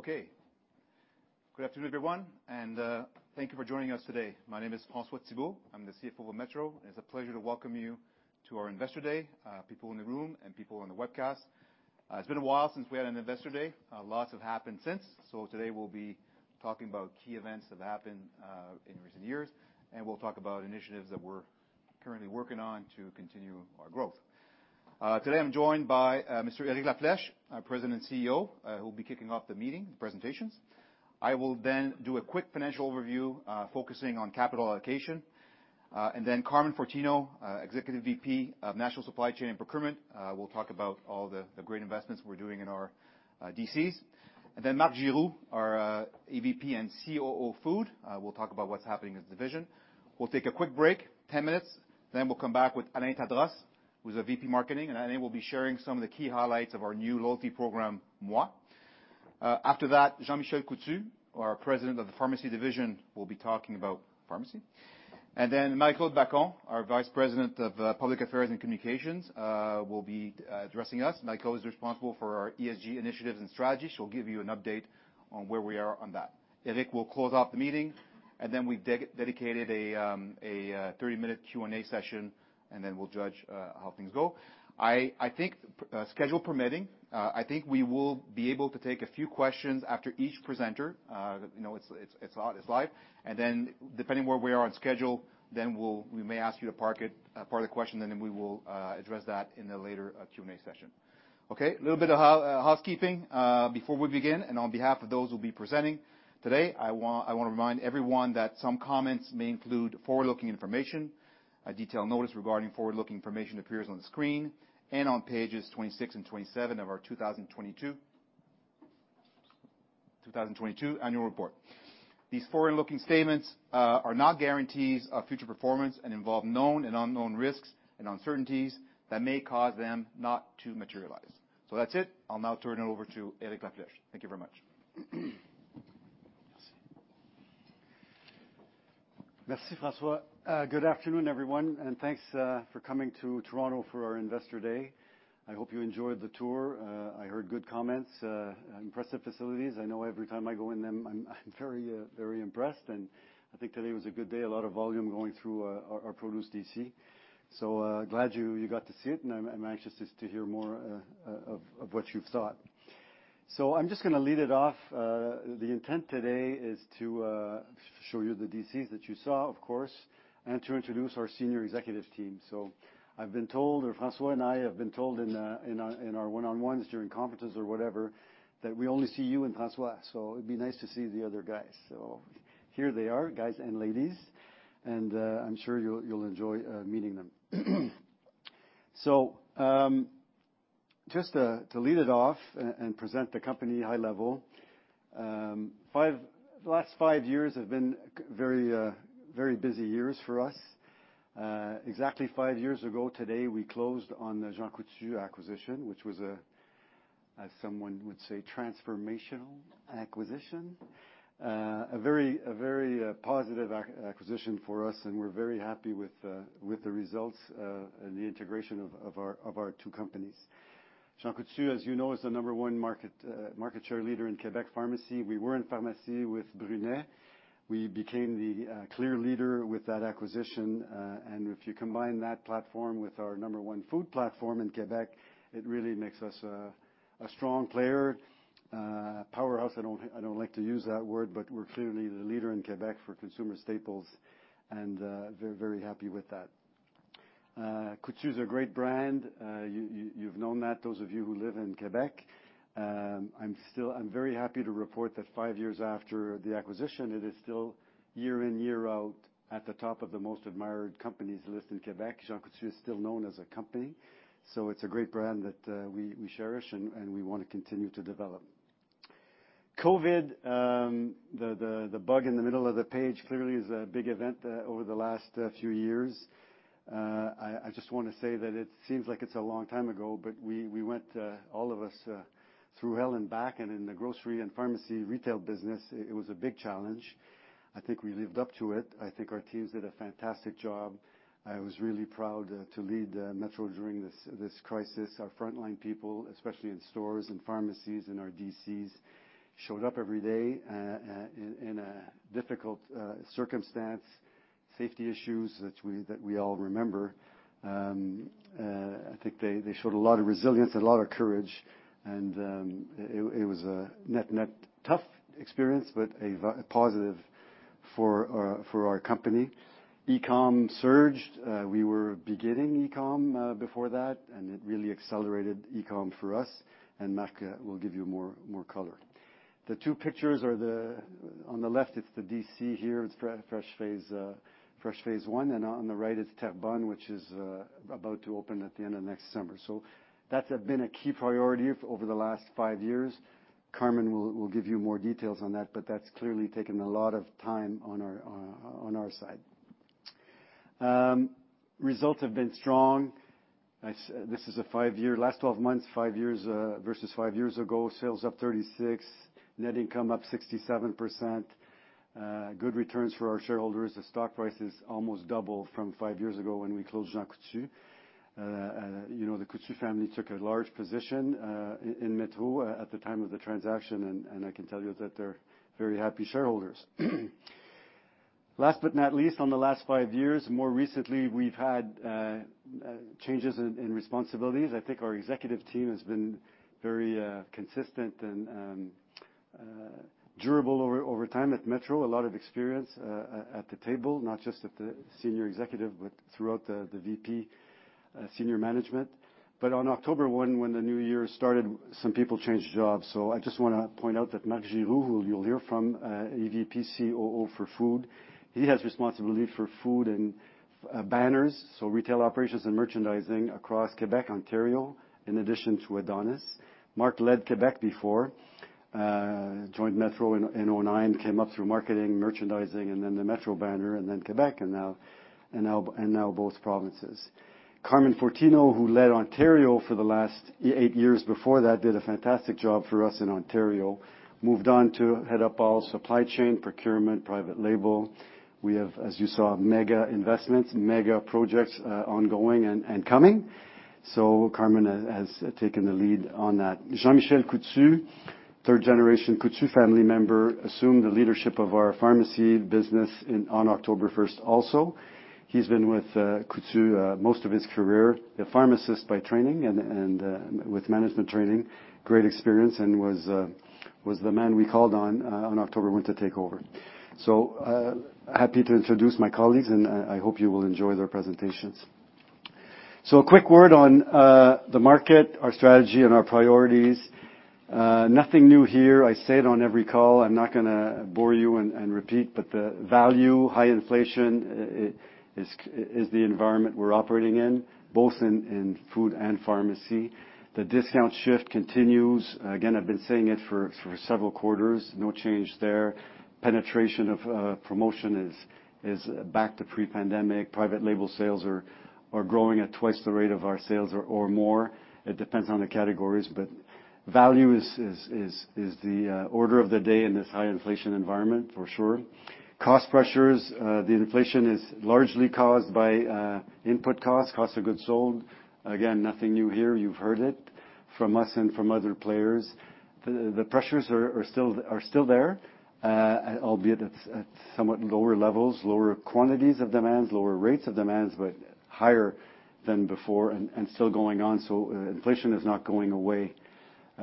Okay. Good afternoon, everyone, and thank you for joining us today. My name is François Thibault. I'm the CFO of Metro, and it's a pleasure to welcome you to our Investor Day, people in the room and people on the webcast. It's been a while since we had an Investor Day. A lot has happened since. Today, we'll be talking about key events that happened in recent years, and we'll talk about initiatives that we're currently working on to continue our growth. Today I'm joined by Mr. Eric La Flèche, our President and CEO, who will be kicking off the meeting presentations. I will then do a quick financial overview, focusing on capital allocation. Carmen Fortino, Executive Vice President, National Supply Chain and Procurement, will talk about all the great investments we're doing in our DCs. Marc Giroux, our Executive Vice President and Chief Operating Officer, Food, will talk about what's happening in the division. We'll take a quick break, 10 minutes. We'll come back with Alain Tadros, who's our Vice President, Marketing, and Alain will be sharing some of the key highlights of our new loyalty program, moi. After that, Jean-Michel Coutu, our President, Pharmacy Division, will be talking about pharmacy. Michèle Baccon, our Vice President, Public Affairs and Communications, will be addressing us. Michèle is responsible for our ESG initiatives and strategies. She'll give you an update on where we are on that. Eric will close off the meeting, and then we've de-dedicated a 30-minute Q&A session, and then we'll judge how things go. I think schedule permitting, I think we will be able to take a few questions after each presenter. You know, it's live. Then depending where we are on schedule, then we may ask you to park it, park the question, and then we will address that in a later Q&A session. Okay, a little bit of housekeeping before we begin, and on behalf of those who'll be presenting today, I wanna remind everyone that some comments may include forward-looking information. A detailed notice regarding forward-looking information appears on the screen and on pages 26 and 27 of our 2022 annual report. These forward-looking statements are not guarantees of future performance and involve known and unknown risks and uncertainties that may cause them not to materialize. That's it. I'll now turn it over to Eric La Flèche. Thank you very much. Merci. Merci, François. Good afternoon, everyone, and thanks for coming to Toronto for our Investor Day. I hope you enjoyed the tour. I heard good comments, impressive facilities. I know every time I go in them, I'm very, very impressed, and I think today was a good day, a lot of volume going through our produce DC. Glad you got to see it, and I'm anxious just to hear more of what you've thought. I'm just gonna lead it off. The intent today is to show you the DCs that you saw, of course, and to introduce our senior executive team. I've been told, or François and I have been told in our, in our one-on-ones during conferences or whatever, that we only see you and François, so it'd be nice to see the other guys. Here they are, guys and ladies, and I'm sure you'll enjoy meeting them. Just to lead it off and present the company high level, the last five years have been very busy years for us. Exactly five years ago today, we closed on the Jean Coutu acquisition, which was a, as someone would say, transformational acquisition. A very positive acquisition for us, and we're very happy with the results and the integration of our two companies. Jean Coutu, as you know, is the number one market share leader in Quebec pharmacy. We were in pharmacy with Brunet. We became the clear leader with that acquisition. If you combine that platform with our number one food platform in Quebec, it really makes us a strong player, powerhouse. I don't like to use that word. We're clearly the leader in Quebec for consumer staples and very, very happy with that. Coutu's a great brand. You've known that, those of you who live in Quebec. I'm very happy to report that five years after the acquisition, it is still year in, year out at the top of the most admired companies list in Quebec. Jean Coutu is still known as a company, it's a great brand that we cherish and we wanna continue to develop. COVID, the bug in the middle of the page, clearly is a big event over the last few years. I just wanna say that it seems like it's a long time ago, but we went all of us through hell and back. In the grocery and pharmacy retail business, it was a big challenge. I think we lived up to it. I think our teams did a fantastic job. I was really proud to lead Metro during this crisis. Our frontline people, especially in stores and pharmacies and our DCs, showed up every day in a difficult circumstance, safety issues that we all remember. I think they showed a lot of resilience and a lot of courage, and it was a net tough experience, but a positive for our company. E-com surged. We were beginning e-com before that, and it really accelerated E-com for us, and Marc will give you more color. The two pictures are the... On the left, it's the DC here. It's fresh phase one, and on the right is Terrebonne, which is about to open at the end of next summer. That's been a key priority over the last five years. Carmen will give you more details on that, but that's clearly taken a lot of time on our side. Results have been strong. This is a five-year, last 12 months, five years versus five years ago. Sales up 36, net income up 67%. Good returns for our shareholders. The stock price is almost double from 5 years ago when we closed Jean Coutu. You know, the Coutu family took a large position in Metro at the time of the transaction, and I can tell you that they're very happy shareholders. Last but not least, on the last 5 years, more recently, we've had changes in responsibilities. I think our executive team has been very consistent and durable over time at Metro. A lot of experience at the table, not just at the senior executive, but throughout the VP, senior management. On October 1, when the new year started, some people changed jobs. I just wanna point out that Marc Giroux, who you'll hear from, a VP COO for food, he has responsibility for food and banners, so retail operations and merchandising across Quebec, Ontario, in addition to Adonis. Marc led Quebec before, joined Metro in 2009, came up through marketing, merchandising, and then the Metro banner, and then Quebec, and now both provinces. Carmen Fortino, who led Ontario for the last eight years before that, did a fantastic job for us in Ontario, moved on to head up all supply chain, procurement, private label. We have, as you saw, mega investments, mega projects, ongoing and coming. Carmen has taken the lead on that. Jean-Michel Coutu, third-generation Coutu family member, assumed the leadership of our pharmacy business on October first also. He's been with Coutu, most of his career, a pharmacist by training and, with management training, great experience and was the man we called on on October 1 to take over. Happy to introduce my colleagues, and I hope you will enjoy their presentations. A quick word on the market, our strategy, and our priorities. Nothing new here. I say it on every call. I'm not gonna bore you and repeat, but the value, high inflation is the environment we're operating in, both in food and pharmacy. The discount shift continues. Again, I've been saying it for several quarters. No change there. Penetration of promotion is back to pre-pandemic. Private label sales are growing at twice the rate of our sales or more. It depends on the categories, but value is the order of the day in this high inflation environment for sure. Cost pressures, the inflation is largely caused by input costs, cost of goods sold. Nothing new here. You've heard it from us and from other players. The pressures are still there, albeit at somewhat lower levels, lower quantities of demands, lower rates of demands, but higher than before and still going on, so, inflation is not going away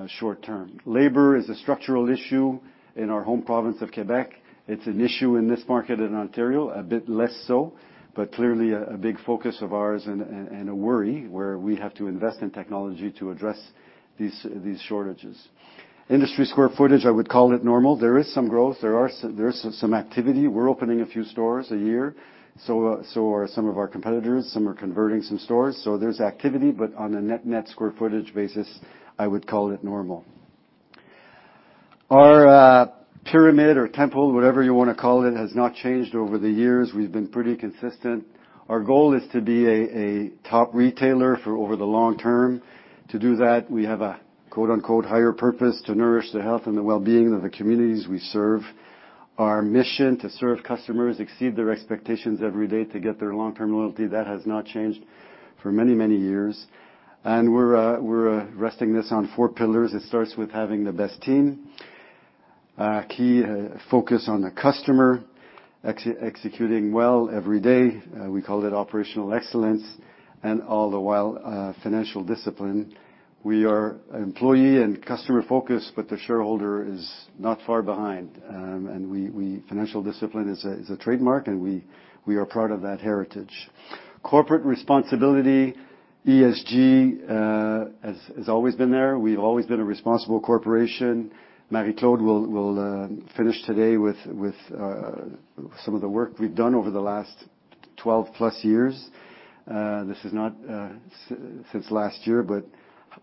short-term. Labor is a structural issue in our home province of Quebec. It's an issue in this market in Ontario, a bit less so, but clearly a big focus of ours and a worry where we have to invest in technology to address these shortages. Industry square footage, I would call it normal. There is some growth. There's some activity. We're opening a few stores a year, so are some of our competitors. Some are converting some stores, so there's activity, but on a net square footage basis, I would call it normal. Our pyramid or temple, whatever you wanna call it, has not changed over the years. We've been pretty consistent. Our goal is to be a top retailer for over the long term. To do that, we have a quote-unquote, "higher purpose to nourish the health and the well-being of the communities we serve." Our mission to serve customers, exceed their expectations every day to get their long-term loyalty, that has not changed for many, many years. We're resting this on 4 pillars. It starts with having the best team, key focus on the customer, executing well every day, we call it operational excellence, and all the while, financial discipline. We are employee and customer-focused, but the shareholder is not far behind. We financial discipline is a trademark, and we are proud of that heritage. Corporate responsibility, ESG, has always been there. We've always been a responsible corporation. Marie-Claude will finish today with some of the work we've done over the last 12+ years. This is not since last year, but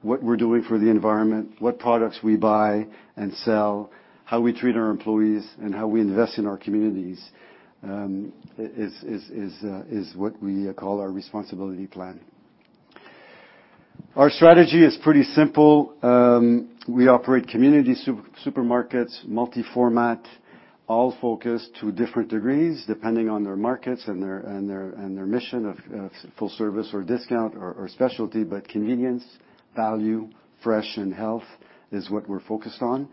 what we're doing for the environment, what products we buy and sell, how we treat our employees, and how we invest in our communities, is what we call our responsibility plan. Our strategy is pretty simple. We operate community supermarkets, multi-format, all focused to different degrees, depending on their markets and their, and their, and their mission of full service or discount or specialty, but convenience, value, fresh, and health is what we're focused on.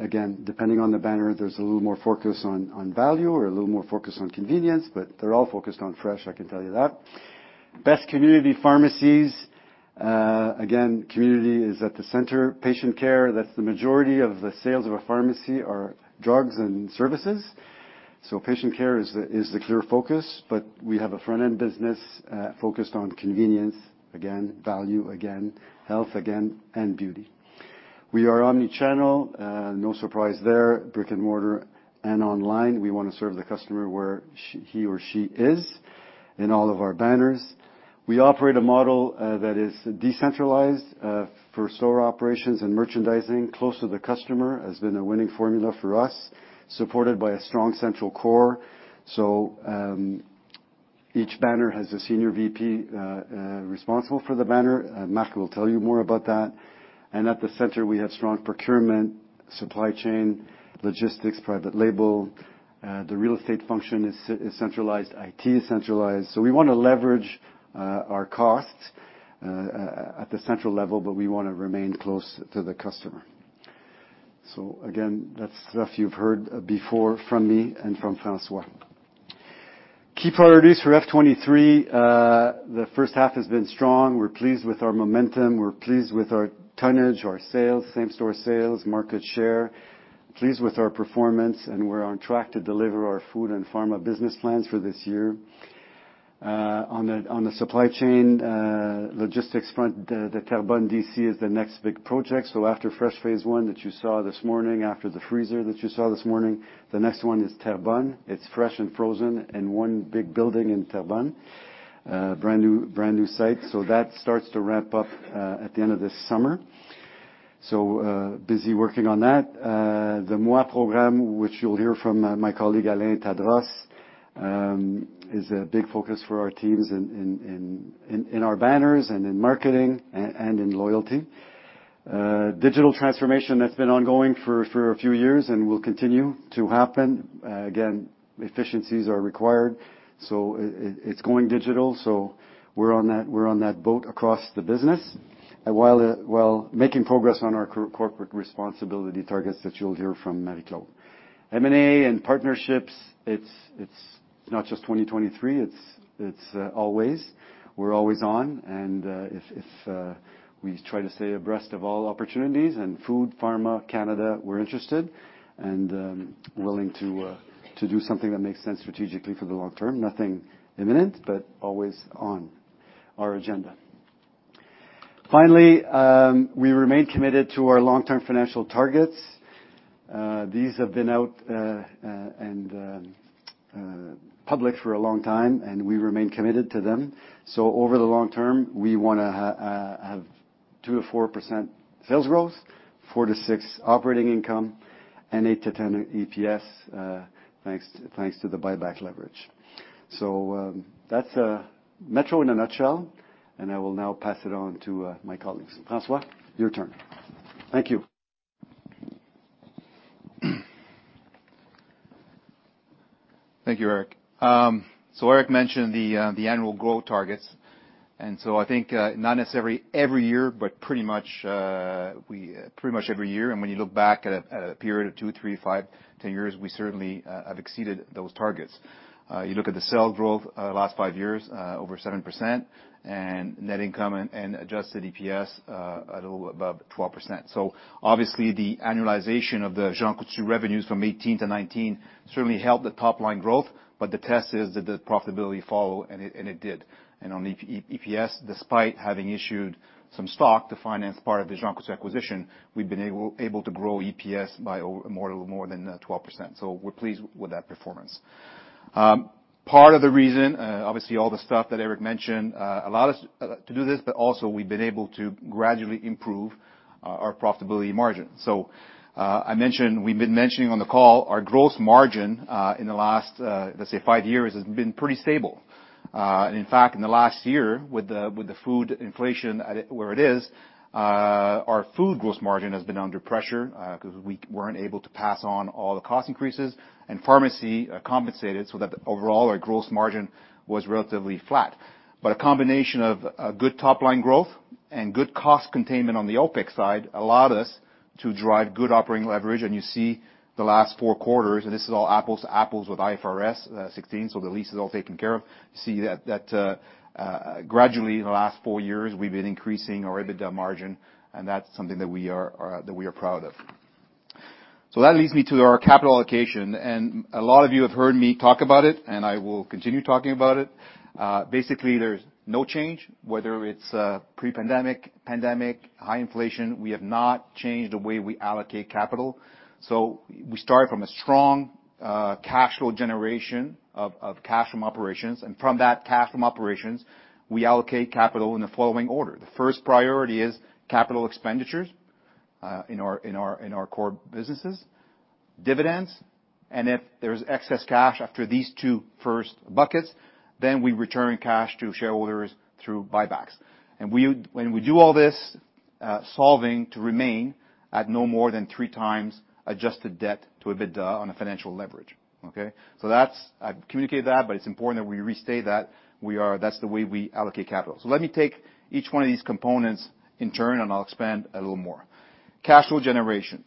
Again, depending on the banner, there's a little more focus on value or a little more focus on convenience, but they're all focused on fresh, I can tell you that. Best community pharmacies, again, community is at the center. Patient care, that's the majority of the sales of a pharmacy are drugs and services, so patient care is the clear focus, but we have a front-end business, focused on convenience, again, value, again, health, again, and beauty. We are omni-channel, no surprise there, brick-and-mortar and online. We wanna serve the customer where he or she is in all of our banners. We operate a model that is decentralized for store operations and merchandising. Close to the customer has been a winning formula for us, supported by a strong central core. Each banner has a senior VP responsible for the banner. Marc will tell you more about that. At the center, we have strong procurement, supply chain, logistics, private label. The real estate function is centralized. IT is centralized. We wanna leverage our costs at the central level, but we wanna remain close to the customer. Again, that's stuff you've heard before from me and from François. Key priorities for F 2023, the first half has been strong. We're pleased with our momentum. We're pleased with our tonnage, our sales, same-store sales, market share, pleased with our performance, and we're on track to deliver our food and pharma business plans for this year. On the supply chain, logistics front, the Terrebonne DC is the next big project. After fresh phase one that you saw this morning, after the freezer that you saw this morning, the next one is Terrebonne. It's fresh and frozen in one big building in Terrebonne, brand-new site. That starts to ramp up at the end of this summer, so busy working on that. The moi program, which you'll hear from my colleague, Alain Tadros, is a big focus for our teams in our banners and in marketing and in loyalty. Digital transformation, that's been ongoing for a few years and will continue to happen. Again, efficiencies are required, so it's going digital. We're on that boat across the business. While making progress on our corporate responsibility targets that you'll hear from Marie-Claude. M&A and partnerships, it's not just 2023, it's always. We're always on. If we try to stay abreast of all opportunities in food, pharma, Canada, we're interested and willing to do something that makes sense strategically for the long term. Nothing imminent, but always on our agenda. Finally, we remain committed to our long-term financial targets. These have been out and public for a long time, we remain committed to them. Over the long term, we wanna have 2%-4% sales growth, 4%-6% operating income, and 8%-10% EPS, thanks to the buyback leverage. That's Metro in a nutshell, and I will now pass it on to my colleagues. François, your turn. Thank you. Thank you, Eric. Eric mentioned the annual growth targets. I think, not necessarily every year, but pretty much every year. When you look back at a period of two, three, five, 10 years, we certainly have exceeded those targets. You look at the sales growth, last five years, over 7%, and net income and adjusted EPS, a little above 12%. Obviously, the annualization of the Jean Coutu revenues from 2018 to 2019 certainly helped the top-line growth, but the test is that the profitability follow, and it did. On EPS, despite having issued some stock to finance part of the Jean Coutu acquisition, we've been able to grow EPS by more than 12%. We're pleased with that performance. Part of the reason, obviously all the stuff that Eric mentioned, allowed us to do this, but also we've been able to gradually improve our profitability margin. We've been mentioning on the call our gross margin in the last, let's say five years has been pretty stable. And in fact in the last year with the food inflation where it is, our food gross margin has been under pressure, 'cause we weren't able to pass on all the cost increases, and pharmacy compensated so that overall our gross margin was relatively flat. A combination of good top-line growth and good cost containment on the OpEx side allowed us to drive good operating leverage. You see the last four quarters, and this is all apples to apples with IFRS 16, so the lease is all taken care of. You see that gradually in the last four years, we've been increasing our EBITDA margin, and that's something that we are that we are proud of. That leads me to our capital allocation, and a lot of you have heard me talk about it, and I will continue talking about it. Basically, there's no change, whether it's pre-pandemic, pandemic, high inflation, we have not changed the way we allocate capital. We start from a strong cash flow generation of cash from operations, and from that cash from operations, we allocate capital in the following order. The first priority is capital expenditures in our core businesses, dividends, and if there's excess cash after these two first buckets, then we return cash to shareholders through buybacks. When we do all this, solving to remain at no more than 3x adjusted debt to EBITDA on a financial leverage, okay. That's I've communicated that, but it's important that we restate that. That's the way we allocate capital. Let me take each one of these components in turn, and I'll expand a little more. Cash flow generation.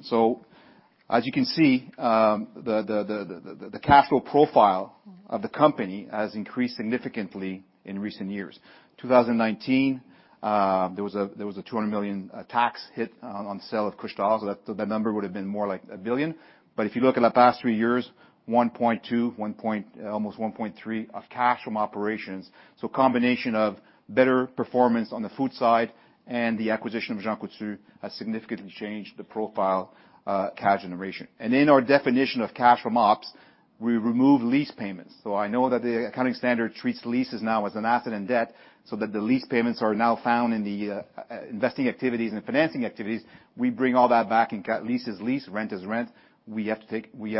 As you can see, the cash flow profile of the company has increased significantly in recent years. 2019, there was a 200 million tax hit on sale of Couche-Tard, so that number would've been more like 1 billion. If you look at the past three years, 1.2, almost 1.3 of cash from operations. Combination of better performance on the food side and the acquisition of Jean Coutu has significantly changed the profile, cash generation. In our definition of cash from ops, we remove lease payments. I know that the accounting standard treats leases now as an asset and debt, so that the lease payments are now found in the investing activities and financing activities. We bring all that back in, lease is lease, rent is rent. We have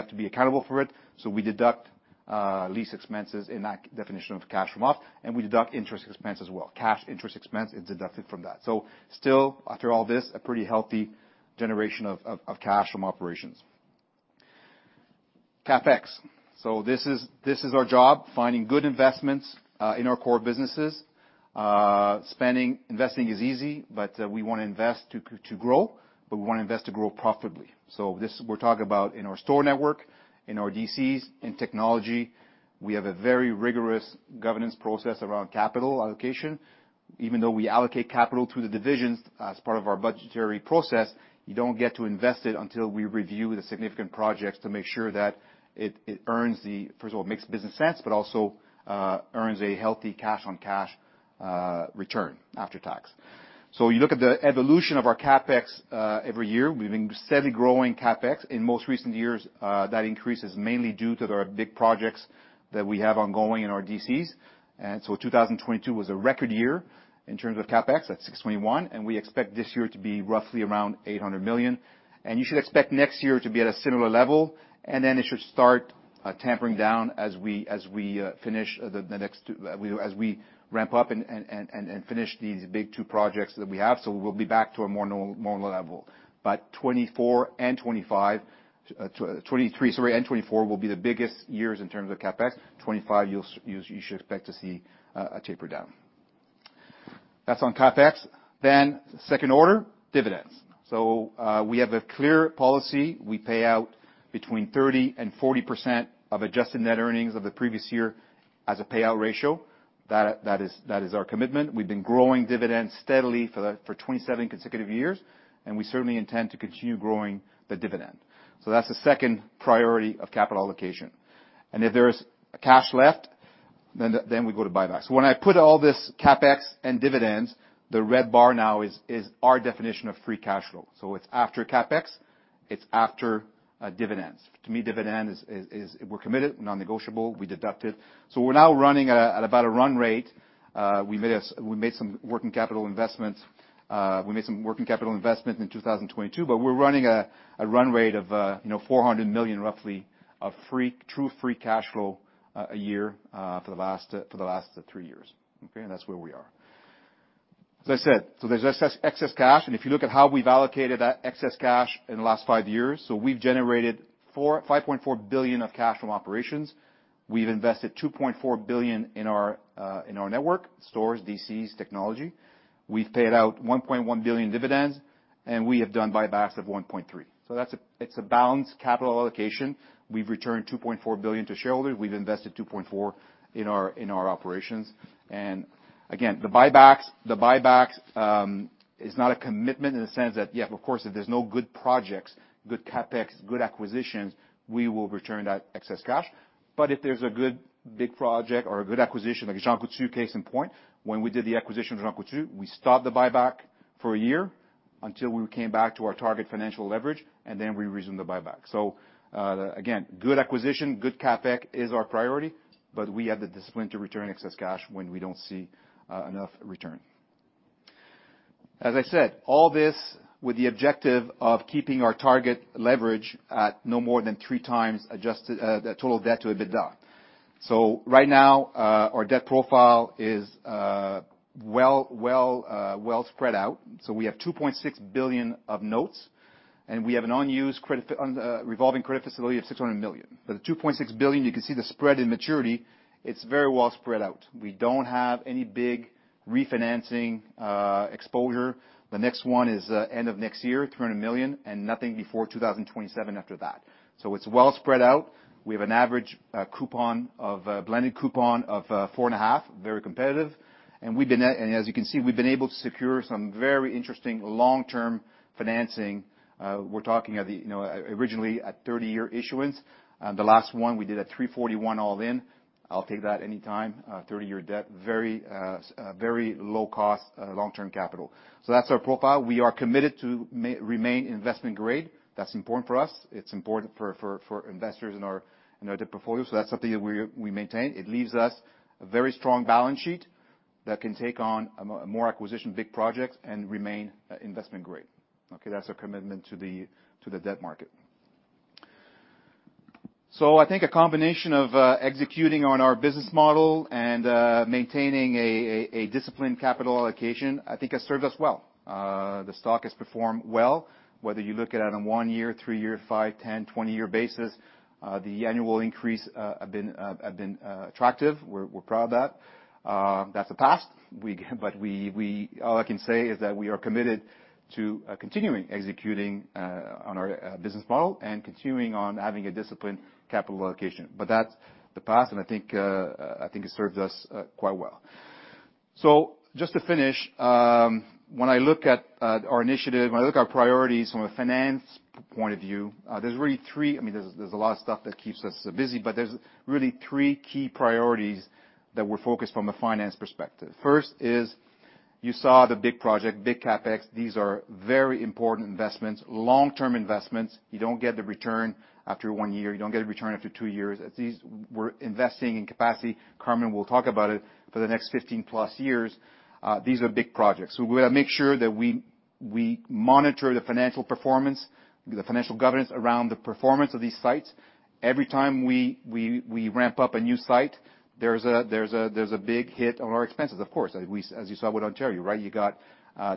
to be accountable for it, so we deduct lease expenses in that definition of cash from ops, and we deduct interest expense as well. Cash interest expense is deducted from that. Still, after all this, a pretty healthy generation of cash from operations. CapEx. This is, this is our job, finding good investments in our core businesses. Spending, investing is easy, but we wanna invest to grow, but we wanna invest to grow profitably. This we're talking about in our store network, in our DCs, in technology. We have a very rigorous governance process around capital allocation. Even though we allocate capital to the divisions as part of our budgetary process, you don't get to invest it until we review the significant projects to make sure that it earns first of all, makes business sense, but also, earns a healthy cash on cash return after tax. You look at the evolution of our CapEx every year. We've been steadily growing CapEx. In most recent years, that increase is mainly due to their big projects that we have ongoing in our DCs. 2022 was a record year in terms of CapEx at 621, and we expect this year to be roughly around 800 million. You should expect next year to be at a similar level, then it should start tampering down as we finish the next two... As we ramp up and finish these big two projects that we have, we'll be back to a more normal level. 2024 and 2025, 2023, sorry, and 2024 will be the biggest years in terms of CapEx. 2025, you should expect to see a taper down. That's on CapEx. Second order, dividends. We have a clear policy. We pay out between 30% and 40% of adjusted net earnings of the previous year as a payout ratio. That is our commitment. We've been growing dividends steadily for 27 consecutive years, and we certainly intend to continue growing the dividend. That's the second priority of capital allocation. If there is cash left, then we go to buybacks. When I put all this CapEx and dividends, the red bar now is our definition of free cash flow. It's after CapEx, it's after dividends. To me, dividend is, we're committed, non-negotiable, we deduct it. We're now running at about a run rate. We made some working capital investments in 2022, but we're running a run rate of, you know, 400 million roughly of free, true free cash flow a year for the last three years. Okay? That's where we are. As I said, there's excess cash, and if you look at how we've allocated that excess cash in the last five years, we've generated 5.4 billion of cash from operations. We've invested 2.4 billion in our network, stores, DCs, technology. We've paid out 1.1 billion dividends, and we have done buybacks of 1.3 billion. That's a balanced capital allocation. We've returned 2.4 billion to shareholders. We've invested 2.4 billion in our operations. Again, the buybacks is not a commitment in the sense that, yeah, of course, if there's no good projects, good CapEx, good acquisitions, we will return that excess cash. If there's a good big project or a good acquisition, like Jean Coutu case in point, when we did the acquisition of Jean Coutu, we stopped the buyback for a year until we came back to our target financial leverage, and then we resumed the buyback. Again, good acquisition, good CapEx is our priority, but we have the discipline to return excess cash when we don't see enough return. As I said, all this with the objective of keeping our target leverage at no more than 3x adjusted the total debt to EBITDA. Right now, our debt profile is well spread out. We have 2.6 billion of notes, and we have an unused on the revolving credit facility of 600 million. For the 2.6 billion, you can see the spread in maturity, it's very well spread out. We don't have any big refinancing exposure. The next one is end of next year, 300 million, and nothing before 2027 after that. It's well spread out. We have an average coupon of blended coupon of 4.5, very competitive. As you can see, we've been able to secure some very interesting long-term financing. We're talking at the, you know, originally at 30-year issuance. The last one we did at 3.41 all in. I'll take that anytime, 30-year debt, very low cost, long-term capital. That's our profile. We are committed to remain investment grade. That's important for us. It's important for investors in our, in our debt portfolio, that's something that we maintain. It leaves us a very strong balance sheet that can take on more acquisition, big projects, and remain investment grade. Okay? That's our commitment to the debt market. I think a combination of executing on our business model and maintaining a disciplined capital allocation, I think, has served us well. The stock has performed well, whether you look at it on one year, three year, five, 10, 20 year basis, the annual increase have been attractive. We're proud of that. That's the past. We. All I can say is that we are committed to continuing executing on our business model and continuing on having a disciplined capital allocation. That's the past, and I think, I think it serves us quite well. Just to finish, when I look at our initiative, when I look at our priorities from a finance point of view, there's really three. I mean, there's a lot of stuff that keeps us busy, but there's really three key priorities that we're focused from a finance perspective. First is you saw the big project, big CapEx. These are very important investments, long-term investments. You don't get the return after one year. You don't get a return after two years. These we're investing in capacity, Carmen will talk about it, for the next 15 plus years. These are big projects. We wanna make sure that we monitor the financial performance, the financial governance around the performance of these sites. Every time we ramp up a new site, there's a big hit on our expenses, of course, as you saw with Ontario, right? You got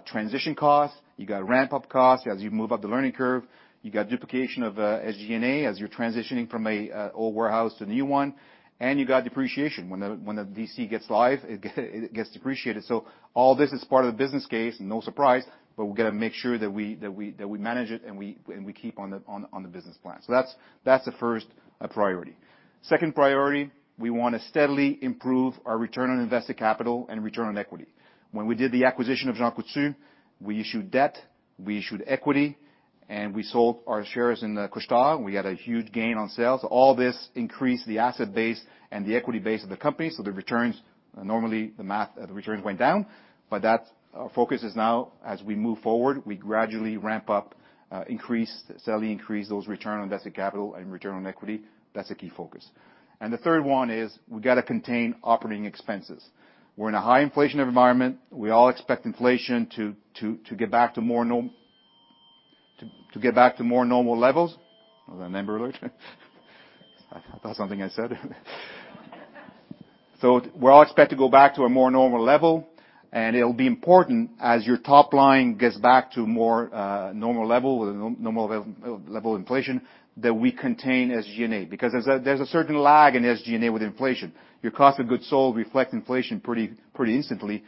transition costs, you got ramp-up costs as you move up the learning curve, you got duplication of SG&A as you're transitioning from a old warehouse to a new one, and you got depreciation. When the DC gets live, it gets depreciated. All this is part of the business case, no surprise, but we're gonna make sure that we manage it, and we keep on the business plan. That's the first priority. Second priority, we wanna steadily improve our return on invested capital and return on equity. When we did the acquisition of Jean Coutu, we issued debt, we issued equity, and we sold our shares in Couche-Tard. We had a huge gain on sales. All this increased the asset base and the equity base of the company, the returns, normally the math, the returns went down. That's our focus is now as we move forward, we gradually ramp up, increase, steadily increase those return on invested capital and return on equity. That's a key focus. The third one is we gotta contain operating expenses. We're in a high inflation environment. We all expect inflation to get back to more normal levels. Was that an amber alert? I thought something I said. We all expect to go back to a more normal level, and it'll be important as your top line gets back to more normal level, with normal level inflation, that we contain SG&A because there's a certain lag in SG&A with inflation. Your cost of goods sold reflect inflation pretty instantly,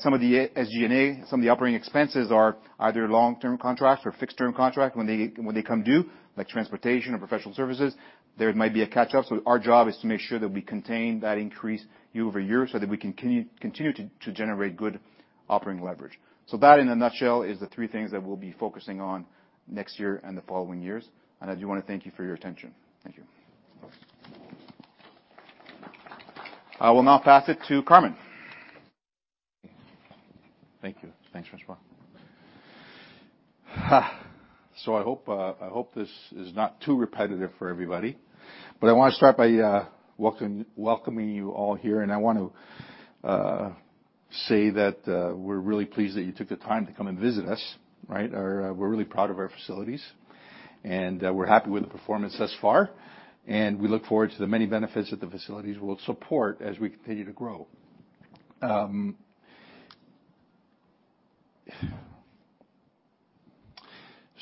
some of the SG&A, some of the operating expenses are either long-term contracts or fixed-term contract. When they come due, like transportation or professional services, there might be a catch-up, our job is to make sure that we contain that increase year-over-year so that we continue to generate good operating leverage. That, in a nutshell, is the 3 things that we'll be focusing on next year and the following years. I do wanna thank you for your attention. Thank you. I will now pass it to Carmen. Thank you. Thanks, François. I hope this is not too repetitive for everybody, but I wanna start by welcoming you all here, and I want to say that we're really pleased that you took the time to come and visit us, right? We're really proud of our facilities, and we're happy with the performance thus far, and we look forward to the many benefits that the facilities will support as we continue to grow.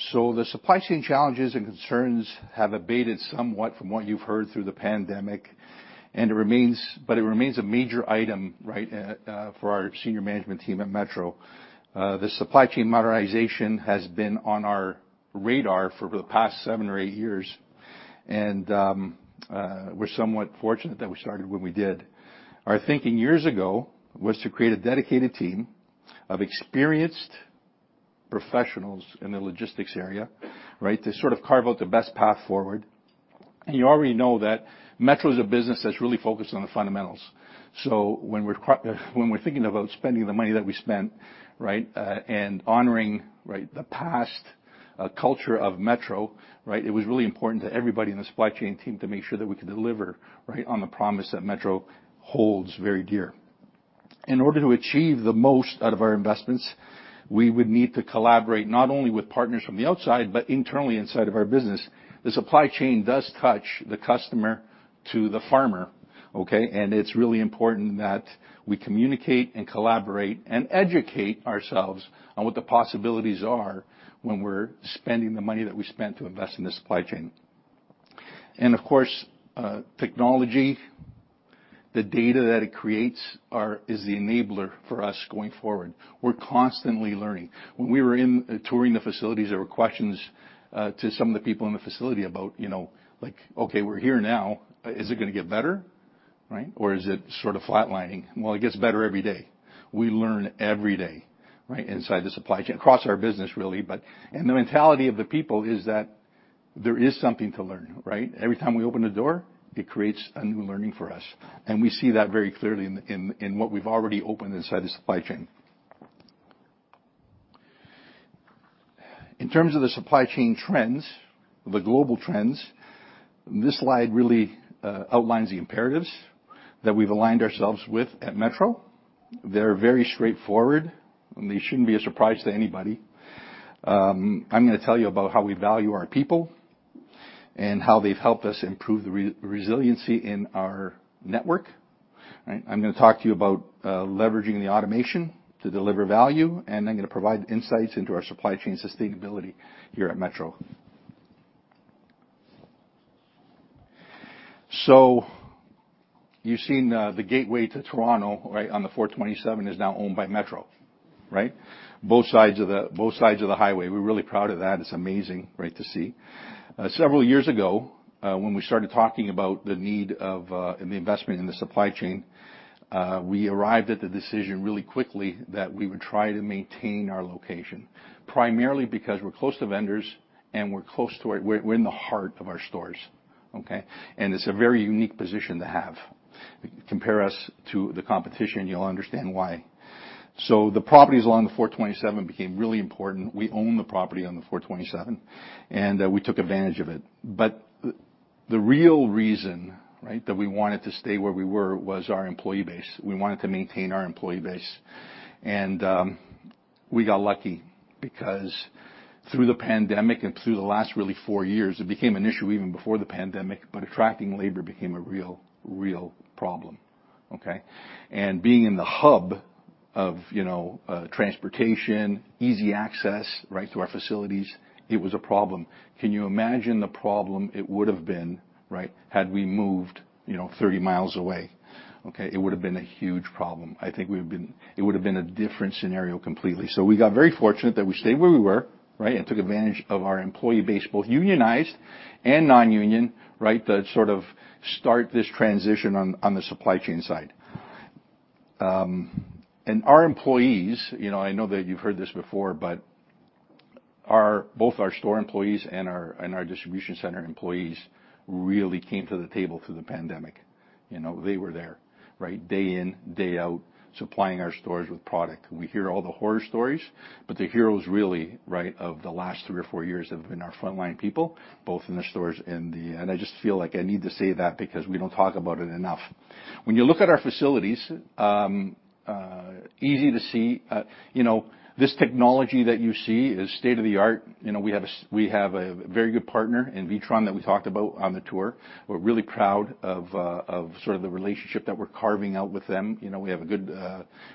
The supply chain challenges and concerns have abated somewhat from what you've heard through the pandemic, and it remains, but it remains a major item, right, for our senior management team at Metro. The supply chain modernization has been on our radar for the past seven or eight years, and we're somewhat fortunate that we started when we did. Our thinking years ago was to create a dedicated team of experienced professionals in the logistics area, right, to sort of carve out the best path forward. You already know that Metro is a business that's really focused on the fundamentals. When we're thinking about spending the money that we spent, right, and honoring, right, the past culture of Metro, right, it was really important to everybody in the supply chain team to make sure that we could deliver, right, on the promise that Metro holds very dear. In order to achieve the most out of our investments, we would need to collaborate not only with partners from the outside, but internally inside of our business. The supply chain does touch the customer to the farmer, okay? It's really important that we communicate and collaborate and educate ourselves on what the possibilities are when we're spending the money that we spent to invest in the supply chain. Of course, technology, the data that it creates is the enabler for us going forward. We're constantly learning. When we were in, touring the facilities, there were questions to some of the people in the facility about, you know, like, okay, we're here now, is it gonna get better, right? Or is it sort of flatlining? Well, it gets better every day. We learn every day, right, inside the supply chain, across our business really. The mentality of the people is that there is something to learn, right? Every time we open the door, it creates a new learning for us. We see that very clearly in what we've already opened inside the supply chain. In terms of the supply chain trends, the global trends, this slide really outlines the imperatives that we've aligned ourselves with at Metro. They're very straightforward, and they shouldn't be a surprise to anybody. I'm gonna tell you about how we value our people and how they've helped us improve the resiliency in our network, right? I'm gonna talk to you about leveraging the automation to deliver value, and I'm gonna provide insights into our supply chain sustainability here at Metro. You've seen the gateway to Toronto, right, on the 427 is now owned by Metro, right? Both sides of the highway. We're really proud of that. It's amazing, right, to see. Several years ago, when we started talking about the need of, and the investment in the supply chain, we arrived at the decision really quickly that we would try to maintain our location, primarily because we're close to vendors, and we're close to our, we're in the heart of our stores, okay? It's a very unique position to have. Compare us to the competition, you'll understand why. The properties along the 427 became really important. We own the property on the 427, and we took advantage of it. The real reason, right, that we wanted to stay where we were was our employee base. We wanted to maintain our employee base. We got lucky because through the pandemic and through the last really 4 years, it became an issue even before the pandemic, but attracting labor became a real problem, okay. Being in the hub of, you know, transportation, easy access, right, to our facilities, it was a problem. Can you imagine the problem it would've been, right, had we moved, you know, 30 miles away, okay? It would've been a huge problem. I think it would've been a different scenario completely. We got very fortunate that we stayed where we were, right, and took advantage of our employee base, both unionized and non-union, right, to sort of start this transition on the supply chain side. Our employees, you know, I know that you've heard this before, both our store employees and our, and our distribution center employees really came to the table through the pandemic. You know, they were there, right, day in, day out, supplying our stores with product. We hear all the horror stories, but the heroes really, right, of the last three or four years have been our frontline people, both in the stores and the. I just feel like I need to say that because we don't talk about it enough. When you look at our facilities, easy to see, you know, this technology that you see is state-of-the-art. You know, we have a very good partner in Witron that we talked about on the tour. We're really proud of sort of the relationship that we're carving out with them. You know, we have a good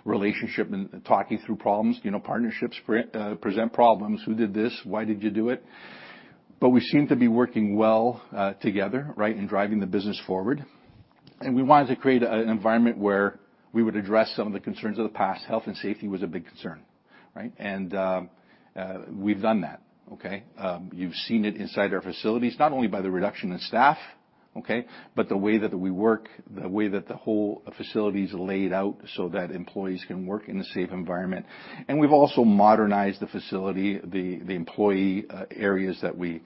relationship in talking through problems. You know, partnerships present problems. Who did this? Why did you do it? We seem to be working well together, right, in driving the business forward. We wanted to create an environment where we would address some of the concerns of the past. Health and safety was a big concern, right? We've done that, okay? You've seen it inside our facilities, not only by the reduction in staff, okay, but the way that we work, the way that the whole facility is laid out so that employees can work in a safe environment. We've also modernized the facility, the employee areas that we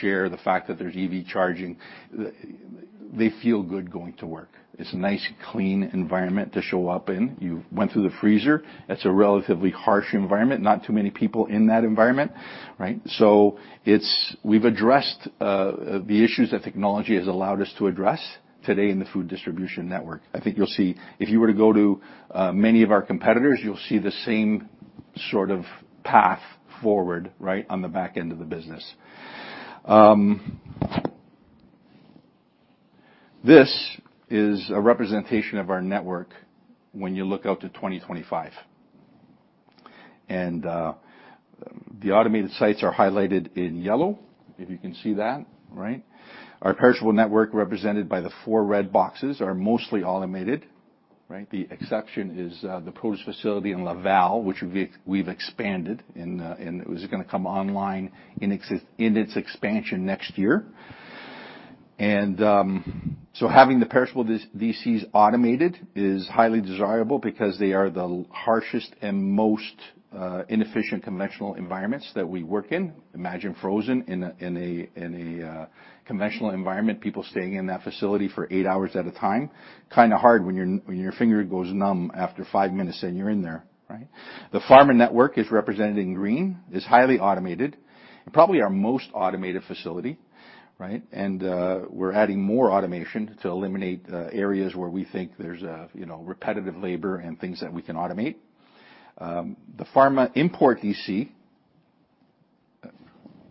share, the fact that there's EV charging. They feel good going to work. It's a nice clean environment to show up in. You went through the freezer. That's a relatively harsh environment. Not too many people in that environment, right? We've addressed the issues that technology has allowed us to address today in the food distribution network. I think you'll see if you were to go to many of our competitors, you'll see the same sort of path forward, right, on the back end of the business. This is a representation of our network when you look out to 2025. The automated sites are highlighted in yellow, if you can see that, right? Our perishable network, represented by the four red boxes, are mostly automated, right? The exception is the produce facility in Laval, which we've expanded and it was going to come online in its expansion next year. Having the perishable DCs automated is highly desirable because they are the harshest and most inefficient conventional environments that we work in. Imagine frozen in a conventional environment, people staying in that facility for 8 hours at a time. Kind of hard when your finger goes numb after 5 minutes, you're in there, right? The pharma network is represented in green. It's highly automated, probably our most automated facility, right? We're adding more automation to eliminate areas where we think there's, you know, repetitive labor and things that we can automate. The pharma import DC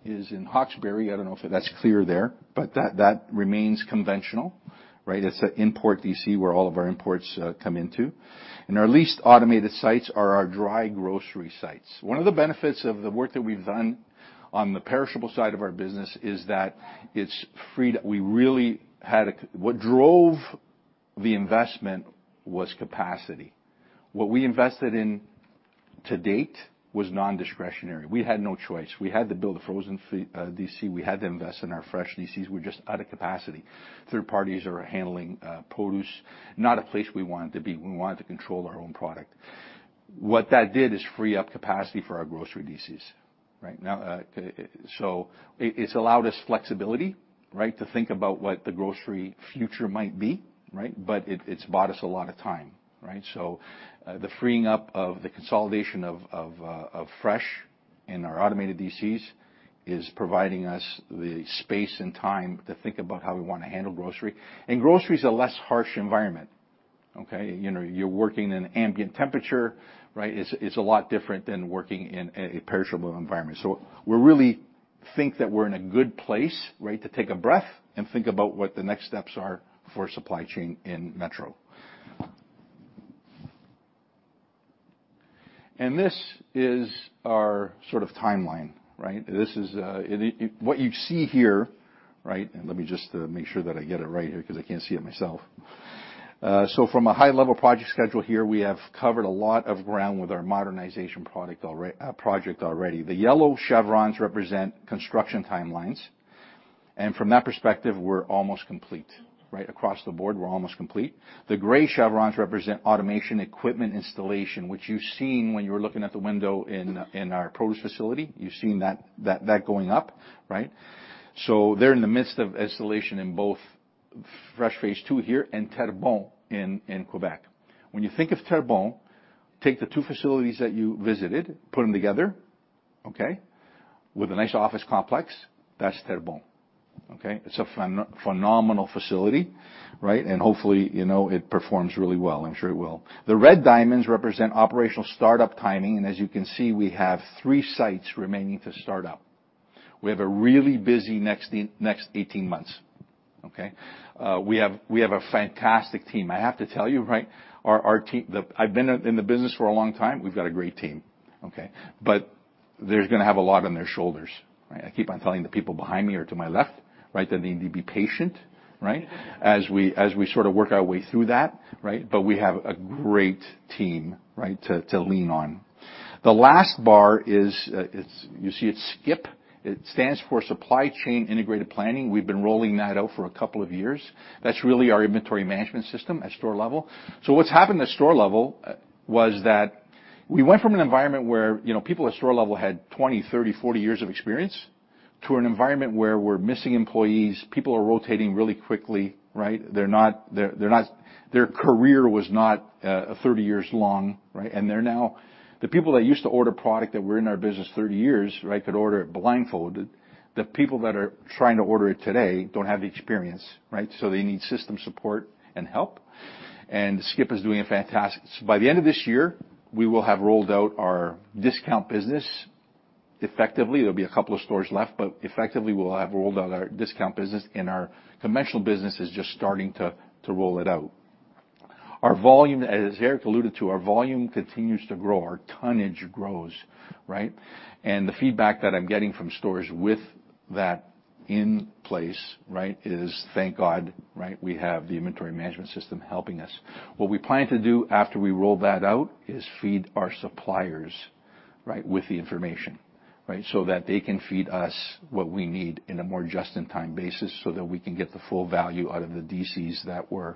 is in Hawkesbury. I don't know if that's clear there, but that remains conventional, right? It's an import DC where all of our imports come into. Our least automated sites are our dry grocery sites. One of the benefits of the work that we've done on the perishable side of our business is that what drove the investment was capacity. What we invested in to date was nondiscretionary. We had no choice. We had to build a frozen DC. We had to invest in our fresh DCs. We're just out of capacity. Third parties are handling produce, not a place we wanted to be. We wanted to control our own product. What that did is free up capacity for our grocery DCs right now. It's allowed us flexibility, right, to think about what the grocery future might be, right? It's bought us a lot of time, right? The freeing up of the consolidation of fresh in our automated DCs is providing us the space and time to think about how we wanna handle grocery. Grocery is a less harsh environment, okay? You know, you're working in ambient temperature, right? It's a lot different than working in a perishable environment. We really think that we're in a good place, right, to take a breath and think about what the next steps are for supply chain in Metro. This is our sort of timeline, right? This is it what you see here, right, and let me just make sure that I get it right here 'cause I can't see it myself. From a high-level project schedule here, we have covered a lot of ground with our modernization project already. The yellow chevrons represent construction timelines. From that perspective, we're almost complete. Right across the board, we're almost complete. The gray chevrons represent automation equipment installation, which you've seen when you were looking at the window in our produce facility. You've seen that going up, right? They're in the midst of installation in both Fresh Phase Two here and Terrebonne in Quebec. When you think of Terrebonne, take the two facilities that you visited, put them together, okay, with a nice office complex, that's Terrebonne, okay? It's a phenomenal facility, right, and hopefully, you know, it performs really well. I'm sure it will. The red diamonds represent operational startup timing, and as you can see, we have three sites remaining to start up. We have a really busy next 18 months, okay? We have a fantastic team. I have to tell you, right, our team. I've been in the business for a long time. We've got a great team, okay? They're gonna have a lot on their shoulders, right? I keep on telling the people behind me or to my left, right, they need to be patient, right, as we sort of work our way through that, right? We have a great team, right, to lean on. The last bar is, you see it, SCIP. It stands for Supply Chain Integrated Planning. We've been rolling that out for a couple of years. That's really our inventory management system at store level. What's happened at store level was that we went from an environment where, you know, people at store level had 20, 30, 40 years of experience to an environment where we're missing employees. People are rotating really quickly, right? They're not their career was not 30 years long, right? They're now the people that used to order product that were in our business 30 years, right, could order it blindfolded. The people that are trying to order it today don't have the experience, right? They need system support and help. SCIP is doing a fantastic... By the end of this year, we will have rolled out our discount business effectively. There'll be a couple of stores left. Effectively, we'll have rolled out our discount business and our conventional business is just starting to roll it out. Our volume, as Eric alluded to, our volume continues to grow, our tonnage grows, right? The feedback that I'm getting from stores with that in place, right, is thank God, right, we have the inventory management system helping us. What we plan to do after we roll that out is feed our suppliers, right, with the information, right, so that they can feed us what we need in a more just-in-time basis, so that we can get the full value out of the DCs that we're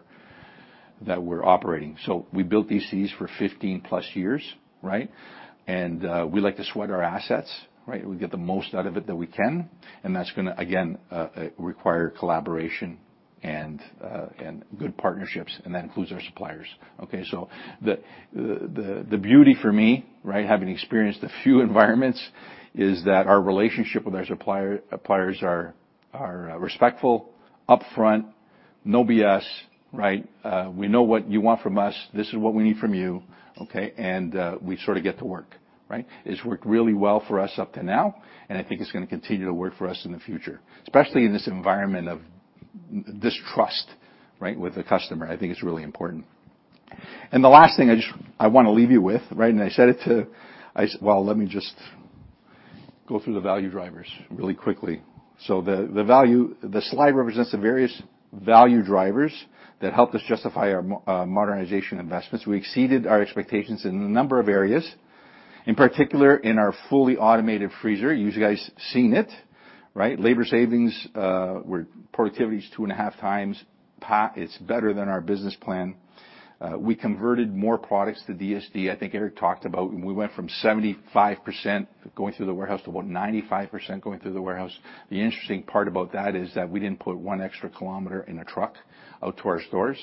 operating. We built DCs for 15+ years, right? We like to sweat our assets, right? We get the most out of it that we can, and that's gonna again require collaboration and good partnerships, and that includes our suppliers. Okay, so the beauty for me, right, having experienced a few environments is that our relationship with our supplier-suppliers are respectful, upfront, no BS, right. We know what you want from us, this is what we need from you, okay, and we sort of get to work, right? It's worked really well for us up to now, and I think it's gonna continue to work for us in the future, especially in this environment of distrust, right, with the customer. I think it's really important. The last thing I wanna leave you with, right, let me just go through the value drivers really quickly. The slide represents the various value drivers that help us justify our modernization investments. We exceeded our expectations in a number of areas, in particular in our fully automated freezer. You guys seen it, right? Labor savings were productivities 2.5x. It's better than our business plan. We converted more products to DSD, I think Eric talked about, and we went from 75% going through the warehouse to about 95% going through the warehouse. The interesting part about that is that we didn't put one extra kilometer in a truck out to our stores,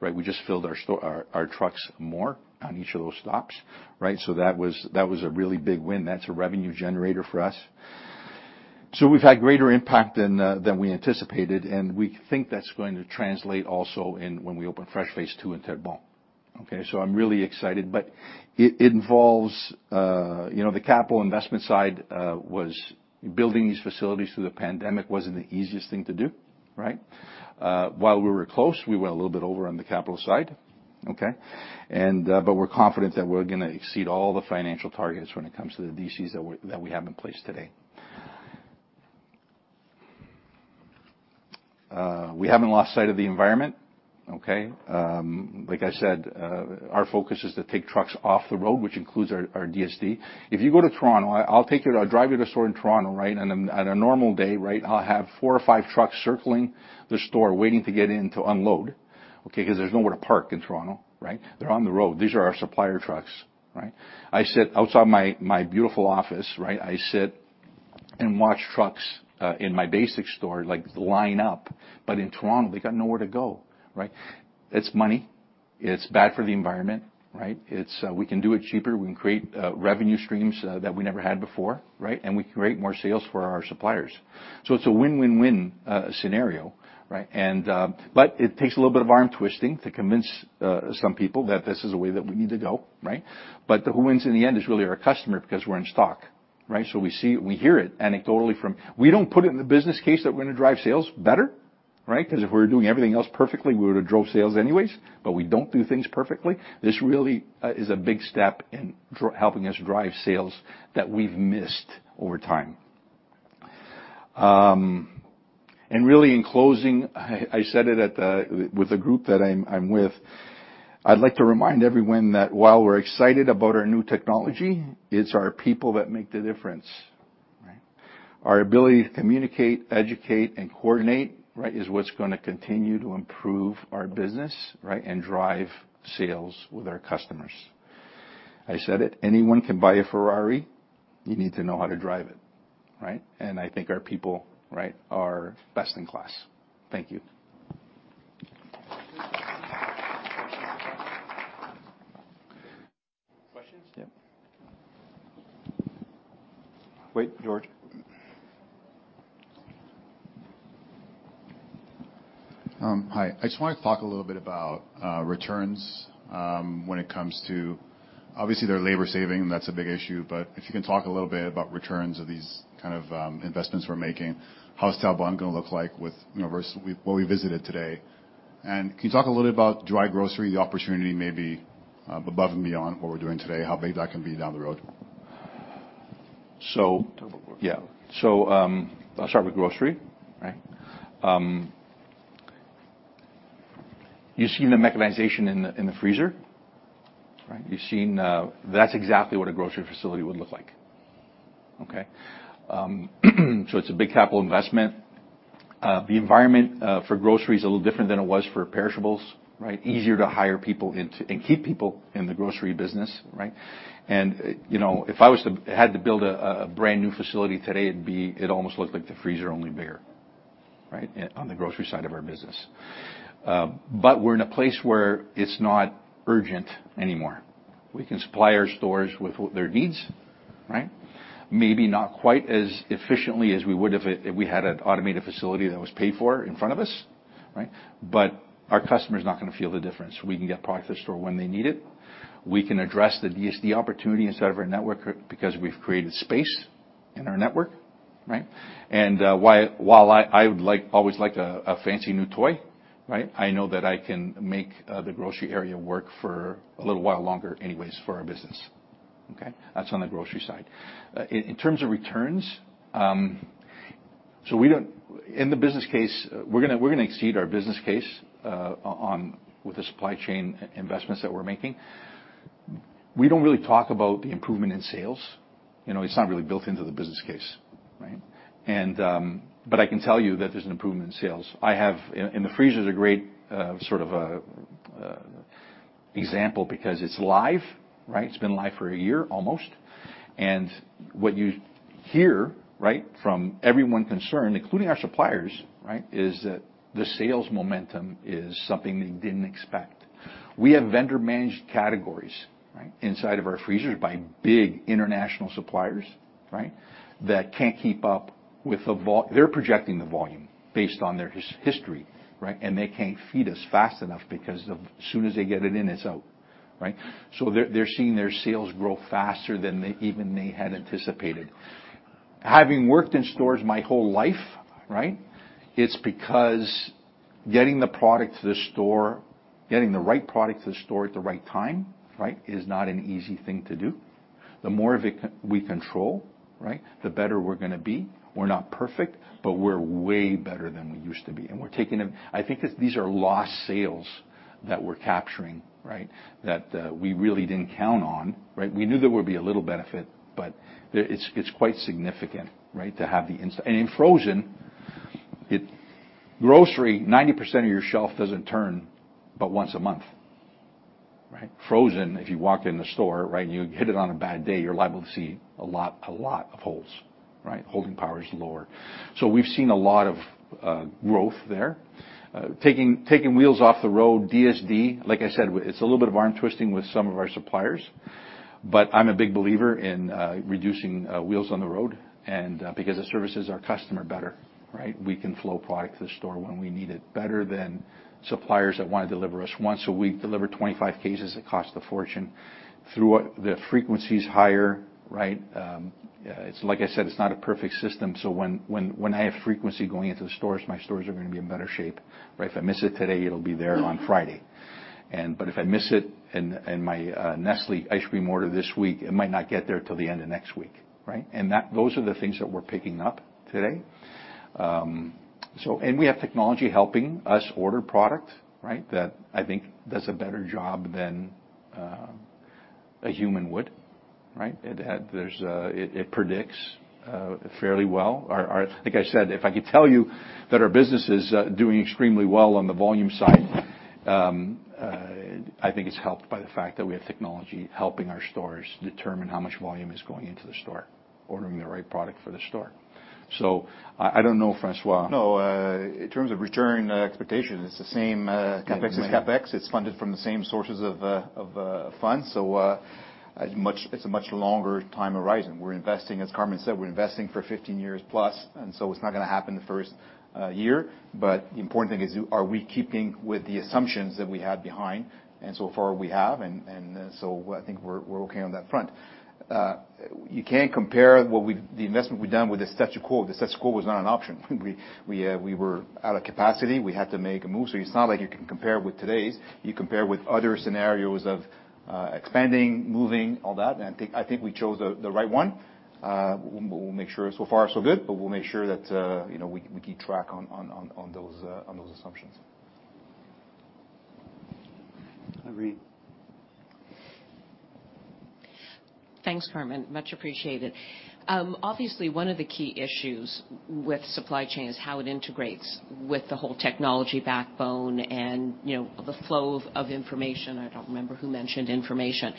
right? We just filled our trucks more on each of those stops, right? That was a really big win. That's a revenue generator for us. We've had greater impact than we anticipated, and we think that's going to translate also in when we open Fresh Phase Two in Terrebonne. I'm really excited, but it involves, you know, the capital investment side, was building these facilities through the pandemic wasn't the easiest thing to do, right? While we were close, we went a little bit over on the capital side. We're confident that we're gonna exceed all the financial targets when it comes to the DCs that we have in place today. We haven't lost sight of the environment. Like I said, our focus is to take trucks off the road, which includes our DSD. If you go to Toronto, I'll drive you to a store in Toronto, right? On a normal day, right, I'll have 4 or 5 trucks circling the store waiting to get in to unload, okay, 'cause there's nowhere to park in Toronto, right? They're on the road. These are our supplier trucks, right? I sit outside my beautiful office, right? I sit and watch trucks in my basic store, like, line up. In Toronto, they got nowhere to go, right? It's money. It's bad for the environment, right? It's we can do it cheaper. We can create revenue streams that we never had before, right? We can create more sales for our suppliers. It's a win-win-win scenario, right? It takes a little bit of arm twisting to convince some people that this is the way that we need to go, right? Who wins in the end is really our customer because we're in stock, right? We see, we hear it anecdotally from... We don't put it in the business case that we're gonna drive sales better, right? 'Cause if we're doing everything else perfectly, we would have drove sales anyways, but we don't do things perfectly. This really is a big step in helping us drive sales that we've missed over time. Really in closing, I said it with the group that I'm with. I'd like to remind everyone that while we're excited about our new technology, it's our people that make the difference, right? Our ability to communicate, educate, and coordinate, right, is what's gonna continue to improve our business, right, and drive sales with our customers. I said it, anyone can buy a Ferrari, you need to know how to drive it, right? I think our people, right, are best in class. Thank you. Questions? Yep. Wait, George. Hi. I just wanna talk a little bit about returns. Obviously they're labor saving, and that's a big issue. If you can talk a little bit about returns of these kind of investments we're making, how's Tabung gonna look like with, you know, what we visited today? Can you talk a little bit about dry grocery, the opportunity maybe above and beyond what we're doing today, how big that can be down the road? So- Double click. I'll start with grocery, right? You've seen the mechanization in the, in the freezer, right? You've seen. That's exactly what a grocery facility would look like. Okay? It's a big capital investment. The environment for grocery is a little different than it was for perishables, right? Easier to hire people into and keep people in the grocery business, right? You know, if I had to build a brand-new facility today, it'd almost look like the freezer, only bigger, right? On the grocery side of our business. But we're in a place where it's not urgent anymore. We can supply our stores with what their needs, right? Maybe not quite as efficiently as we would if it, if we had an automated facility that was paid for in front of us, right? Our customer's not gonna feel the difference. We can get product to the store when they need it. We can address the DSD opportunity instead of our network, because we've created space in our network, right? While I always like a fancy new toy, right? I know that I can make the grocery area work for a little while longer anyways for our business, okay? That's on the grocery side. In terms of returns, in the business case, we're gonna exceed our business case with the supply chain investments that we're making. We don't really talk about the improvement in sales. You know, it's not really built into the business case, right? I can tell you that there's an improvement in sales. In the freezer is a great sort of a example because it's live, right. It's been live for 1 year almost. What you hear, right, from everyone concerned, including our suppliers, right, is that the sales momentum is something they didn't expect. We have vendor-managed categories, right, inside of our freezers by big international suppliers, right, that can't keep up with the volume. They're projecting the volume based on their history, right. They can't feed us fast enough because as soon as they get it in, it's out, right. They're seeing their sales grow faster than they, even they had anticipated. Having worked in stores my whole life, right, it's because getting the product to the store, getting the right product to the store at the right time, right, is not an easy thing to do. The more of it we control, right, the better we're gonna be. We're not perfect, but we're way better than we used to be. I think these are lost sales that we're capturing, right? That we really didn't count on, right? We knew there would be a little benefit, but it's quite significant, right. Grocery, 90% of your shelf doesn't turn but once a month, right? Frozen, if you walk in the store, right, and you hit it on a bad day, you're liable to see a lot of holes, right? Holding power is lower. We've seen a lot of growth there. taking wheels off the road, DSD, like I said, it's a little bit of arm twisting with some of our suppliers, but I'm a big believer in reducing wheels on the road and because it services our customer better, right? We can flow product to the store when we need it better than suppliers that wanna deliver us once a week, deliver 25 cases that cost a fortune. The frequency is higher, right? It's like I said, it's not a perfect system, so when I have frequency going into the stores, my stores are gonna be in better shape. Right? If I miss it today, it'll be there on Friday. But if I miss it and my Nestlé ice cream order this week, it might not get there till the end of next week, right? Those are the things that we're picking up today. We have technology helping us order product, right? That, I think, does a better job than a human would, right? It predicts fairly well. Our, like I said, if I could tell you that our business is doing extremely well on the volume side, I think it's helped by the fact that we have technology helping our stores determine how much volume is going into the store, ordering the right product for the store. I don't know, François. No, in terms of return expectation, it's the same CapEx. It's funded from the same sources of funds. It's a much longer time horizon. We're investing, as Carmen said, we're investing for 15 years+, it's not gonna happen the first year. The important thing is, are we keeping with the assumptions that we had behind? So far we have. I think we're okay on that front. You can't compare the investment we've done with the status quo. The status quo was not an option. We were out of capacity. We had to make a move. It's not like you can compare with today's. You compare with other scenarios of expanding, moving, all that, and I think we chose the right one. We'll make sure so far so good, but we'll make sure that, you know, we keep track on those assumptions. I agree. Thanks, Carmen. Much appreciated. obviously, one of the key issues with supply chain is how it integrates with the whole technology backbone and, you know, the flow of information. I don't remember who mentioned information.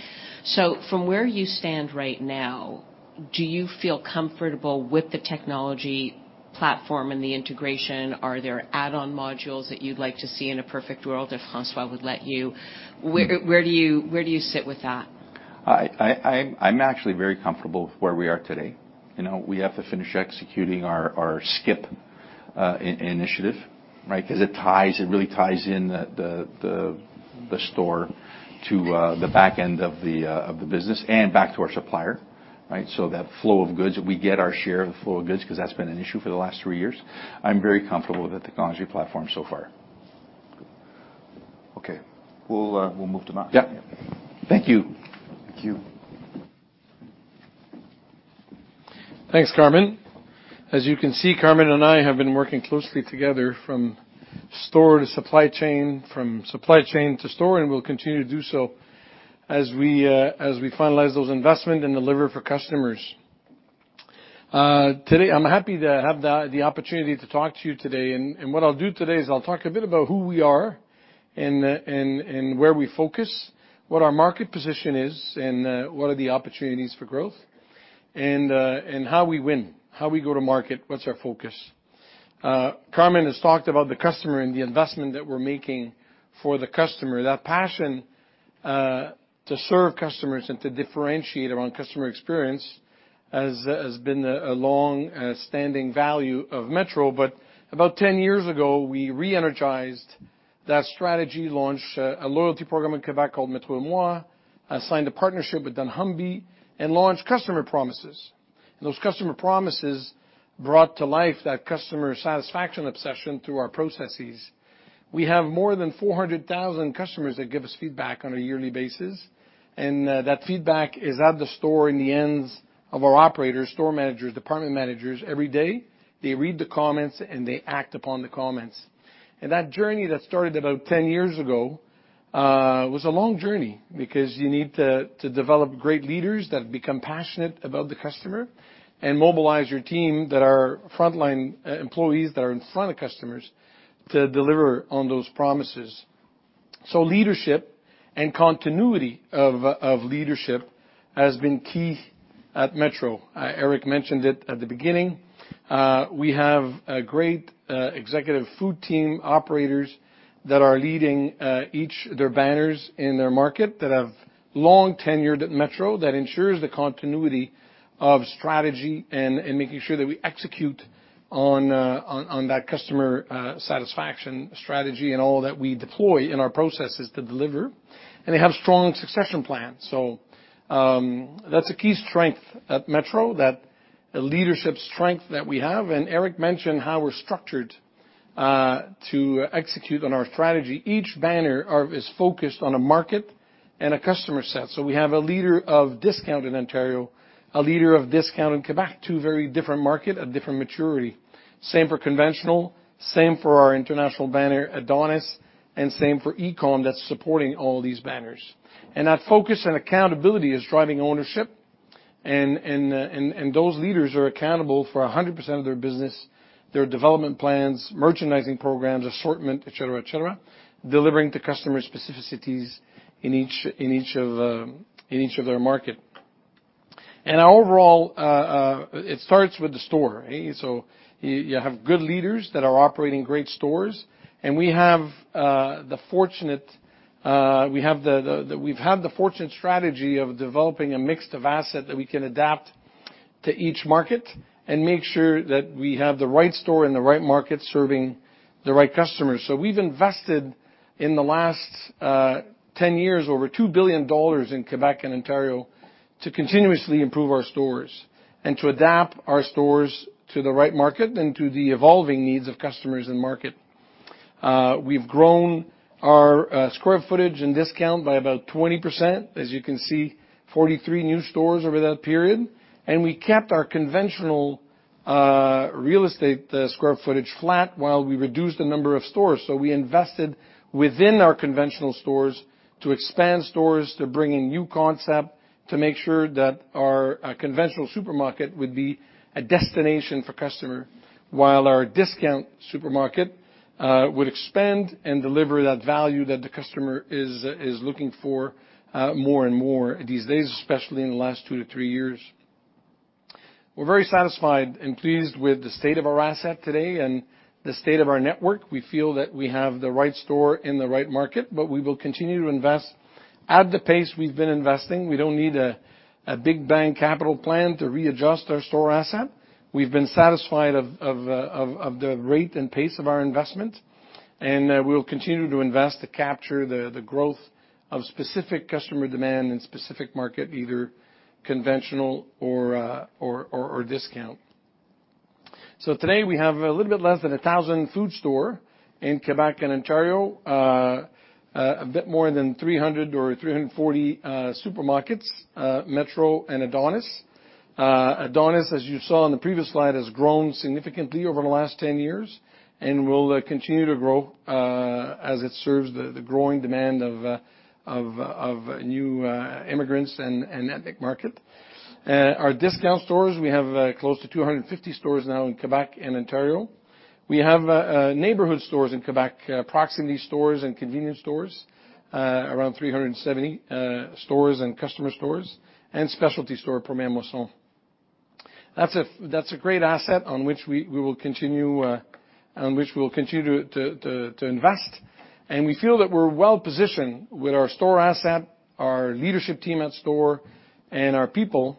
From where you stand right now, do you feel comfortable with the technology platform and the integration? Are there add-on modules that you'd like to see in a perfect world if François would let you? Where, where do you sit with that? I'm actually very comfortable with where we are today. You know, we have to finish executing our SCIP initiative, right? 'Cause it ties, it really ties in the store to the back end of the business and back to our supplier, right? That flow of goods, we get our share of the flow of goods 'cause that's been an issue for the last three years. I'm very comfortable with the technology platform so far. Okay. We'll move to Martin. Yeah. Thank you. Thank you. Thanks, Carmen. As you can see, Carmen and I have been working closely together from store to supply chain, from supply chain to store, and we'll continue to do so as we finalize those investment and deliver for customers. Today, I'm happy to have the opportunity to talk to you today. What I'll do today is I'll talk a bit about who we are and where we focus, what our market position is, and what are the opportunities for growth, and how we win, how we go to market, what's our focus. Carmen has talked about the customer and the investment that we're making for the customer. That passion to serve customers and to differentiate around customer experience has been a long-standing value of Metro Inc. About 10 years ago, we re-energized that strategy, launched a loyalty program in Quebec called metro&moi, assigned a partnership with dunnhumby, and launched customer promises. Those customer promises brought to life that customer satisfaction obsession through our processes. We have more than 400,000 customers that give us feedback on a yearly basis, and that feedback is at the store in the hands of our operators, store managers, department managers. Every day, they read the comments, they act upon the comments. That journey that started about 10 years ago, was a long journey because you need to develop great leaders that become passionate about the customer and mobilize your team that are frontline e-employees that are in front of customers to deliver on those promises. Leadership and continuity of leadership has been key at Metro. Eric mentioned it at the beginning. We have a great executive food team operators that are leading each their banners in their market that have long tenured at Metro that ensures the continuity of strategy and making sure that we execute on that customer satisfaction strategy and all that we deploy in our processes to deliver. They have strong succession plans. That's a key strength at Metro, that leadership strength that we have. Eric mentioned how we're structured to execute on our strategy. Each banner is focused on a market and a customer set. We have a leader of discount in Ontario, a leader of discount in Quebec, two very different market at different maturity. Same for conventional, same for our international banner, Adonis, and same for Ecom that's supporting all these banners. That focus and accountability is driving ownership and those leaders are accountable for 100% of their business, their development plans, merchandising programs, assortment, et cetera, et cetera, delivering to customer specificities in each, in each of their market. Overall, it starts with the store. You have good leaders that are operating great stores, and we have, we've had the fortunate strategy of developing a mix of asset that we can adapt to each market and make sure that we have the right store in the right market serving the right customers. We've invested, in the last 10 years, over 2 billion dollars in Quebec and Ontario to continuously improve our stores and to adapt our stores to the right market and to the evolving needs of customers in market. We've grown our square footage and discount by about 20%. As you can see, 43 new stores over that period. We kept our conventional real estate square footage flat while we reduced the number of stores. We invested within our conventional stores to expand stores, to bring in new concept, to make sure that our conventional supermarket would be a destination for customer while our discount supermarket would expand and deliver that value that the customer is looking for more and more these days, especially in the last 2-3 years. We're very satisfied and pleased with the state of our asset today and the state of our network. We feel that we have the right store in the right market, but we will continue to invest at the pace we've been investing. We don't need a big bang capital plan to readjust our store asset. We've been satisfied of the rate and pace of our investment, and we'll continue to invest to capture the growth of specific customer demand and specific market, either conventional or discount. Today, we have a little bit less than 1,000 food store in Quebec and Ontario, a bit more than 300 or 340 supermarkets, Metro and Adonis. Adonis, as you saw on the previous slide, has grown significantly over the last 10 years and will continue to grow as it serves the growing demand of new immigrants and ethnic market. Our discount stores, we have close to 250 stores now in Quebec and Ontario. We have neighborhood stores in Quebec, proximity stores and convenience stores, around 370 stores and customer stores and specialty store, Première Moisson. That's a great asset on which we will continue on which we will continue to invest. We feel that we're well-positioned with our store asset, our leadership team at store, and our people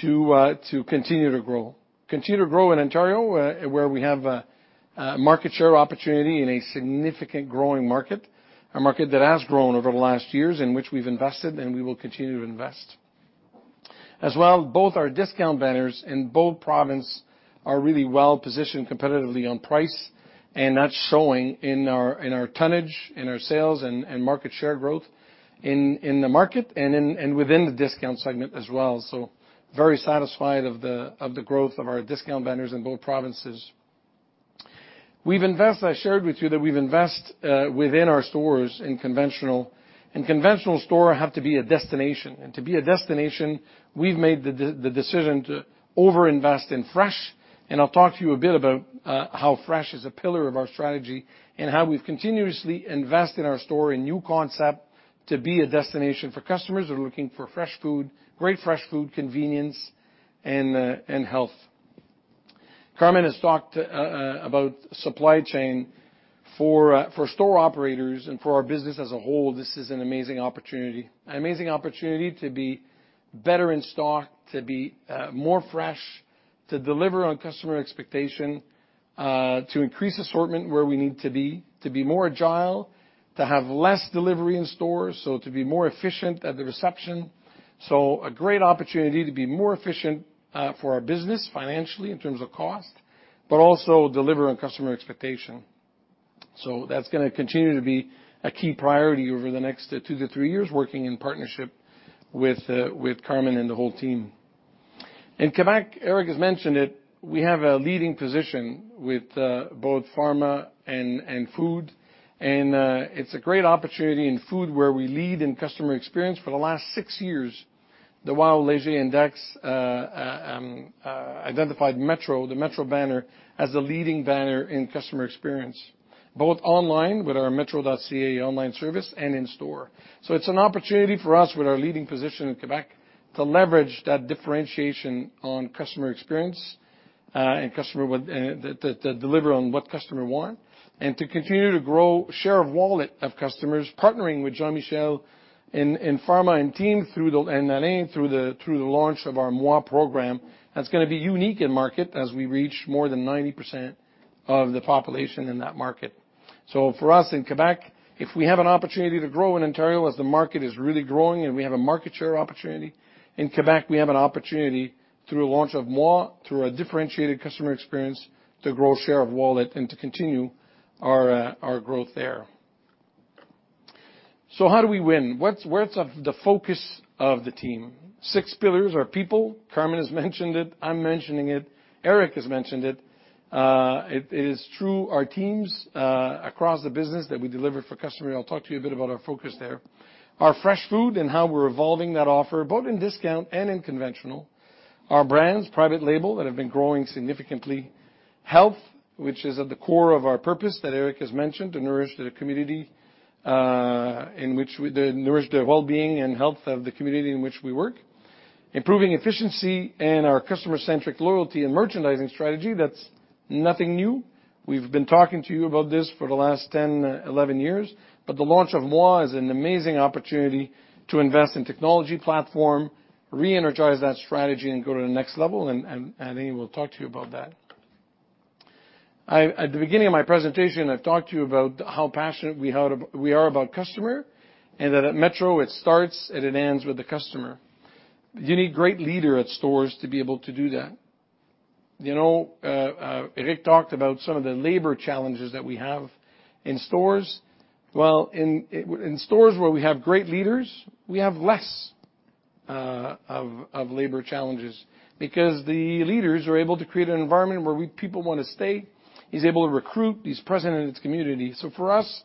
to continue to grow. Continue to grow in Ontario, where we have a market share opportunity in a significant growing market, a market that has grown over the last years in which we've invested and we will continue to invest. Both our discount banners in both province are really well-positioned competitively on price, and that's showing in our tonnage, in our sales, and market share growth in the market and within the discount segment as well. Very satisfied of the growth of our discount banners in both provinces. I shared with you that we've invest within our stores in conventional, and conventional store have to be a destination. To be a destination, we've made the decision to over-invest in fresh. I'll talk to you a bit about how fresh is a pillar of our strategy and how we've continuously invest in our store a new concept to be a destination for customers who are looking for fresh food, great fresh food, convenience, and health. Carmen has talked about supply chain for store operators and for our business as a whole, this is an amazing opportunity. An amazing opportunity to be better in stock, to be more fresh, to deliver on customer expectation, to increase assortment where we need to be, to be more agile, to have less delivery in stores, so to be more efficient at the reception. A great opportunity to be more efficient for our business financially in terms of cost, but also deliver on customer expectation. That's gonna continue to be a key priority over the next two to three years, working in partnership with Carmen and the whole team. In Quebec, Eric has mentioned it, we have a leading position with both pharma and food. It's a great opportunity in food where we lead in customer experience. For the last six years, the Wild Leisure Index identified Metro, the Metro banner, as the leading banner in customer experience, both online with our metro.ca online service and in-store. It's an opportunity for us with our leading position in Quebec to leverage that differentiation on customer experience, and customer to deliver on what customer want, and to continue to grow share of wallet of customers partnering with Jean-Michel in pharma and team and Nadine through the launch of our moi program, that's gonna be unique in market as we reach more than 90% of the population in that market. For us in Quebec, if we have an opportunity to grow in Ontario as the market is really growing and we have a market share opportunity, in Quebec, we have an opportunity through a launch of moi, through a differentiated customer experience to grow share of wallet and to continue our growth there. How do we win? Where's of the focus of the team? Six pillars are people. Carmen has mentioned it, I'm mentioning it, Eric has mentioned it. It is through our teams across the business that we deliver for customer, I'll talk to you a bit about our focus there. Our fresh food and how we're evolving that offer, both in discount and in conventional. Our brands, private label, that have been growing significantly. Health, which is at the core of our purpose that Eric has mentioned, to nourish the community in which we nourish the well-being and health of the community in which we work. Improving efficiency and our customer-centric loyalty and merchandising strategy, that's nothing new. We've been talking to you about this for the last 10, 11 years. The launch of moi is an amazing opportunity to invest in technology platform, re-energize that strategy, and go to the next level, and maybe we'll talk to you about that. At the beginning of my presentation, I've talked to you about how passionate we are about customer, and that at Metro, it starts and it ends with the customer. You need great leader at stores to be able to do that. You know, Eric talked about some of the labor challenges that we have in stores. Well, in stores where we have great leaders, we have less labor challenges because the leaders are able to create an environment where people wanna stay. He's able to recruit, he's present in his community. For us,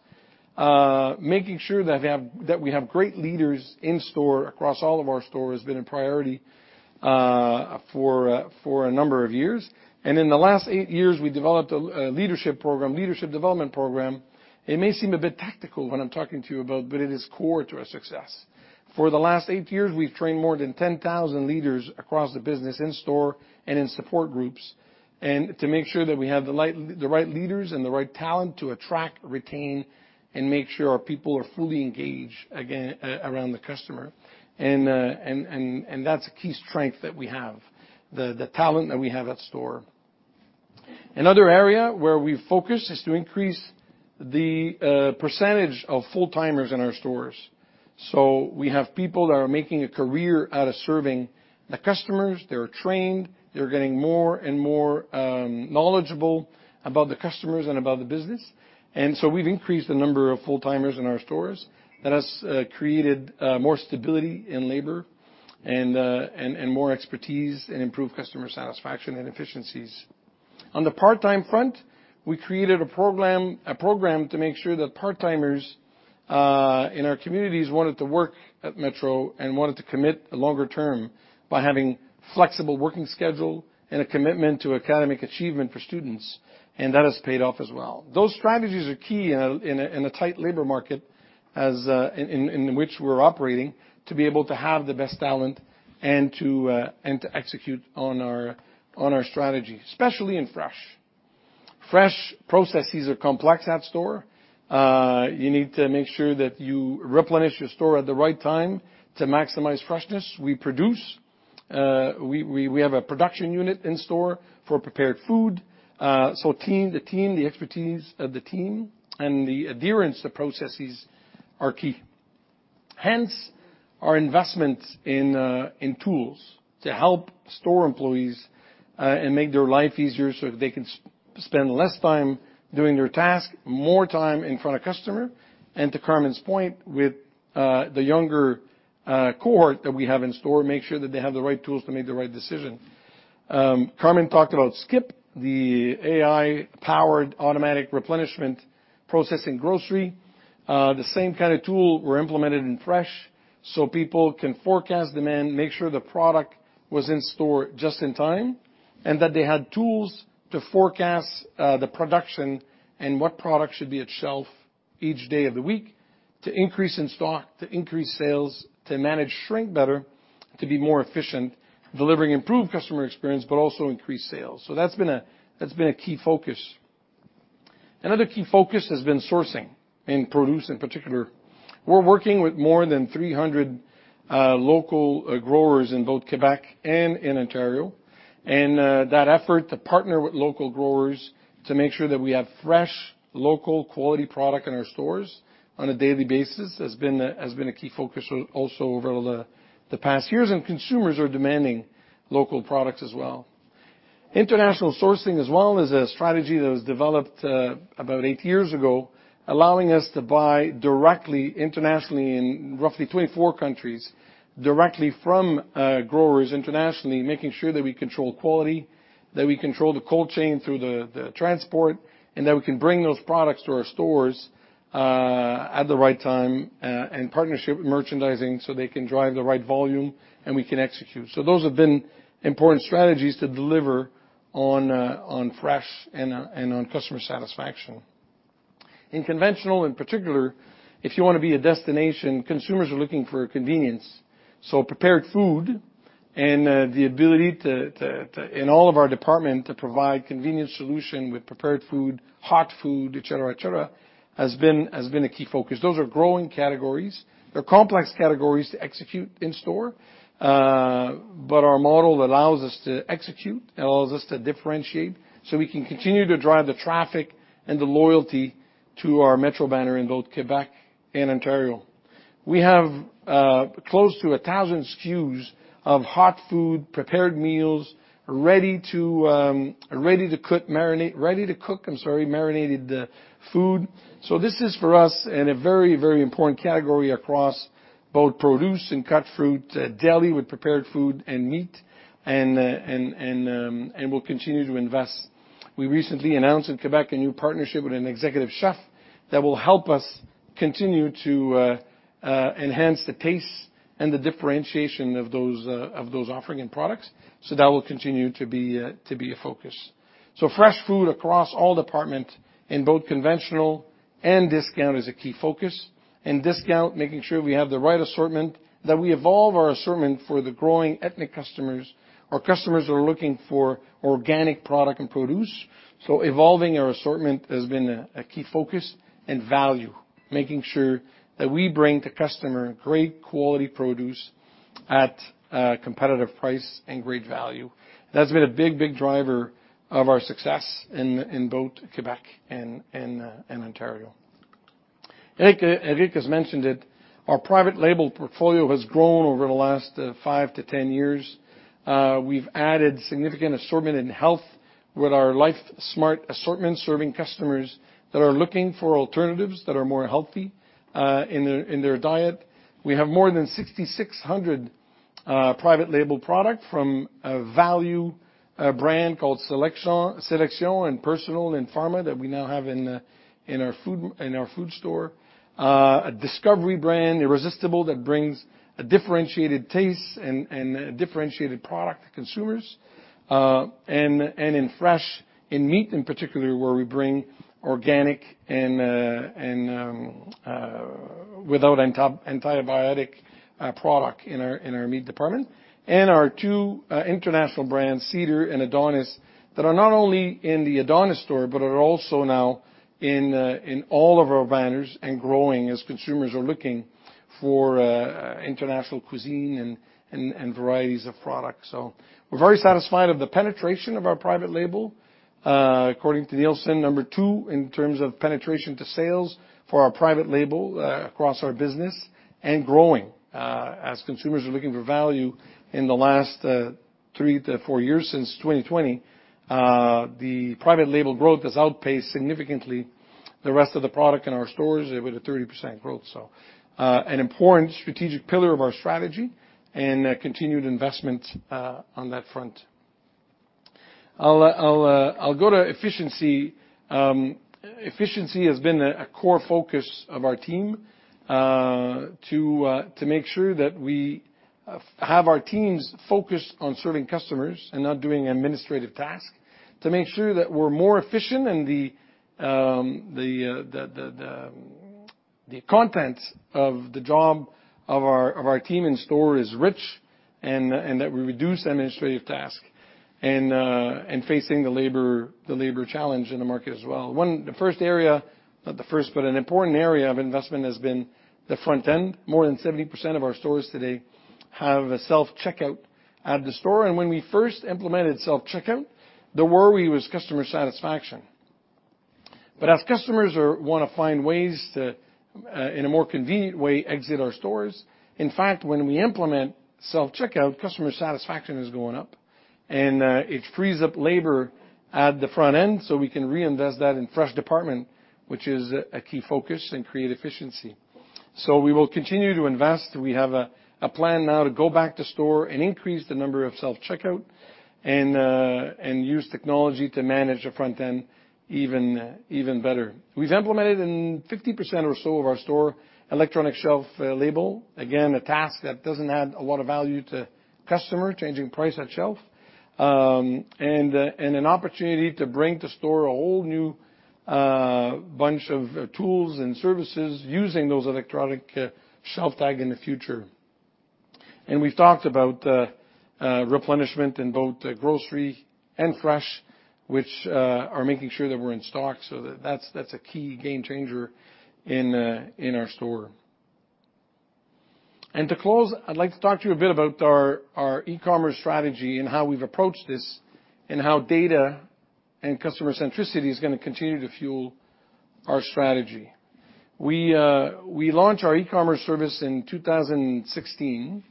making sure that we have great leaders in store across all of our stores has been a priority for a number of years. In the last eight years, we developed a leadership program, leadership development program. It may seem a bit tactical when I'm talking to you about, but it is core to our success. For the last eight years, we've trained more than 10,000 leaders across the business in store and in support groups, and to make sure that we have the right leaders and the right talent to attract, retain, and make sure our people are fully engaged around the customer. That's a key strength that we have, the talent that we have at store. Another area where we've focused is to increase the percentage of full-timers in our stores. We have people that are making a career out of serving the customers. They're trained, they're getting more and more knowledgeable about the customers and about the business. We've increased the number of full-timers in our stores. That has created more stability in labor and more expertise and improved customer satisfaction and efficiencies. On the part-time front, we created a program to make sure that part-timers in our communities wanted to work at Metro and wanted to commit longer term by having flexible working schedule and a commitment to academic achievement for students. That has paid off as well. Those strategies are key in a tight labor market as in which we're operating to be able to have the best talent and to execute on our strategy, especially in fresh. Fresh processes are complex at store. You need to make sure that you replenish your store at the right time to maximize freshness. We produce, we have a production unit in store for prepared food. The team, the expertise of the team and the adherence to processes are key. Our investment in tools to help store employees and make their life easier so they can spend less time doing their task, more time in front of customer, and to Carmen's point, with the younger cohort that we have in store, make sure that they have the right tools to make the right decision. Carmen talked about Skip, the AI-powered automatic replenishment processing grocery. The same kind of tool were implemented in fresh so people can forecast demand, make sure the product was in store just in time, and that they had tools to forecast the production and what product should be at shelf each day of the week to increase in stock, to increase sales, to manage shrink better, to be more efficient, delivering improved customer experience, but also increase sales. That's been a key focus. Another key focus has been sourcing, in produce in particular. We're working with more than 300 local growers in both Quebec and in Ontario. That effort to partner with local growers to make sure that we have fresh, local, quality product in our stores on a daily basis has been a key focus also over the past years, and consumers are demanding local products as well. International sourcing as well is a strategy that was developed about eight years ago, allowing us to buy directly internationally in roughly 24 countries, directly from growers internationally, making sure that we control quality, that we control the cold chain through the transport, and that we can bring those products to our stores at the right time and partnership with merchandising, so they can drive the right volume, and we can execute. Those have been important strategies to deliver on fresh and on customer satisfaction. In conventional, in particular, if you wanna be a destination, consumers are looking for convenience. Prepared food and the ability to in all of our department, to provide convenient solution with prepared food, hot food, et cetera, et cetera, has been a key focus. Those are growing categories. They're complex categories to execute in store, but our model allows us to execute, allows us to differentiate, so we can continue to drive the traffic and the loyalty to our Metro banner in both Quebec and Ontario. We have close to 1,000 SKUs of hot food, prepared meals, ready to cook, I'm sorry, marinated food. This is for us in a very important category across both produce and cut fruit, deli with prepared food and meat, and we'll continue to invest. We recently announced in Quebec a new partnership with an executive chef that will help us continue to enhance the taste and the differentiation of those offering and products. That will continue to be a focus. Fresh food across all department in both conventional and discount is a key focus. In discount, making sure we have the right assortment, that we evolve our assortment for the growing ethnic customers. Our customers are looking for organic product and produce, so evolving our assortment has been a key focus and value, making sure that we bring to customer great quality produce at a competitive price and great value. That's been a big driver of our success in both Quebec and Ontario. Eric La Flèche has mentioned it. Our private label portfolio has grown over the last 5-10 years. We've added significant assortment in health with our Life Smart assortment, serving customers that are looking for alternatives that are more healthy in their diet. We have more than 6,600 private label product from a value brand called Selection, Personnelle and Pharma that we now have in our food store. A discovery brand, Irresistibles, that brings a differentiated taste and a differentiated product to consumers. And in fresh, in meat in particular, where we bring organic and without antibiotic product in our meat department. Our two international brands, Cedar and Adonis, that are not only in the Adonis store, but are also now in all of our banners and growing as consumers are looking for international cuisine and varieties of products. We're very satisfied of the penetration of our private label. According to Nielsen, number 2 in terms of penetration to sales for our private label across our business and growing, as consumers are looking for value in the last 3-4 years since 2020. The private label growth has outpaced significantly the rest of the product in our stores. It was a 30% growth. An important strategic pillar of our strategy and continued investment on that front. I'll go to efficiency Efficiency has been a core focus of our team to make sure that we have our teams focused on serving customers and not doing administrative tasks to make sure that we're more efficient and the content of the job of our team in store is rich and that we reduce administrative tasks and facing the labor challenge in the market as well. The first area, not the first, but an important area of investment has been the front end. More than 70% of our stores today have a self-checkout at the store. When we first implemented self-checkout, the worry was customer satisfaction. As customers wanna find ways to, in a more convenient way, exit our stores, in fact, when we implement self-checkout, customer satisfaction is going up. It frees up labor at the front end, so we can reinvest that in fresh department, which is a key focus in creating efficiency. We will continue to invest. We have a plan now to go back to store and increase the number of self-checkout and use technology to manage the front end even better. We've implemented in 50% or so of our store, electronic shelf label. Again, a task that doesn't add a lot of value to customer, changing price at shelf. an opportunity to bring to store a whole new bunch of tools and services using those electronic shelf tag in the future. We've talked about replenishment in both grocery and fresh, which are making sure that we're in stock, so that's a key game changer in our store. To close, I'd like to talk to you a bit about our e-commerce strategy and how we've approached this and how data and customer centricity is gonna continue to fuel our strategy. We launched our e-commerce service in 2016,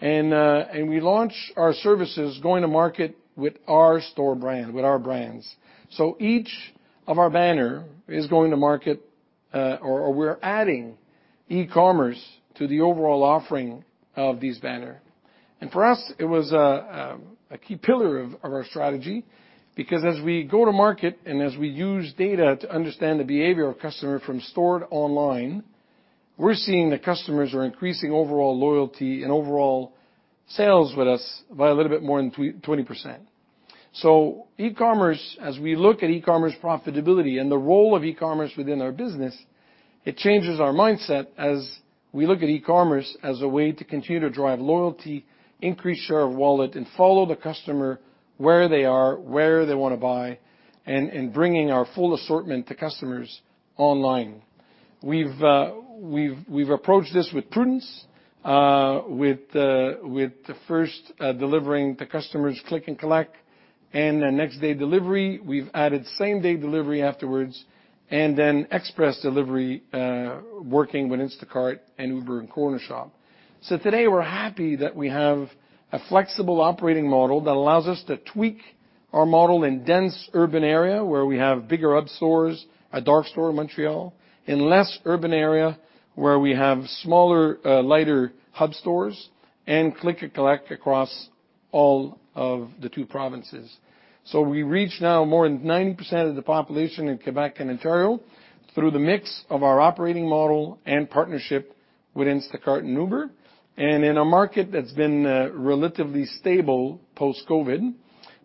and we launched our services going to market with our store brand, with our brands. Each of our banner is going to market, or we're adding e-commerce to the overall offering of these banner. For us, it was a key pillar of our strategy, because as we go to market and as we use data to understand the behavior of customer from store to online, we're seeing that customers are increasing overall loyalty and overall sales with us by a little bit more than 20%. E-commerce, as we look at e-commerce profitability and the role of e-commerce within our business, it changes our mindset as we look at e-commerce as a way to continue to drive loyalty, increase share of wallet, and follow the customer where they are, where they wanna buy, and bringing our full assortment to customers online. We've approached this with prudence, with the first delivering the customers Click & Collect and next day delivery. We've added same day delivery afterwards, then express delivery, working with Instacart and Uber and Cornershop. Today we're happy that we have a flexible operating model that allows us to tweak our model in dense urban area where we have bigger hub stores, a dark store in Montreal, in less urban area where we have smaller, lighter hub stores and Click & Collect across all of the 2 provinces. We reach now more than 90% of the population in Quebec and Ontario through the mix of our operating model and partnership with Instacart and Uber. In a market that's been, relatively stable post-COVID,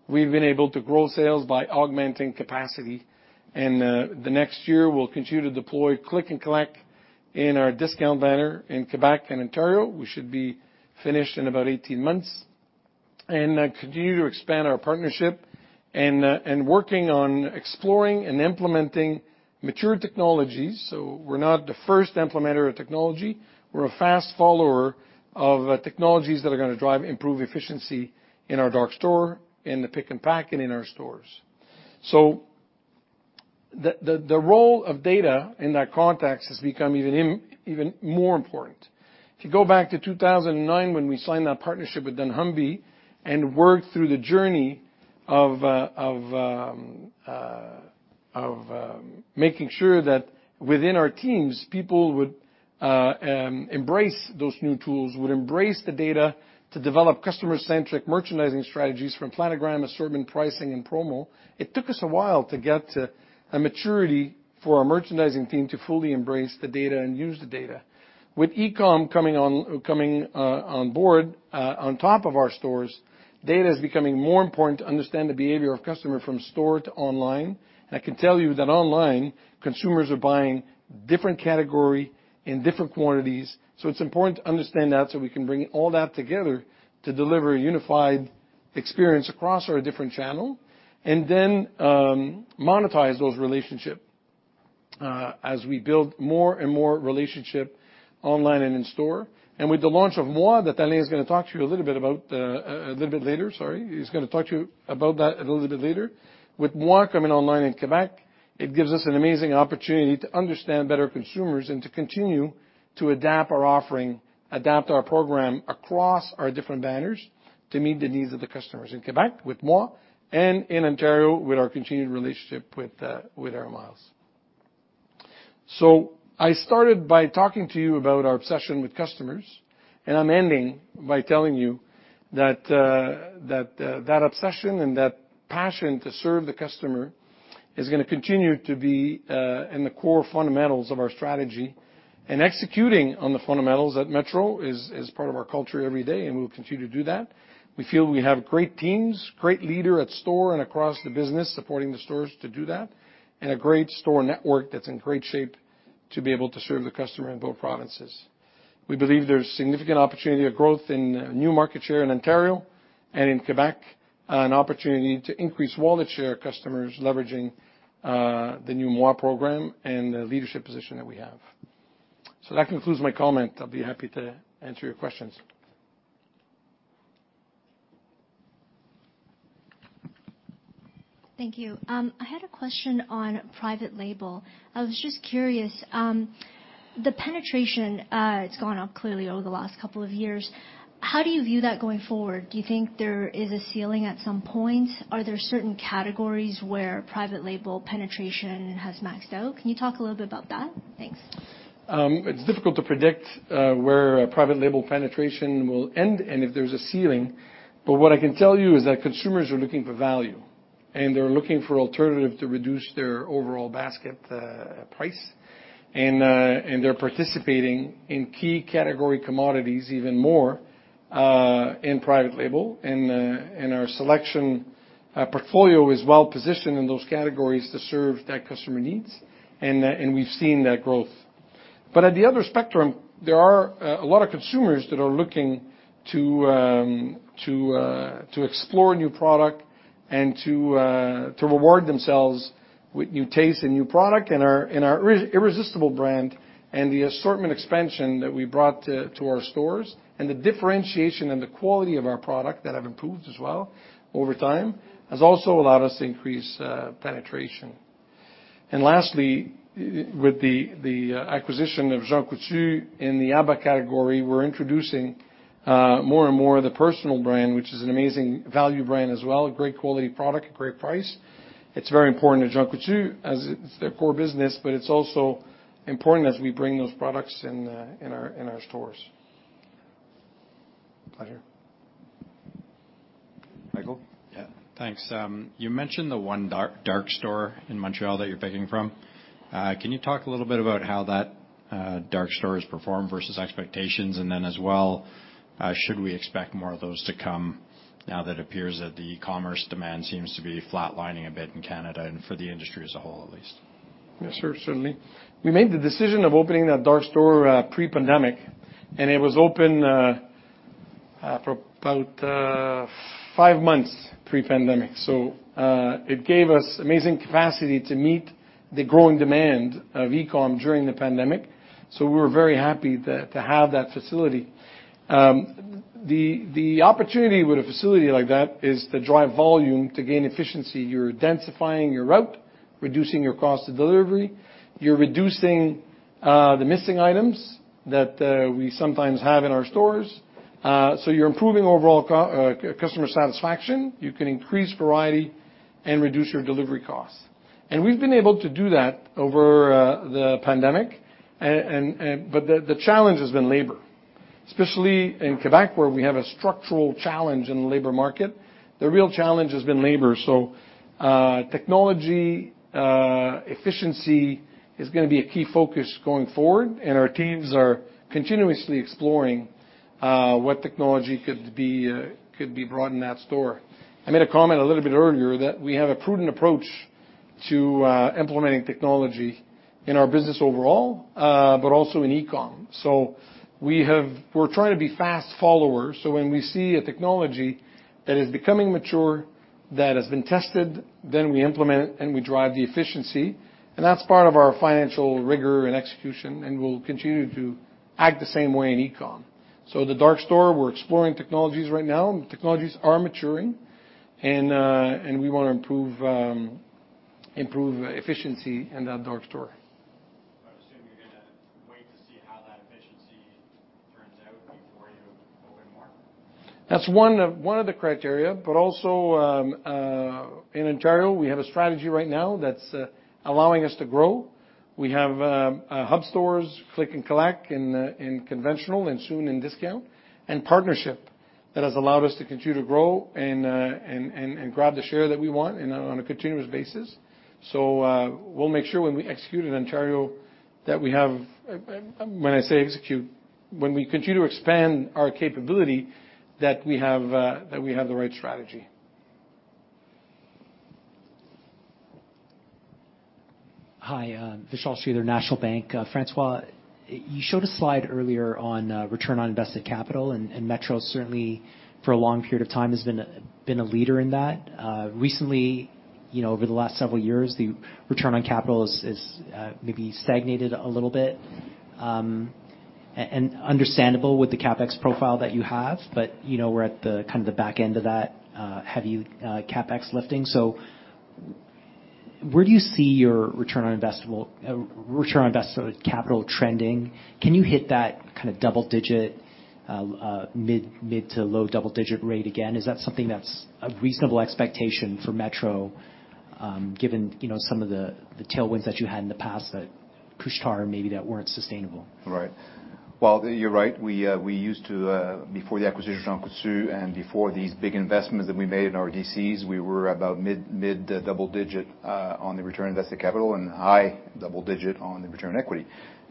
we've been able to grow sales by augmenting capacity. The next year, we'll continue to deploy Click & Collect in our discount banner in Quebec and Ontario. We should be finished in about 18 months and continue to expand our partnership and working on exploring and implementing mature technologies. We're not the first implementer of technology. We're a fast follower of technologies that are gonna drive improved efficiency in our dark store, in the pick and pack, and in our stores. The role of data in that context has become even more important. If you go back to 2009 when we signed that partnership with dunnhumby and worked through the journey of making sure that within our teams, people would embrace those new tools, would embrace the data to develop customer-centric merchandising strategies from planogram, assortment, pricing, and promo, it took us a while to get to a maturity for our merchandising team to fully embrace the data and use the data. Data is becoming more important to understand the behavior of customer from store to online. I can tell you that online, consumers are buying different category in different quantities. It's important to understand that so we can bring all that together to deliver a unified experience across our different channel, then, monetize those relationship, as we build more and more relationship online and in store. With the launch of moi, that Alain is gonna talk to you a little bit about, a little bit later, sorry. He's gonna talk to you about that a little bit later. With moi coming online in Quebec, it gives us an amazing opportunity to understand better consumers and to continue to adapt our offering, adapt our program across our different banners to meet the needs of the customers in Quebec with moi and in Ontario with our continued relationship with AIR MILES. I started by talking to you about our obsession with customers, and I'm ending by telling you that that obsession and that passion to serve the customer is gonna continue to be in the core fundamentals of our strategy. Executing on the fundamentals at Metro is part of our culture every day, and we'll continue to do that. We feel we have great teams, great leader at store and across the business supporting the stores to do that, and a great store network that's in great shape to be able to serve the customer in both provinces. We believe there's significant opportunity of growth in new market share in Ontario and in Quebec, an opportunity to increase wallet share customers leveraging the new moi program and the leadership position that we have. That concludes my comment. I'll be happy to answer your questions. Thank you. I had a question on private label. I was just curious, the penetration, it's gone up clearly over the last couple of years. How do you view that going forward? Do you think there is a ceiling at some point? Are there certain categories where private label penetration has maxed out? Can you talk a little bit about that? Thanks. It's difficult to predict where a private label penetration will end and if there's a ceiling. What I can tell you is that consumers are looking for value, and they're looking for alternative to reduce their overall basket price. They're participating in key category commodities even more in private label. Our Selection portfolio is well positioned in those categories to serve that customer needs, and we've seen that growth. At the other spectrum, there are a lot of consumers that are looking to explore new product and to reward themselves with new taste and new product. Our Irresistibles brand and the assortment expansion that we brought to our stores and the differentiation and the quality of our product that have improved as well over time has also allowed us to increase penetration. Lastly, with the acquisition of Jean Coutu in the HBA category, we're introducing more and more of the Personnelle brand, which is an amazing value brand as well, a great quality product at great price. It's very important to Jean Coutu as it's their core business, but it's also important as we bring those products in our stores. Pleasure, Michael? Yeah. Thanks. You mentioned the one dark store in Montreal that you're picking from. Can you talk a little bit about how that dark store has performed versus expectations? As well, should we expect more of those to come now that appears that the e-commerce demand seems to be flatlining a bit in Canada and for the industry as a whole, at least? Yes, sir. Certainly. We made the decision of opening that dark store pre-pandemic, and it was open for about 5 months pre-pandemic. It gave us amazing capacity to meet the growing demand of e-com during the pandemic, so we were very happy to have that facility. The opportunity with a facility like that is to drive volume to gain efficiency. You're densifying your route, reducing your cost of delivery. You're reducing the missing items that we sometimes have in our stores. You're improving overall customer satisfaction. You can increase variety and reduce your delivery costs. We've been able to do that over the pandemic. But the challenge has been labor, especially in Quebec, where we have a structural challenge in the labor market. The real challenge has been labor. Technology, efficiency is gonna be a key focus going forward, and our teams are continuously exploring what technology could be brought in that store. I made a comment a little bit earlier that we have a prudent approach to implementing technology in our business overall, but also in e-com. We're trying to be fast followers, so when we see a technology that is becoming mature, that has been tested, then we implement it, and we drive the efficiency. That's part of our financial rigor and execution, and we'll continue to act the same way in e-com. The dark store, we're exploring technologies right now. Technologies are maturing, and we wanna improve efficiency in that dark store. I assume you're gonna wait to see how that efficiency turns out before you open more? That's one of the criteria, but also, in Ontario, we have a strategy right now that's allowing us to grow. We have hub stores, Click & Collect in conventional and soon in discount, and partnership that has allowed us to continue to grow and grab the share that we want on a continuous basis. We'll make sure when we execute in Ontario that we have... when I say execute, when we continue to expand our capability, that we have the right strategy. Hi, Vishal Shreedhar, National Bank Financial. François, you showed a slide earlier on return on invested capital, and Metro certainly for a long period of time has been a leader in that. Recently, you know, over the last several years, the return on capital has maybe stagnated a little bit, and understandable with the CapEx profile that you have, but, you know, we're at the kind of the back end of that heavy CapEx lifting. Where do you see your return on invested capital trending? Can you hit that kind of double-digit, mid to low double-digit rate again? Is that something that's a reasonable expectation for Metro? Given, you know, some of the tailwinds that you had in the past that pushed hard, maybe that weren't sustainable. Right. Well, you're right. We used to before the acquisition of Jean Coutu and before these big investments that we made in our DCs, we were about mid double digit on the return on invested capital and high double digit on the return on equity.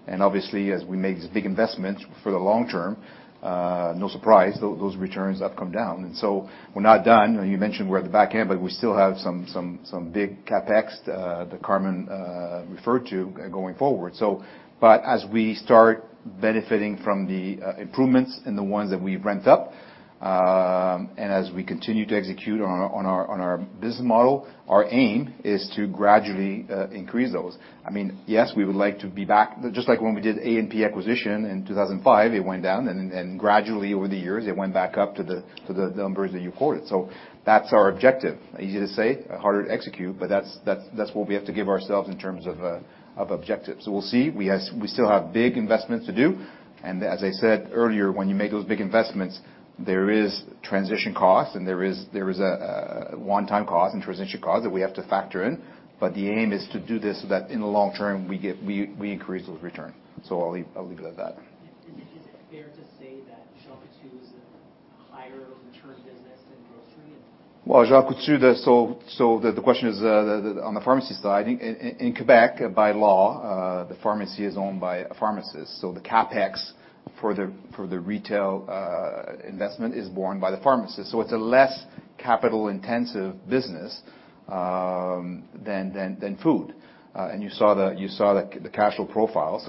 Obviously, as we make these big investments for the long term, no surprise, those returns have come down. So we're not done. You mentioned we're at the back end, but we still have some big CapEx that Carmen referred to going forward. But as we start benefiting from the improvements in the ones that we've ramped up, and as we continue to execute on our business model, our aim is to gradually increase those. I mean, yes, we would like to be back. Just like when we did A&P acquisition in 2005, it went down, and gradually over the years, it went back up to the, to the numbers that you quoted. That's our objective. Easy to say, harder to execute, that's what we have to give ourselves in terms of objectives. We'll see. We still have big investments to do. As I said earlier, when you make those big investments, there is transition costs, and there is a one-time cost and transition cost that we have to factor in. The aim is to do this so that in the long term, we increase those returns. I'll leave it at that. Is it fair to say that Jean Coutu is a higher return business than grocery? Well, Jean Coutu, the question is on the pharmacy side. I think in Quebec, by law, the pharmacy is owned by a pharmacist, so the CapEx for the retail investment is borne by the pharmacist, so it's a less capital-intensive business than food. And you saw the cash flow profile.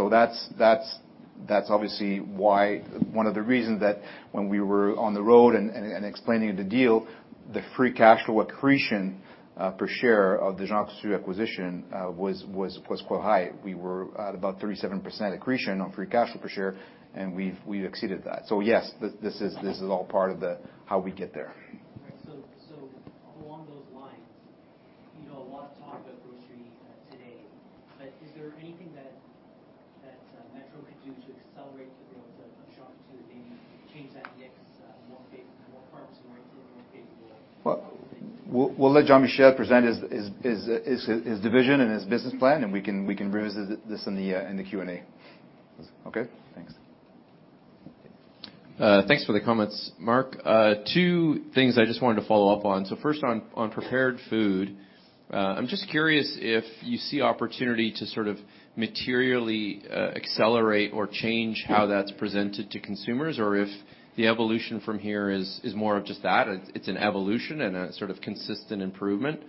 That's obviously why one of the reasons that when we were on the road and explaining the deal, the free cash flow accretion per share of the Jean Coutu acquisition was quite high. We were at about 37% accretion on free cash flow per share, and we've exceeded that. Yes, this is all part of the how we get there. Along those lines, you know, a lot of talk about grocery today, but is there anything that Metro could do to accelerate the growth of Jean Coutu, maybe change that mix, more pharmacy? Well, we'll let Jean-Michel present his division and his business plan, and we can revisit this in the Q&A. Okay? Thanks. Thanks for the comments, Marc. Two things I just wanted to follow up on. First on prepared food, I'm just curious if you see opportunity to sort of materially accelerate or change how that's presented to consumers, or if the evolution from here is more of just that, it's an evolution and a sort of consistent improvement.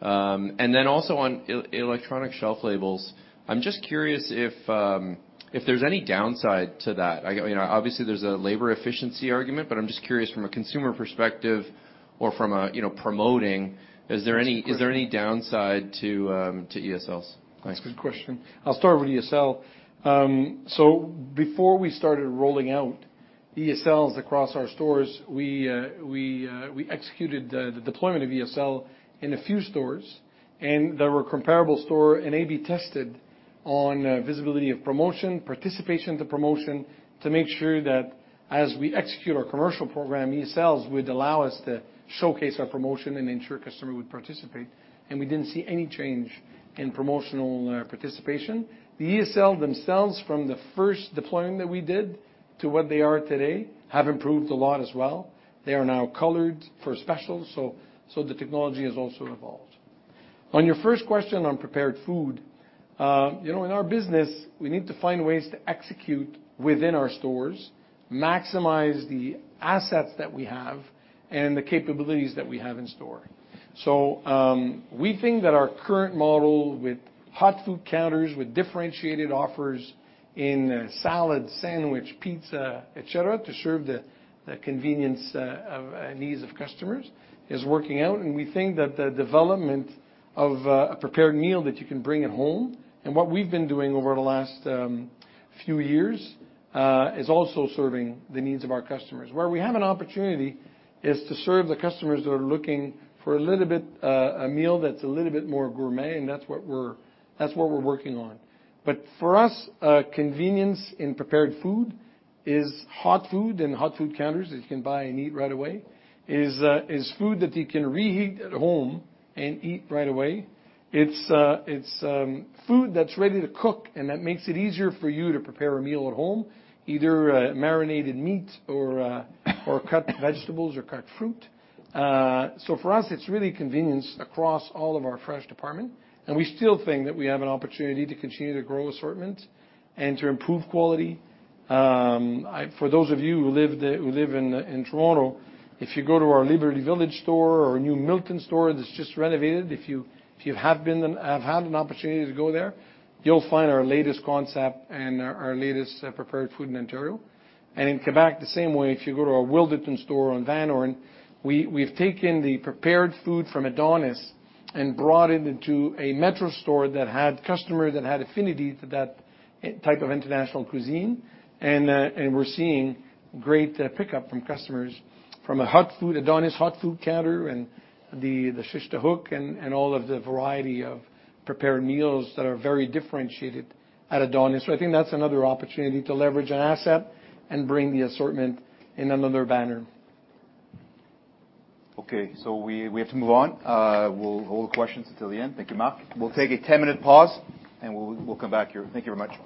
Then also on electronic shelf labels, I'm just curious if there's any downside to that. You know, obviously, there's a labor efficiency argument, but I'm just curious from a consumer perspective or from a, you know, promoting, is there any. That's a good question. Is there any downside to ESLs? Thanks. That's a good question. I'll start with ESL. Before we started rolling out ESLs across our stores, we executed the deployment of ESL in a few stores. They were comparable store and A/B tested on visibility of promotion, participation of the promotion to make sure that as we execute our commercial program, ESLs would allow us to showcase our promotion and ensure customer would participate. We didn't see any change in promotional participation. The ESL themselves, from the first deployment that we did to what they are today, have improved a lot as well. They are now colored for specials. The technology has also evolved. On your first question on prepared food, you know, in our business, we need to find ways to execute within our stores, maximize the assets that we have and the capabilities that we have in store. We think that our current model with hot food counters, with differentiated offers in salad, sandwich, pizza, et cetera, to serve the convenience needs of customers, is working out. We think that the development of a prepared meal that you can bring at home, and what we've been doing over the last few years, is also serving the needs of our customers. Where we have an opportunity is to serve the customers that are looking for a little bit a meal that's a little bit more gourmet, and that's what we're working on. For us, convenience in prepared food is hot food and hot food counters that you can buy and eat right away, is food that you can reheat at home and eat right away. It's food that's ready to cook, and that makes it easier for you to prepare a meal at home, either marinated meat or cut vegetables or cut fruit. For us, it's really convenience across all of our fresh department, and we still think that we have an opportunity to continue to grow assortment and to improve quality. For those of you who live in Toronto, if you go to our Liberty Village store or New Milton store that's just renovated, if you have had an opportunity to go there, you'll find our latest concept and our latest prepared food in Ontario. In Quebec, the same way, if you go to our Wilderton store on Van Horne, we've taken the prepared food from Adonis and brought it into a Metro store that had customers that had affinity to that type of international cuisine. We're seeing great pickup from customers from a hot food, Adonis hot food counter and the Shish Taouk and all of the variety of prepared meals that are very differentiated at Adonis. I think that's another opportunity to leverage an asset and bring the assortment in another banner. Okay, we have to move on. We'll hold questions until the end. Thank you, Mark. We'll take a 10-minute pause, we'll come back here. Thank you very much.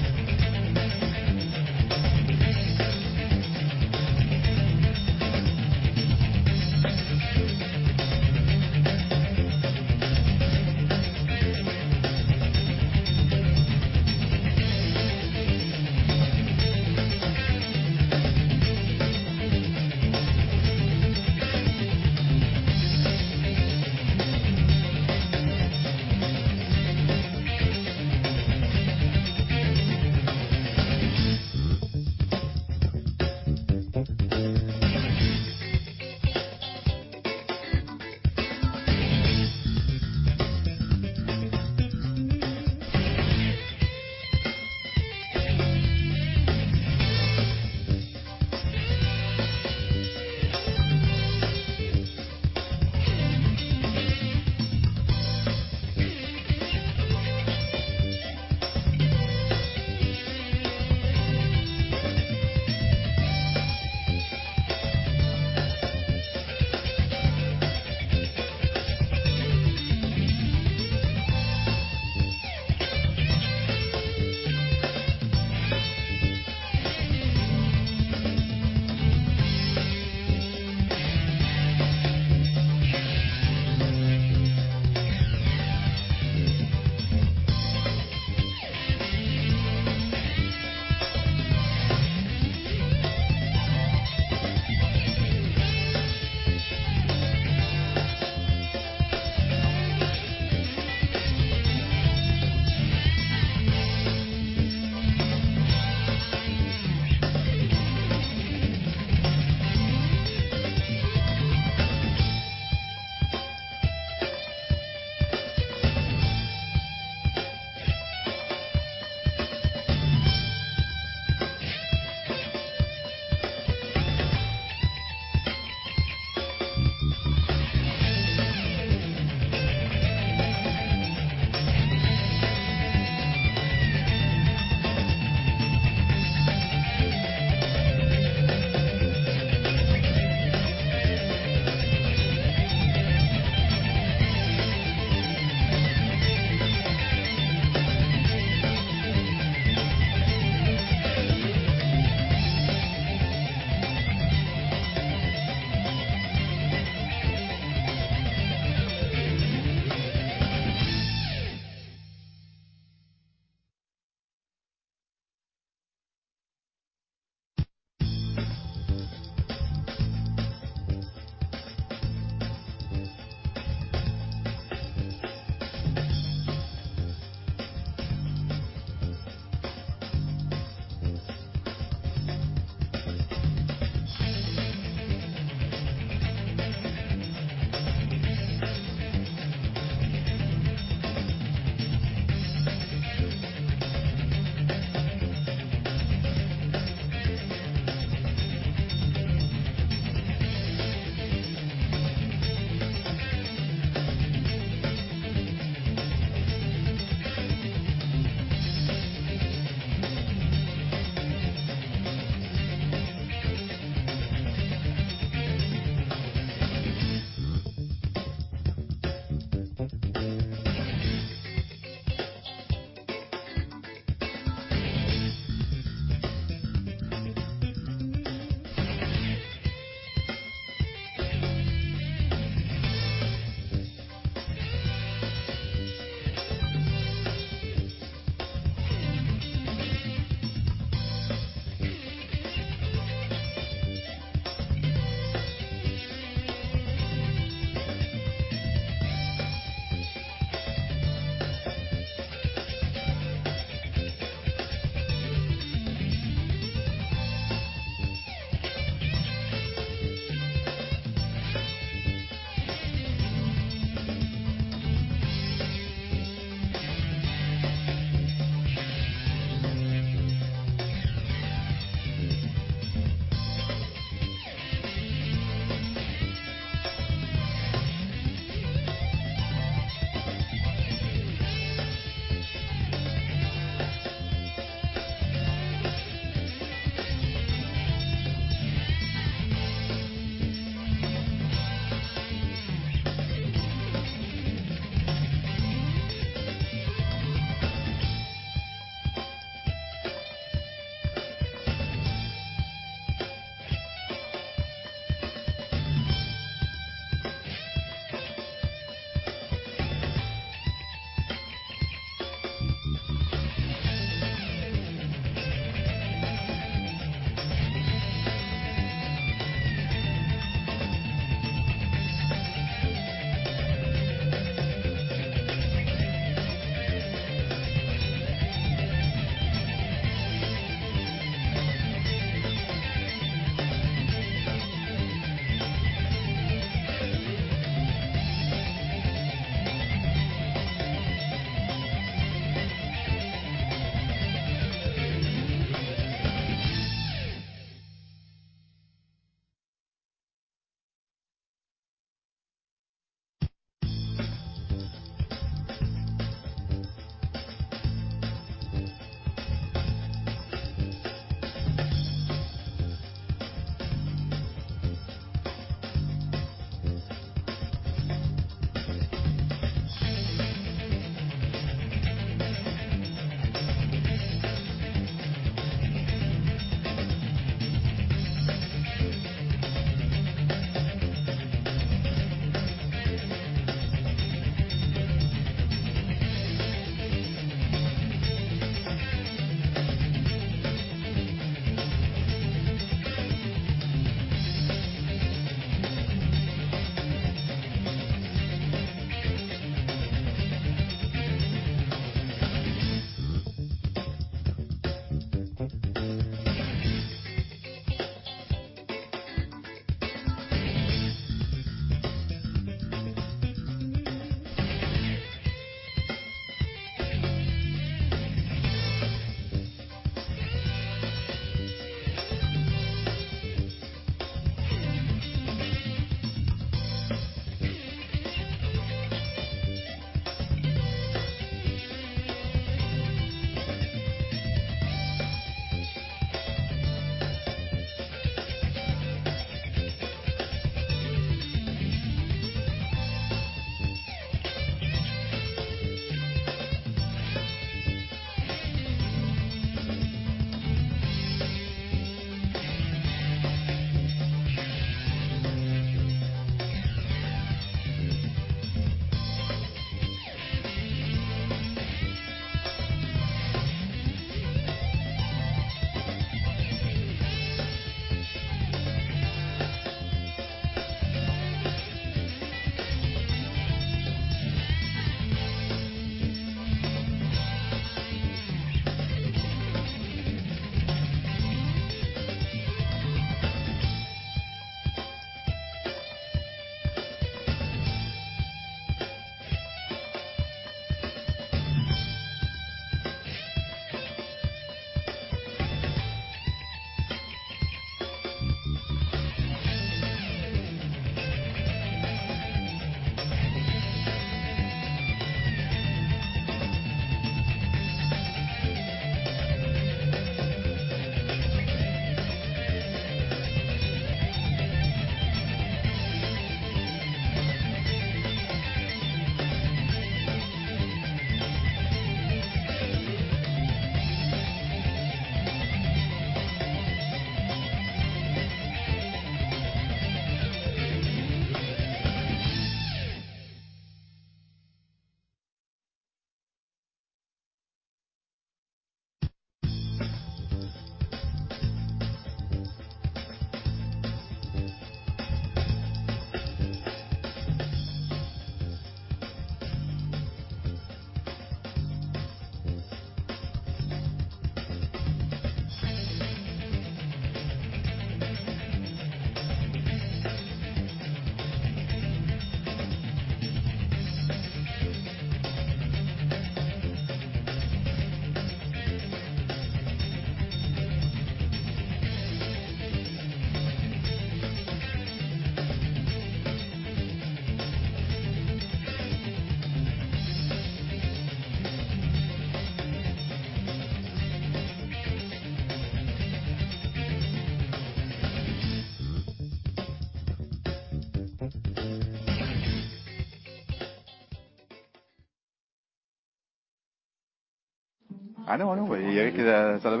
It was good. It was good.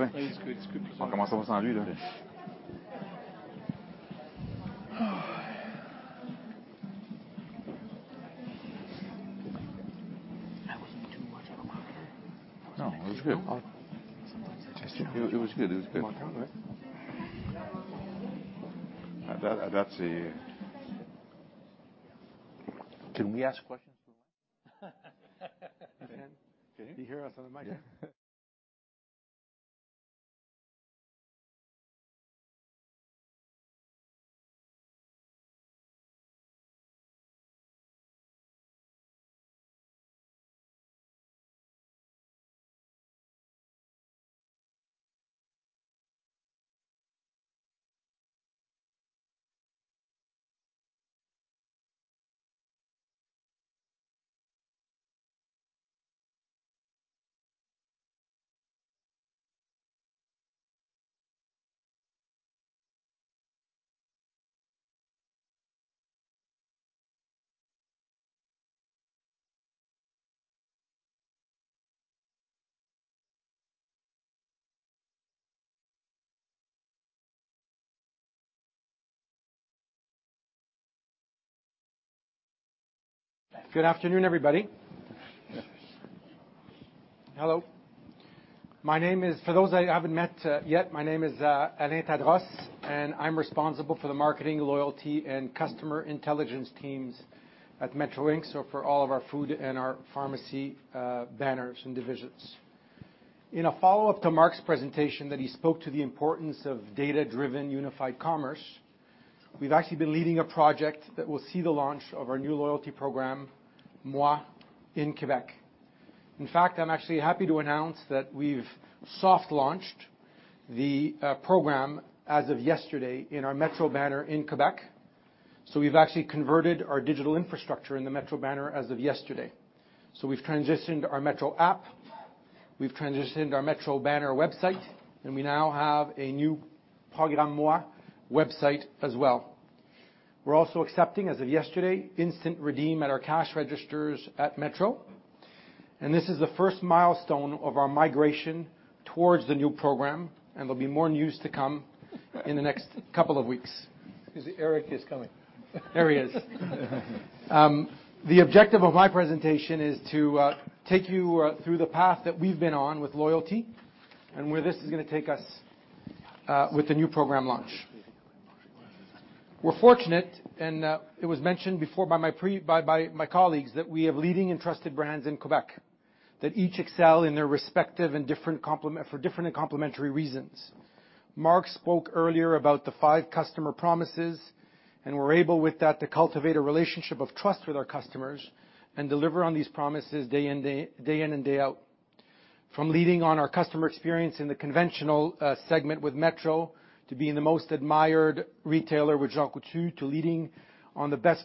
It was good. That's a... Can we ask questions now? You can? Can you hear us on the mic? Good afternoon, everybody. Hello. My name is For those I haven't met yet, my name is Alain Tadros, and I'm responsible for the marketing, loyalty, and customer intelligence teams at Metro Inc, so for all of our food and our pharmacy banners and divisions. In a follow-up to Marc's presentation that he spoke to the importance of data-driven unified commerce, we've actually been leading a project that will see the launch of our new loyalty program, moi, in Quebec. In fact, I'm actually happy to announce that we've soft-launched the program as of yesterday in our Metro banner in Quebec. We've actually converted our digital infrastructure in the Metro banner as of yesterday. We've transitioned our Metro app, we've transitioned our Metro banner website, and we now have a new Programme moi website as well. We're also accepting, as of yesterday, instant redeem at our cash registers at Metro. This is the first milestone of our migration towards the new program. There'll be more news to come in the next couple of weeks. Eric is coming. There he is. The objective of my presentation is to take you through the path that we've been on with loyalty and where this is gonna take us with the new program launch. We're fortunate, and it was mentioned before by my colleagues that we have leading and trusted brands in Quebec that each excel in their respective and for different and complementary reasons. Marc spoke earlier about the five customer promises, and we're able with that to cultivate a relationship of trust with our customers and deliver on these promises day in and day out. From leading on our customer experience in the conventional segment with Metro to being the most admired retailer with Jean Coutu to leading on the best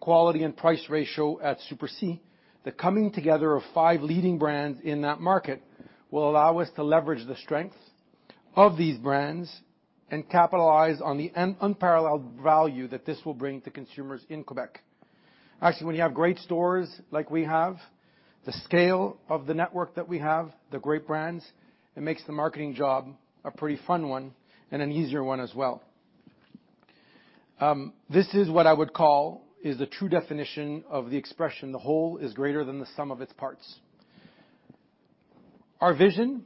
quality and price ratio at Super C, the coming together of five leading brands in that market will allow us to leverage the strengths of these brands and capitalize on the unparalleled value that this will bring to consumers in Quebec. When you have great stores like we have, the scale of the network that we have, the great brands, it makes the marketing job a pretty fun one and an easier one as well. This is what I would call is the true definition of the expression, the whole is greater than the sum of its parts. Our vision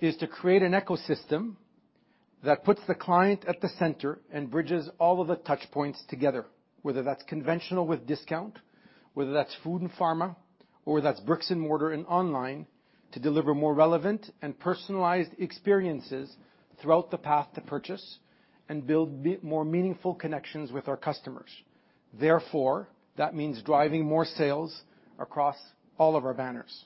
is to create an ecosystem that puts the client at the center and bridges all of the touch points together, whether that's conventional with discount, whether that's food and pharma, or whether that's bricks and mortar and online to deliver more relevant and personalized experiences throughout the path to purchase and build more meaningful connections with our customers. That means driving more sales across all of our banners.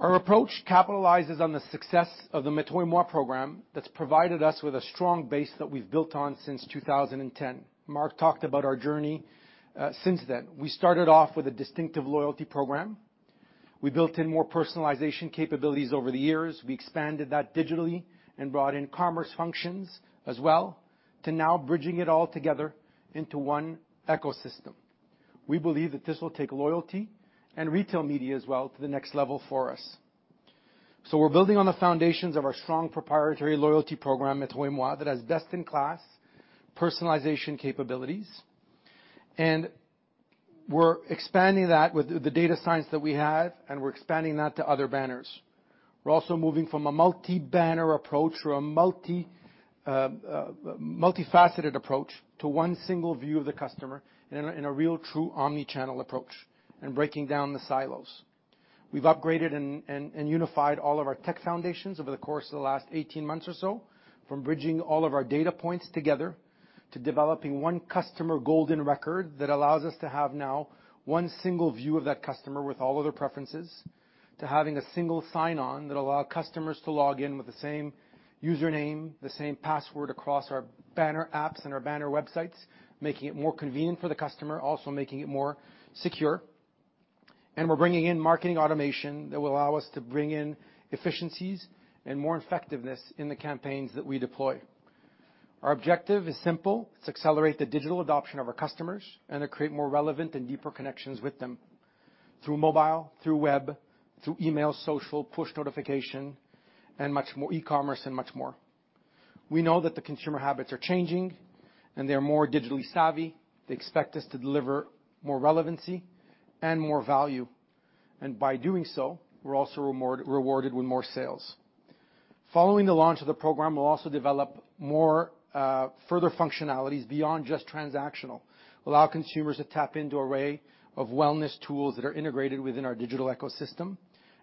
Our approach capitalizes on the success of the metro&moi program that's provided us with a strong base that we've built on since 2010. Marc talked about our journey since then. We started off with a distinctive loyalty program. We built in more personalization capabilities over the years. We expanded that digitally and brought in commerce functions as well to now bridging it all together into one ecosystem. We believe that this will take loyalty and retail media as well to the next level for us. We're building on the foundations of our strong proprietary loyalty program, metro&moi, that has best-in-class personalization capabilities, and we're expanding that with the data science that we have, and we're expanding that to other banners. We're also moving from a multi-banner approach or a multi, multifaceted approach to one single view of the customer in a, in a real true omni-channel approach and breaking down the silos. We've upgraded and unified all of our tech foundations over the course of the last 18 months or so, from bridging all of our data points together to developing one customer golden record that allows us to have now one single view of that customer with all of their preferences to having a single sign-on that allow customers to log in with the same username, the same password across our banner apps and our banner websites, making it more convenient for the customer, also making it more secure. We're bringing in marketing automation that will allow us to bring in efficiencies and more effectiveness in the campaigns that we deploy. Our objective is simple, to accelerate the digital adoption of our customers and to create more relevant and deeper connections with them through mobile, through web, through email, social, push notification, and much more e-commerce and much more. We know that the consumer habits are changing and they're more digitally savvy. They expect us to deliver more relevancy and more value. By doing so, we're also rewarded with more sales. Following the launch of the program, we'll also develop more further functionalities beyond just transactional. Allow consumers to tap into array of wellness tools that are integrated within our digital ecosystem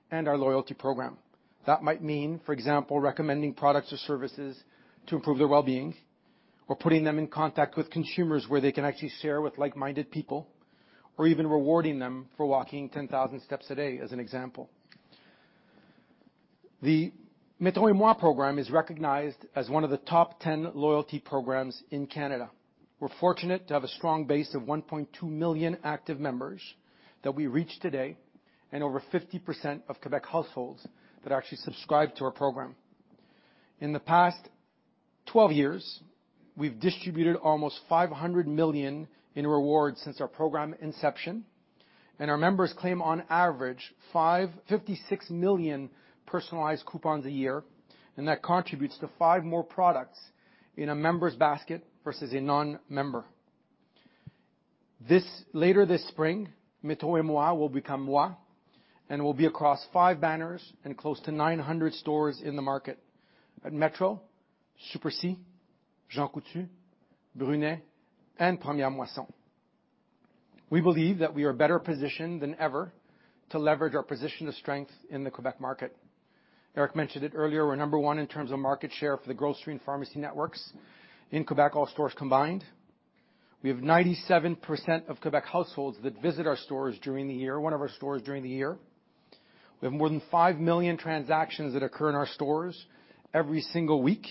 and our loyalty program. That might mean, for example, recommending products or services to improve their well-being, or putting them in contact with consumers where they can actually share with like-minded people or even rewarding them for walking 10,000 steps a day, as an example. The Metro & Moi program is recognized as one of the top 10 loyalty programs in Canada. We're fortunate to have a strong base of 1.2 million active members that we reach today and over 50% of Quebec households that are actually subscribed to our program. In the past 12 years, we've distributed almost $500 million in rewards since our program inception. Our members claim on average 56 million personalized coupons a year. That contributes to five more products in a member's basket versus a non-member. Later this spring, Metro & Moi will become Moi and will be across five banners and close to 900 stores in the market. At Metro, Super C, Jean Coutu, Brunet, and Première Moisson. We believe that we are better positioned than ever to leverage our position of strength in the Quebec market. Eric mentioned it earlier, we're number 1 in terms of market share for the grocery and pharmacy networks in Quebec, all stores combined. We have 97% of Quebec households that visit our stores during the year, one of our stores during the year. We have more than 5 million transactions that occur in our stores every single week,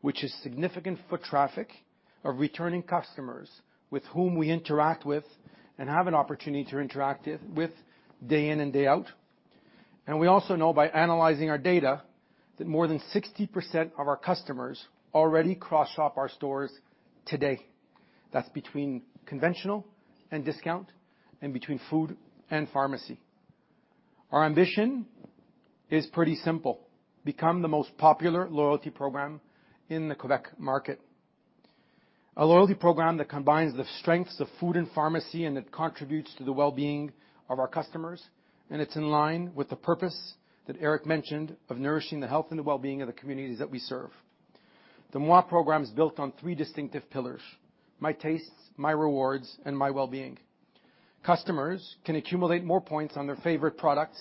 which is significant foot traffic of returning customers with whom we interact with and have an opportunity to interact with day in and day out. We also know by analyzing our data, that more than 60% of our customers already cross-shop our stores today. That's between conventional and discount and between food and pharmacy. Our ambition is pretty simple: become the most popular loyalty program in the Quebec market. A loyalty program that combines the strengths of food and pharmacy, and it contributes to the well-being of our customers, and it's in line with the purpose that Eric mentioned of nourishing the health and the well-being of the communities that we serve. The moi program is built on three distinctive pillars: my tastes, my rewards, and my well-being. Customers can accumulate more points on their favorite products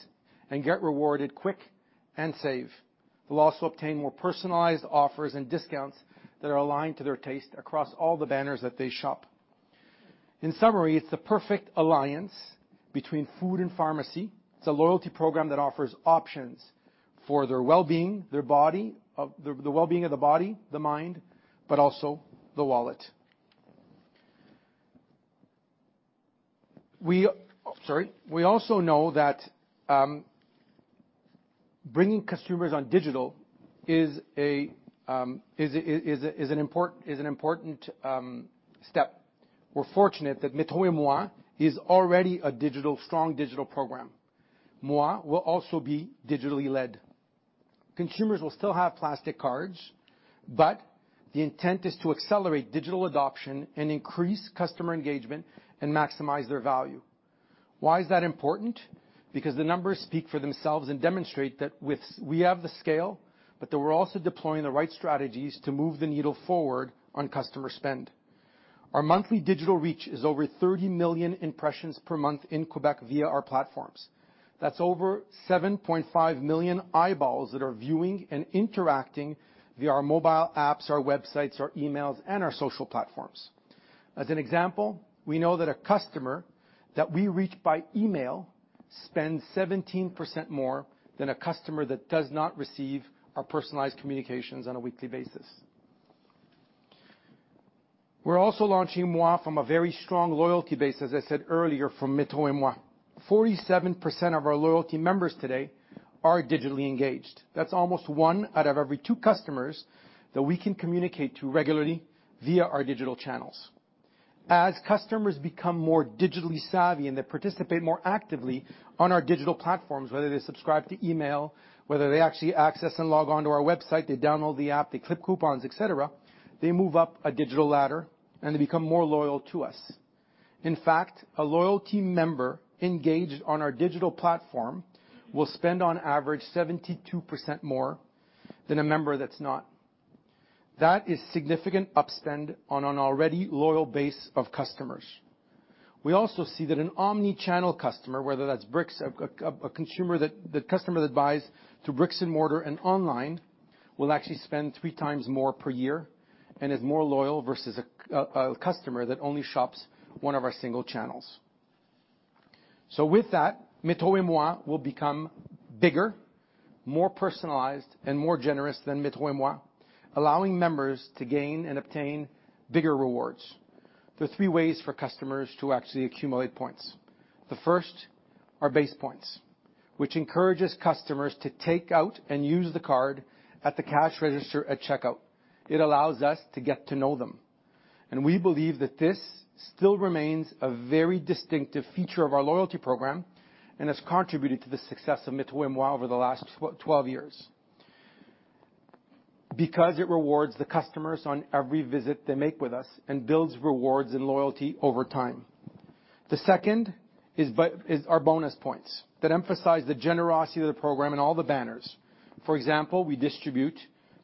and get rewarded quick and save. They'll also obtain more personalized offers and discounts that are aligned to their taste across all the banners that they shop. In summary, it's the perfect alliance between food and pharmacy. It's a loyalty program that offers options for their well-being, their body, the well-being of the body, the mind, but also the wallet. Sorry. We also know that bringing customers on digital is an important step. We're fortunate that metro&moi is already a digital, strong digital program. moi will also be digitally led. Consumers will still have plastic cards, but the intent is to accelerate digital adoption and increase customer engagement and maximize their value. Why is that important? The numbers speak for themselves and demonstrate that we have the scale, but that we're also deploying the right strategies to move the needle forward on customer spend. Our monthly digital reach is over 30 million impressions per month in Quebec via our platforms. That's over 7.5 million eyeballs that are viewing and interacting via our mobile apps, our websites, our emails, and our social platforms. As an example, we know that a customer that we reach by email spends 17% more than a customer that does not receive our personalized communications on a weekly basis. We're also launching moi from a very strong loyalty base, as I said earlier, from metro&moi. 47% of our loyalty members today are digitally engaged. That's almost 1 out of every 2 customers that we can communicate to regularly via our digital channels. As customers become more digitally savvy and they participate more actively on our digital platforms, whether they subscribe to email, whether they actually access and log on to our website, they download the app, they clip coupons, et cetera, they move up a digital ladder and they become more loyal to us. In fact, a loyalty member engaged on our digital platform will spend on average 72% more than a member that's not. That is significant upstand on an already loyal base of customers. We also see that an omni-channel customer, whether that's bricks, a consumer that buys through bricks and mortar and online, will actually spend 3x more per year and is more loyal versus a customer that only shops one of our single channels. With that, Metro & Moi will become bigger, more personalized, and more generous than Metro & Moi, allowing members to gain and obtain bigger rewards. There are 3 ways for customers to actually accumulate points. The first are base points, which encourages customers to take out and use the card at the cash register at checkout. It allows us to get to know them. We believe that this still remains a very distinctive feature of our loyalty program and has contributed to the success of metro&moi over the last 12 years. It rewards the customers on every visit they make with us and builds rewards and loyalty over time. The second is our bonus points that emphasize the generosity of the program in all the banners. We distribute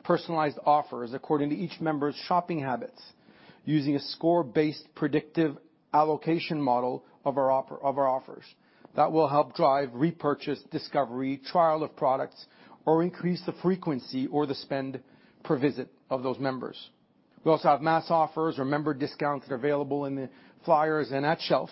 personalized offers according to each member's shopping habits using a score-based predictive allocation model of our offers that will help drive repurchase, discovery, trial of products, or increase the frequency or the spend per visit of those members. We also have mass offers or member discounts that are available in the flyers and at shelf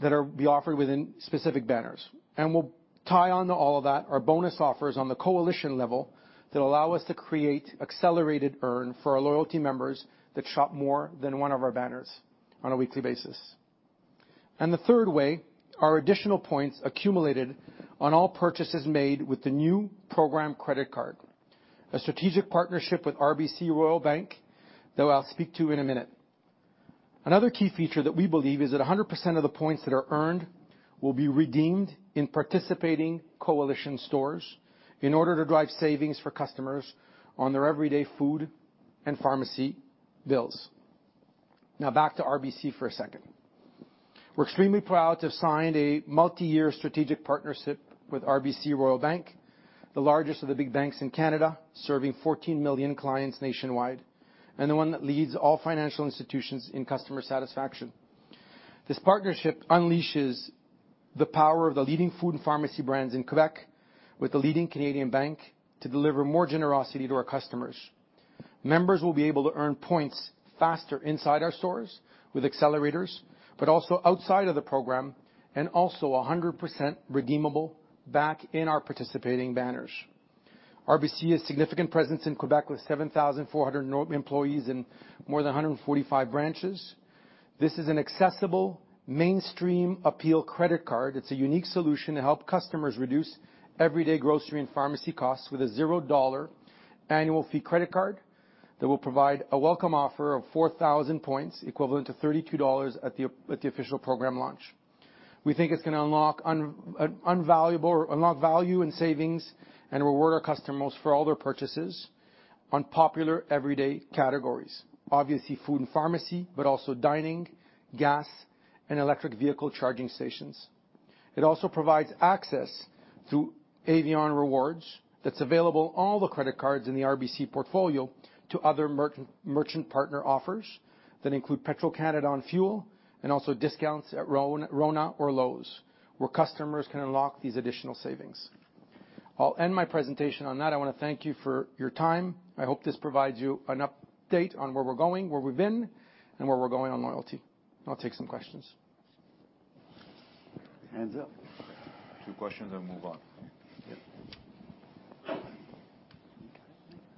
that are be offered within specific banners. We'll tie on to all of that our bonus offers on the coalition level that allow us to create accelerated earn for our loyalty members that shop more than one of our banners on a weekly basis. The third way are additional points accumulated on all purchases made with the new program credit card, a strategic partnership with RBC Royal Bank, that I'll speak to in a minute. Another key feature that we believe is that 100% of the points that are earned will be redeemed in participating coalition stores in order to drive savings for customers on their everyday food and pharmacy bills. Back to RBC for a second. We're extremely proud to have signed a multiyear strategic partnership with RBC Royal Bank, the largest of the big banks in Canada, serving 14 million clients nationwide, the one that leads all financial institutions in customer satisfaction. This partnership unleashes the power of the leading food and pharmacy brands in Quebec with the leading Canadian bank to deliver more generosity to our customers. Members will be able to earn points faster inside our stores with accelerators, also outside of the program and also 100% redeemable back in our participating banners. RBC has significant presence in Quebec, with 7,400 employees and more than 145 branches. This is an accessible mainstream appeal credit card. It's a unique solution to help customers reduce everyday grocery and pharmacy costs with a $0 annual fee credit card that will provide a welcome offer of 4,000 points, equivalent to $32, at the official program launch. We think it's gonna unlock value and savings and reward our customers for all their purchases on popular everyday categories. Obviously, food and pharmacy, but also dining, gas, and electric vehicle charging stations. It also provides access to Avion Rewards that's available on all the credit cards in the RBC portfolio to other merchant partner offers that include Petro-Canada on fuel and also discounts at RONA or Lowe's, where customers can unlock these additional savings. I'll end my presentation on that. I wanna thank you for your time. I hope this provides you an update on where we're going, where we've been, and where we're going on loyalty. I'll take some questions. Hands up. 2 questions and move on.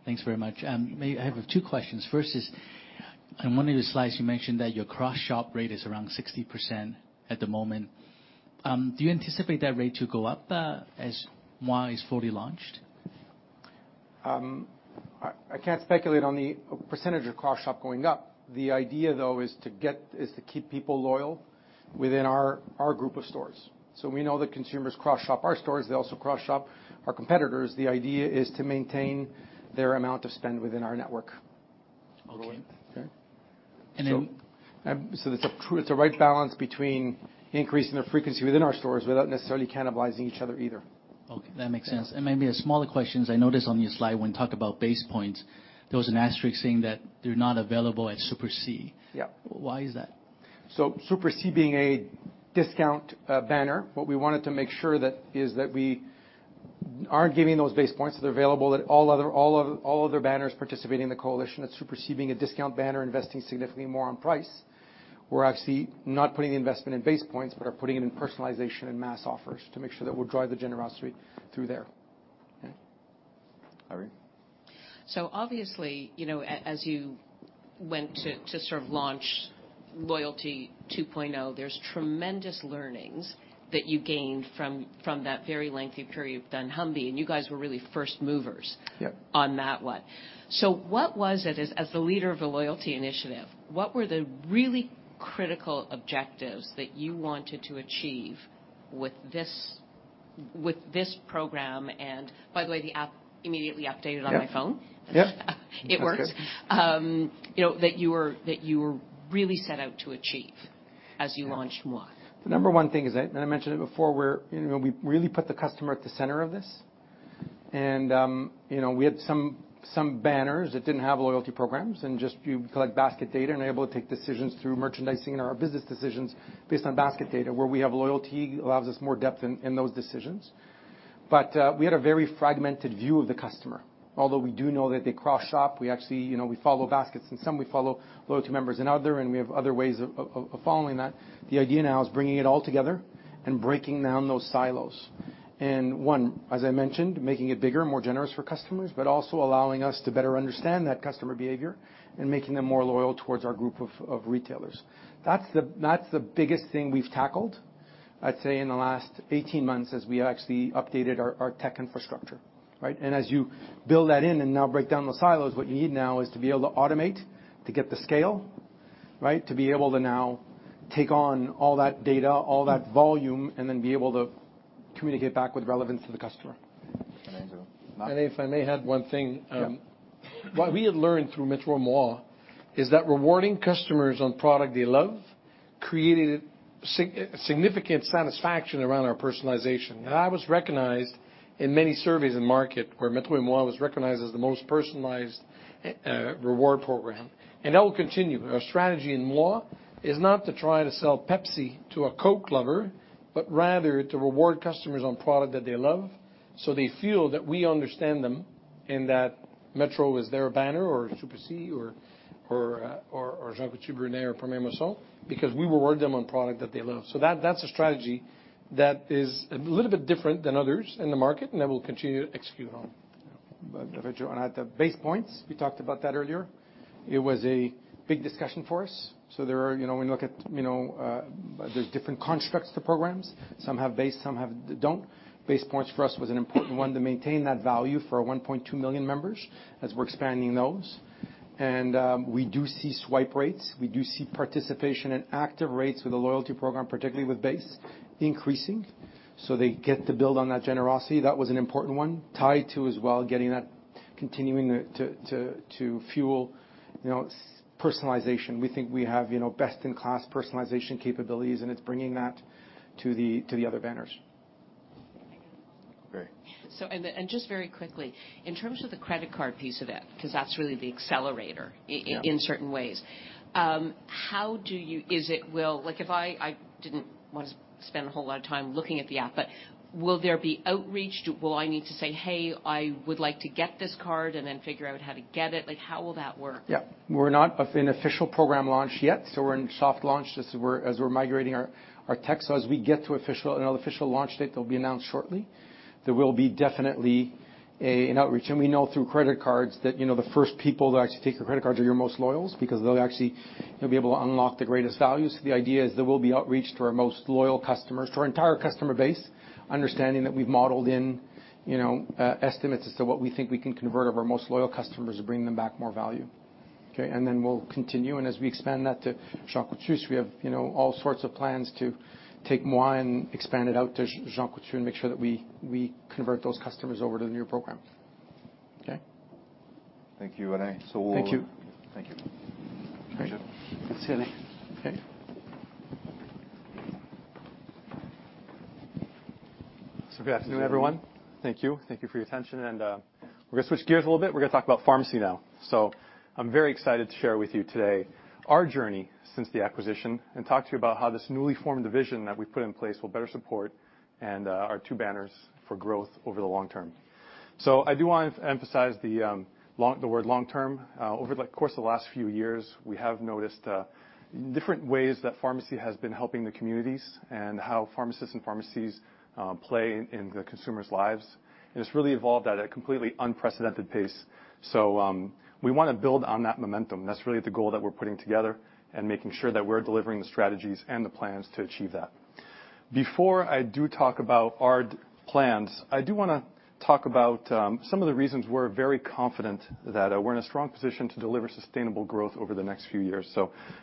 Yeah. Thanks very much. I have two questions. First is, on one of your slides, you mentioned that your cross-shop rate is around 60% at the moment. Do you anticipate that rate to go up, as moi is fully launched? I can't speculate on the percentage of cross-shop going up. The idea, though, is to keep people loyal within our group of stores. We know that consumers cross-shop our stores. They also cross-shop our competitors. The idea is to maintain their amount of spend within our network. Okay. Okay? And then- It's a right balance between increasing their frequency within our stores without necessarily cannibalizing each other either. Okay, that makes sense. Maybe a smaller questions. I noticed on your slide when you talk about basis points, there was an asterisk saying that they're not available at Super C. Yeah. Why is that? Super C being a discount banner, what we wanted to make sure that is that we aren't giving those base points, so they're available at all other banners participating in the coalition. At Super C, being a discount banner, investing significantly more on price, we're actually not putting investment in base points but are putting it in personalization and mass offers to make sure that we'll drive the generosity through there. Okay. Irene? Obviously, you know, as you went to sort of launch Loyalty 2.0, there's tremendous learnings that you gained from that very lengthy period with MissFresh, and you guys were really first movers. Yep. On that one. What was it as the leader of the loyalty initiative, what were the really critical objectives that you wanted to achieve with this program. By the way, the app immediately updated on my phone. Yeah. Yeah. It works. That's good. you know, that you were really set out to achieve as you launched moi. The number one thing is that, and I mentioned it before, we're, you know, we really put the customer at the center of this. You know, we had some banners that didn't have loyalty programs and just you collect basket data and able to take decisions through merchandising or our business decisions based on basket data. Where we have loyalty allows us more depth in those decisions. We had a very fragmented view of the customer, although we do know that they cross-shop, we actually, you know, we follow baskets and some we follow loyalty members in other, and we have other ways of following that. The idea now is bringing it all together and breaking down those silos. One, as I mentioned, making it bigger and more generous for customers, but also allowing us to better understand that customer behavior and making them more loyal towards our group of retailers. That's the biggest thing we've tackled, I'd say in the last 18 months as we actually updated our tech infrastructure, right? As you build that in and now break down those silos, what you need now is to be able to automate, to get the scale, right? To be able to now take on all that data, all that volume, and then be able to communicate back with relevance to the customer. If I may add one thing. Yeah. What we had learned through metro moi is that rewarding customers on product they love created significant satisfaction around our personalization. That was recognized in many surveys in market where metro moi was recognized as the most personalized reward program, and that will continue. Our strategy in moi is not to try to sell Pepsi to a Coke lover, but rather to reward customers on product that they love, so they feel that we understand them and that Metro is their banner or Super C or Jean Coutu, Brunet or Première Moisson because we reward them on product that they love. That, that's a strategy that is a little bit different than others in the market, and that we'll continue to execute on. I'll add that base points, we talked about that earlier. It was a big discussion for us, so there are, you know, when you look at, you know, the different constructs to programs, some have base, some don't. Base points for us was an important one to maintain that value for our 1.2 million members as we're expanding those. We do see swipe rates, we do see participation and active rates with the loyalty program, particularly with base increasing, so they get to build on that generosity. That was an important one. Tied to as well, getting that continuing to fuel, you know, personalization. We think we have, you know, best in class personalization capabilities, and it's bringing that to the, to the other banners. Great. just very quickly, in terms of the credit card piece of it, 'cause that's really the accelerator- Yeah. In certain ways, how do you Is it... Will Like, if I didn't want to spend a whole lot of time looking at the app, but will there be outreach? Will I need to say, "Hey, I would like to get this card," and then figure out how to get it? Like, how will that work? Yeah. We're not at an official program launch yet, so we're in soft launch as we're migrating our tech. As we get to an official launch date that'll be announced shortly, there will be definitely an outreach. We know through credit cards that, you know, the first people that actually take the credit cards are your most loyals because they'll actually be able to unlock the greatest values. The idea is there will be outreach to our most loyal customers, to our entire customer base, understanding that we've modeled in, you know, estimates as to what we think we can convert of our most loyal customers and bring them back more value, okay? We'll continue. As we expand that to Jean Coutu, so we have, you know, all sorts of plans to take moi and expand it out to Jean Coutu and make sure that we convert those customers over to the new program. Okay? Thank you, Rene. Thank you. Thank you. Thank you. See you, Rene. Okay. Good afternoon, everyone. Thank you. Thank you for your attention. We're gonna switch gears a little bit. We're gonna talk about pharmacy now. I'm very excited to share with you today our journey since the acquisition and talk to you about how this newly formed division that we've put in place will better support and our two banners for growth over the long term. I do want to emphasize the word long term. Over the course of the last few years, we have noticed different ways that pharmacy has been helping the communities and how pharmacists and pharmacies play in the consumer's lives. It's really evolved at a completely unprecedented pace. We wanna build on that momentum. That's really the goal that we're putting together and making sure that we're delivering the strategies and the plans to achieve that. Before I do talk about our plans, I do wanna talk about some of the reasons we're very confident that we're in a strong position to deliver sustainable growth over the next few years.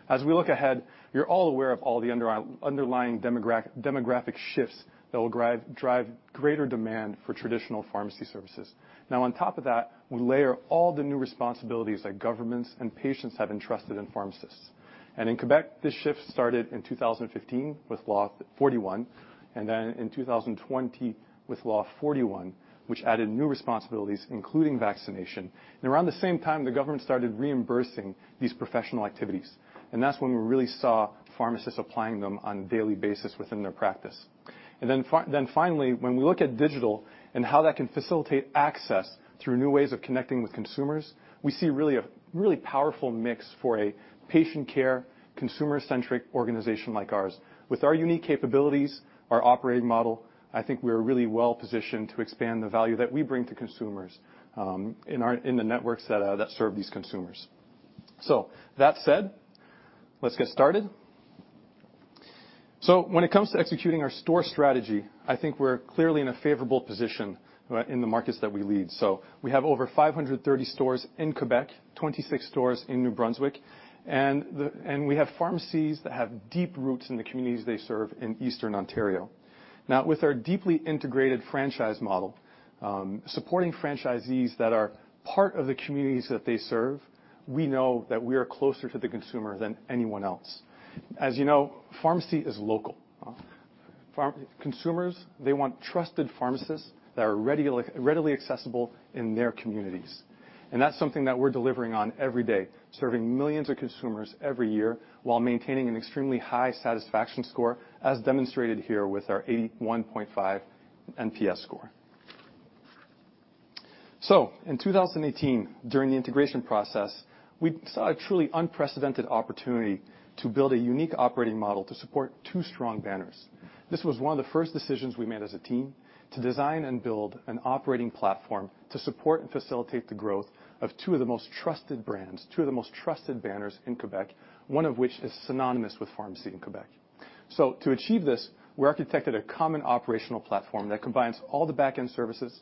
As we look ahead, you're all aware of all the underlying demographic shifts that will drive greater demand for traditional pharmacy services. Now, on top of that, we layer all the new responsibilities that governments and patients have entrusted in pharmacists. In Quebec, this shift started in 2015 with Law 41, and then in 2020 with Law 41, which added new responsibilities, including vaccination. Around the same time, the government started reimbursing these professional activities, and that's when we really saw pharmacists applying them on a daily basis within their practice. Then finally, when we look at digital and how that can facilitate access through new ways of connecting with consumers, we see a really powerful mix for a patient care, consumer-centric organization like ours. With our unique capabilities, our operating model, I think we're really well-positioned to expand the value that we bring to consumers, in our, in the networks that serve these consumers. That said, let's get started. When it comes to executing our store strategy, I think we're clearly in a favorable position, in the markets that we lead. We have over 530 stores in Quebec, 26 stores in New Brunswick, and we have pharmacies that have deep roots in the communities they serve in Eastern Ontario. Now, with our deeply integrated franchise model, supporting franchisees that are part of the communities that they serve, we know that we are closer to the consumer than anyone else. As you know, pharmacy is local. consumers, they want trusted pharmacists that are readily accessible in their communities, and that's something that we're delivering on every day, serving millions of consumers every year while maintaining an extremely high satisfaction score, as demonstrated here with our 81.5 NPS score. In 2018, during the integration process, we saw a truly unprecedented opportunity to build a unique operating model to support two strong banners. This was one of the first decisions we made as a team to design and build an operating platform to support and facilitate the growth of two of the most trusted brands, two of the most trusted banners in Quebec, one of which is synonymous with pharmacy in Quebec. To achieve this, we architected a common operational platform that combines all the back-end services,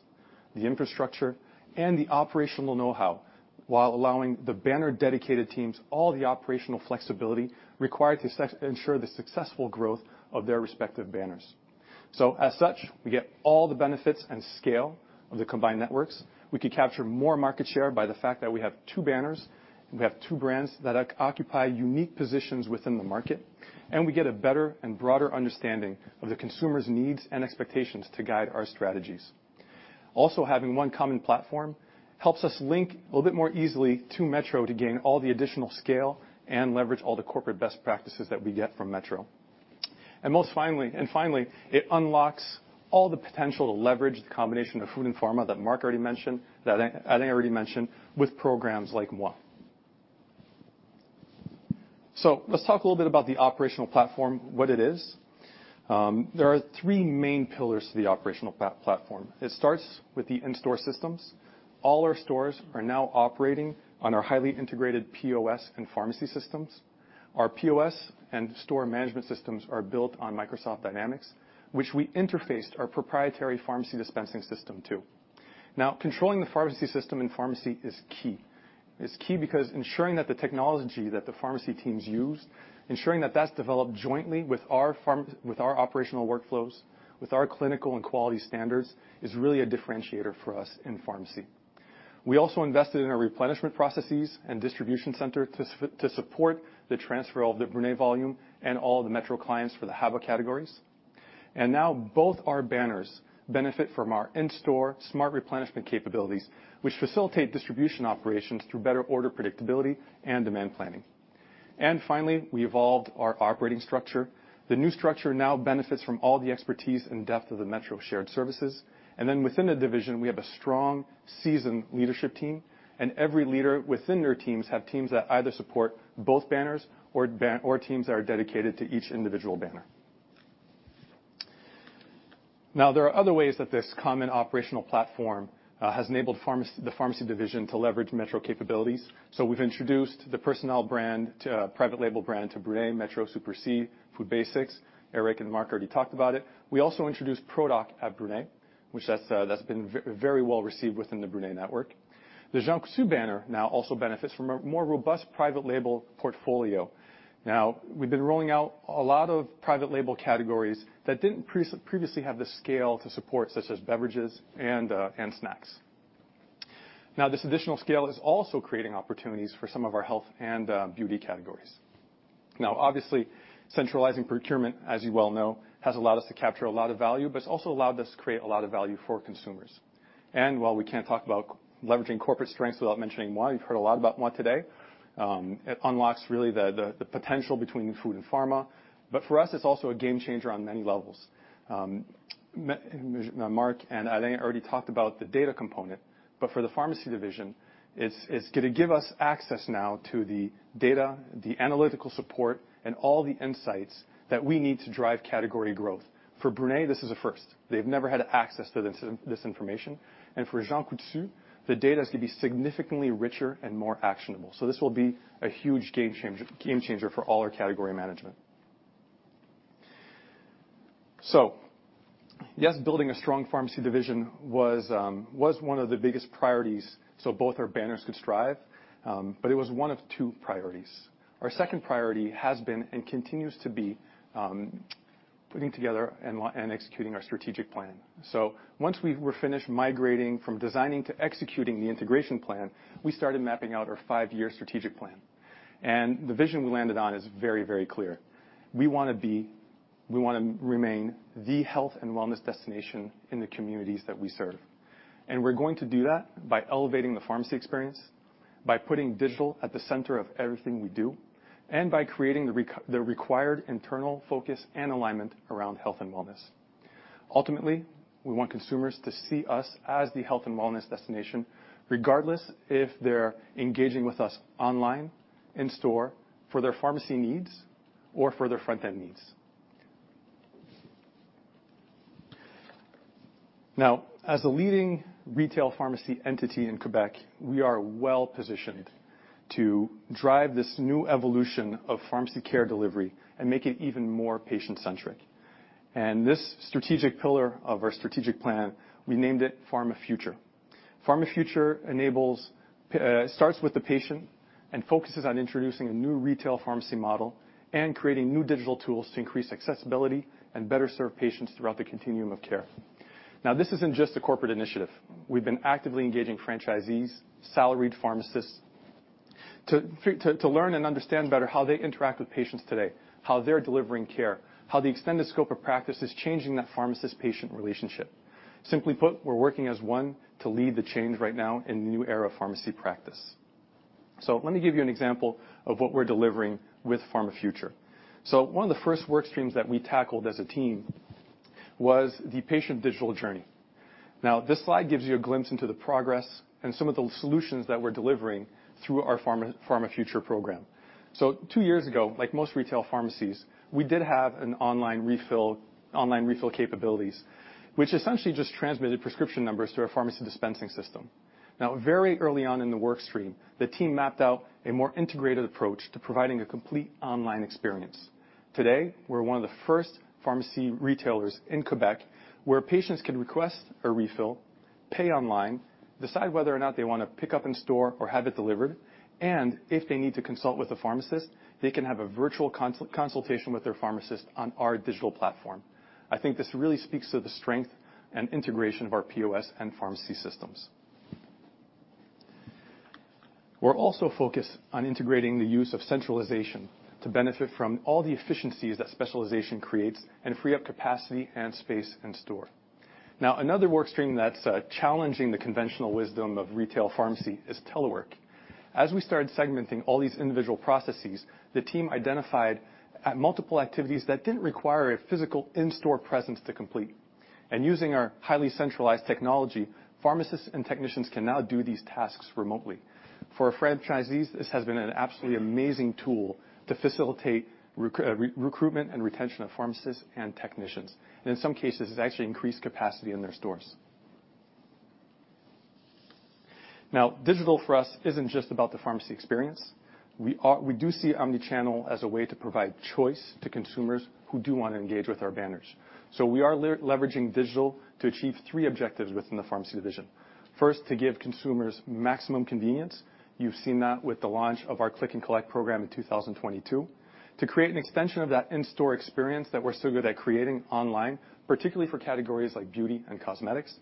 the infrastructure, and the operational know-how, while allowing the banner dedicated teams all the operational flexibility required to ensure the successful growth of their respective banners. As such, we get all the benefits and scale of the combined networks. We could capture more market share by the fact that we have two banners, we have two brands that occupy unique positions within the market, and we get a better and broader understanding of the consumers' needs and expectations to guide our strategies. Also, having one common platform helps us link a little bit more easily to Metro to gain all the additional scale and leverage all the corporate best practices that we get from Metro. Finally, it unlocks all the potential to leverage the combination of food and pharma that Marc already mentioned, that Alain already mentioned with programs like moi. Let's talk a little bit about the operational platform, what it is. There are three main pillars to the operational platform. It starts with the in-store systems. All our stores are now operating on our highly integrated POS and pharmacy systems. Our POS and store management systems are built on Microsoft Dynamics, which we interfaced our proprietary pharmacy dispensing system to. Now, controlling the pharmacy system in pharmacy is key. It's key because ensuring that the technology that the pharmacy teams use, ensuring that that's developed jointly with our operational workflows, with our clinical and quality standards, is really a differentiator for us in pharmacy. We also invested in our replenishment processes and distribution center to support the transfer of the Brunet volume and all the Metro clients for the HABA categories. Now both our banners benefit from our in-store smart replenishment capabilities, which facilitate distribution operations through better order predictability and demand planning. Finally, we evolved our operating structure. The new structure now benefits from all the expertise and depth of the Metro shared services. Then within the division, we have a strong, seasoned leadership team, and every leader within their teams have teams that either support both banners or teams that are dedicated to each individual banner. There are other ways that this common operational platform has enabled the pharmacy division to leverage Metro capabilities. We've introduced the Personnelle brand to private label brand to Brunet, Metro Super C, Food Basics. Eric and Marc already talked about it. We also introduced Pro Doc at Brunet, which that's very well received within the Brunet network. The Jean Coutu banner now also benefits from a more robust private label portfolio. We've been rolling out a lot of private label categories that didn't previously have the scale to support, such as beverages and snacks. This additional scale is also creating opportunities for some of our health and beauty categories. Obviously, centralizing procurement, as you well know, has allowed us to capture a lot of value, but it's also allowed us to create a lot of value for consumers. While we can't talk about leveraging corporate strengths without mentioning moi, you've heard a lot about moi today. It unlocks really the, the potential between food and pharma. For us, it's also a game changer on many levels. Marc and Alain already talked about the data component, but for the pharmacy division, it's gonna give us access now to the data, the analytical support, and all the insights that we need to drive category growth. For Brunet, this is a first. They've never had access to this information. For Jean Coutu, the data is gonna be significantly richer and more actionable. This will be a huge game changer for all our category management. Yes, building a strong pharmacy division was one of the biggest priorities so both our banners could strive, but it was one of 2 priorities. Our second priority has been, and continues to be, putting together and executing our strategic plan. Once we were finished migrating from designing to executing the integration plan, we started mapping out our 5-year strategic plan. The vision we landed on is very, very clear. We wanna be, we wanna remain the health and wellness destination in the communities that we serve. We're going to do that by elevating the pharmacy experience, by putting digital at the center of everything we do, and by creating the required internal focus and alignment around health and wellness. Ultimately, we want consumers to see us as the health and wellness destination, regardless if they're engaging with us online, in store for their pharmacy needs or for their front-end needs. As a leading retail pharmacy entity in Quebec, we are well-positioned to drive this new evolution of pharmacy care delivery and make it even more patient-centric. This strategic pillar of our strategic plan, we named it PharmaFuture. PharmaFuture enables, starts with the patient and focuses on introducing a new retail pharmacy model and creating new digital tools to increase accessibility and better serve patients throughout the continuum of care. This isn't just a corporate initiative. We've been actively engaging franchisees, salaried pharmacists to learn and understand better how they interact with patients today, how they're delivering care, how the extended scope of practice is changing that pharmacist-patient relationship. Simply put, we're working as one to lead the change right now in the new era of pharmacy practice. Let me give you an example of what we're delivering with PharmaFuture. One of the first work streams that we tackled as a team was the patient digital journey. This slide gives you a glimpse into the progress and some of the solutions that we're delivering through our PharmaFuture program. Two years ago, like most retail pharmacies, we did have an online refill capabilities, which essentially just transmitted prescription numbers to our pharmacy dispensing system. Very early on in the work stream, the team mapped out a more integrated approach to providing a complete online experience. Today, we're one of the first pharmacy retailers in Quebec where patients can request a refill, pay online, decide whether or not they wanna pick up in store or have it delivered, and if they need to consult with a pharmacist, they can have a virtual consultation with their pharmacist on our digital platform. I think this really speaks to the strength and integration of our POS and pharmacy systems. We're also focused on integrating the use of centralization to benefit from all the efficiencies that specialization creates and free up capacity and space in store. Another work stream that's challenging the conventional wisdom of retail pharmacy is telework. As we started segmenting all these individual processes, the team identified multiple activities that didn't require a physical in-store presence to complete. Using our highly centralized technology, pharmacists and technicians can now do these tasks remotely. For our franchisees, this has been an absolutely amazing tool to facilitate recruitment and retention of pharmacists and technicians. In some cases, it's actually increased capacity in their stores. Digital for us isn't just about the pharmacy experience. We do see omnichannel as a way to provide choice to consumers who do wanna engage with our banners. We are leveraging digital to achieve three objectives within the pharmacy division. First, to give consumers maximum convenience. You've seen that with the launch of our Click & Collect program in 2022. To create an extension of that in-store experience that we're so good at creating online, particularly for categories like beauty and cosmetics.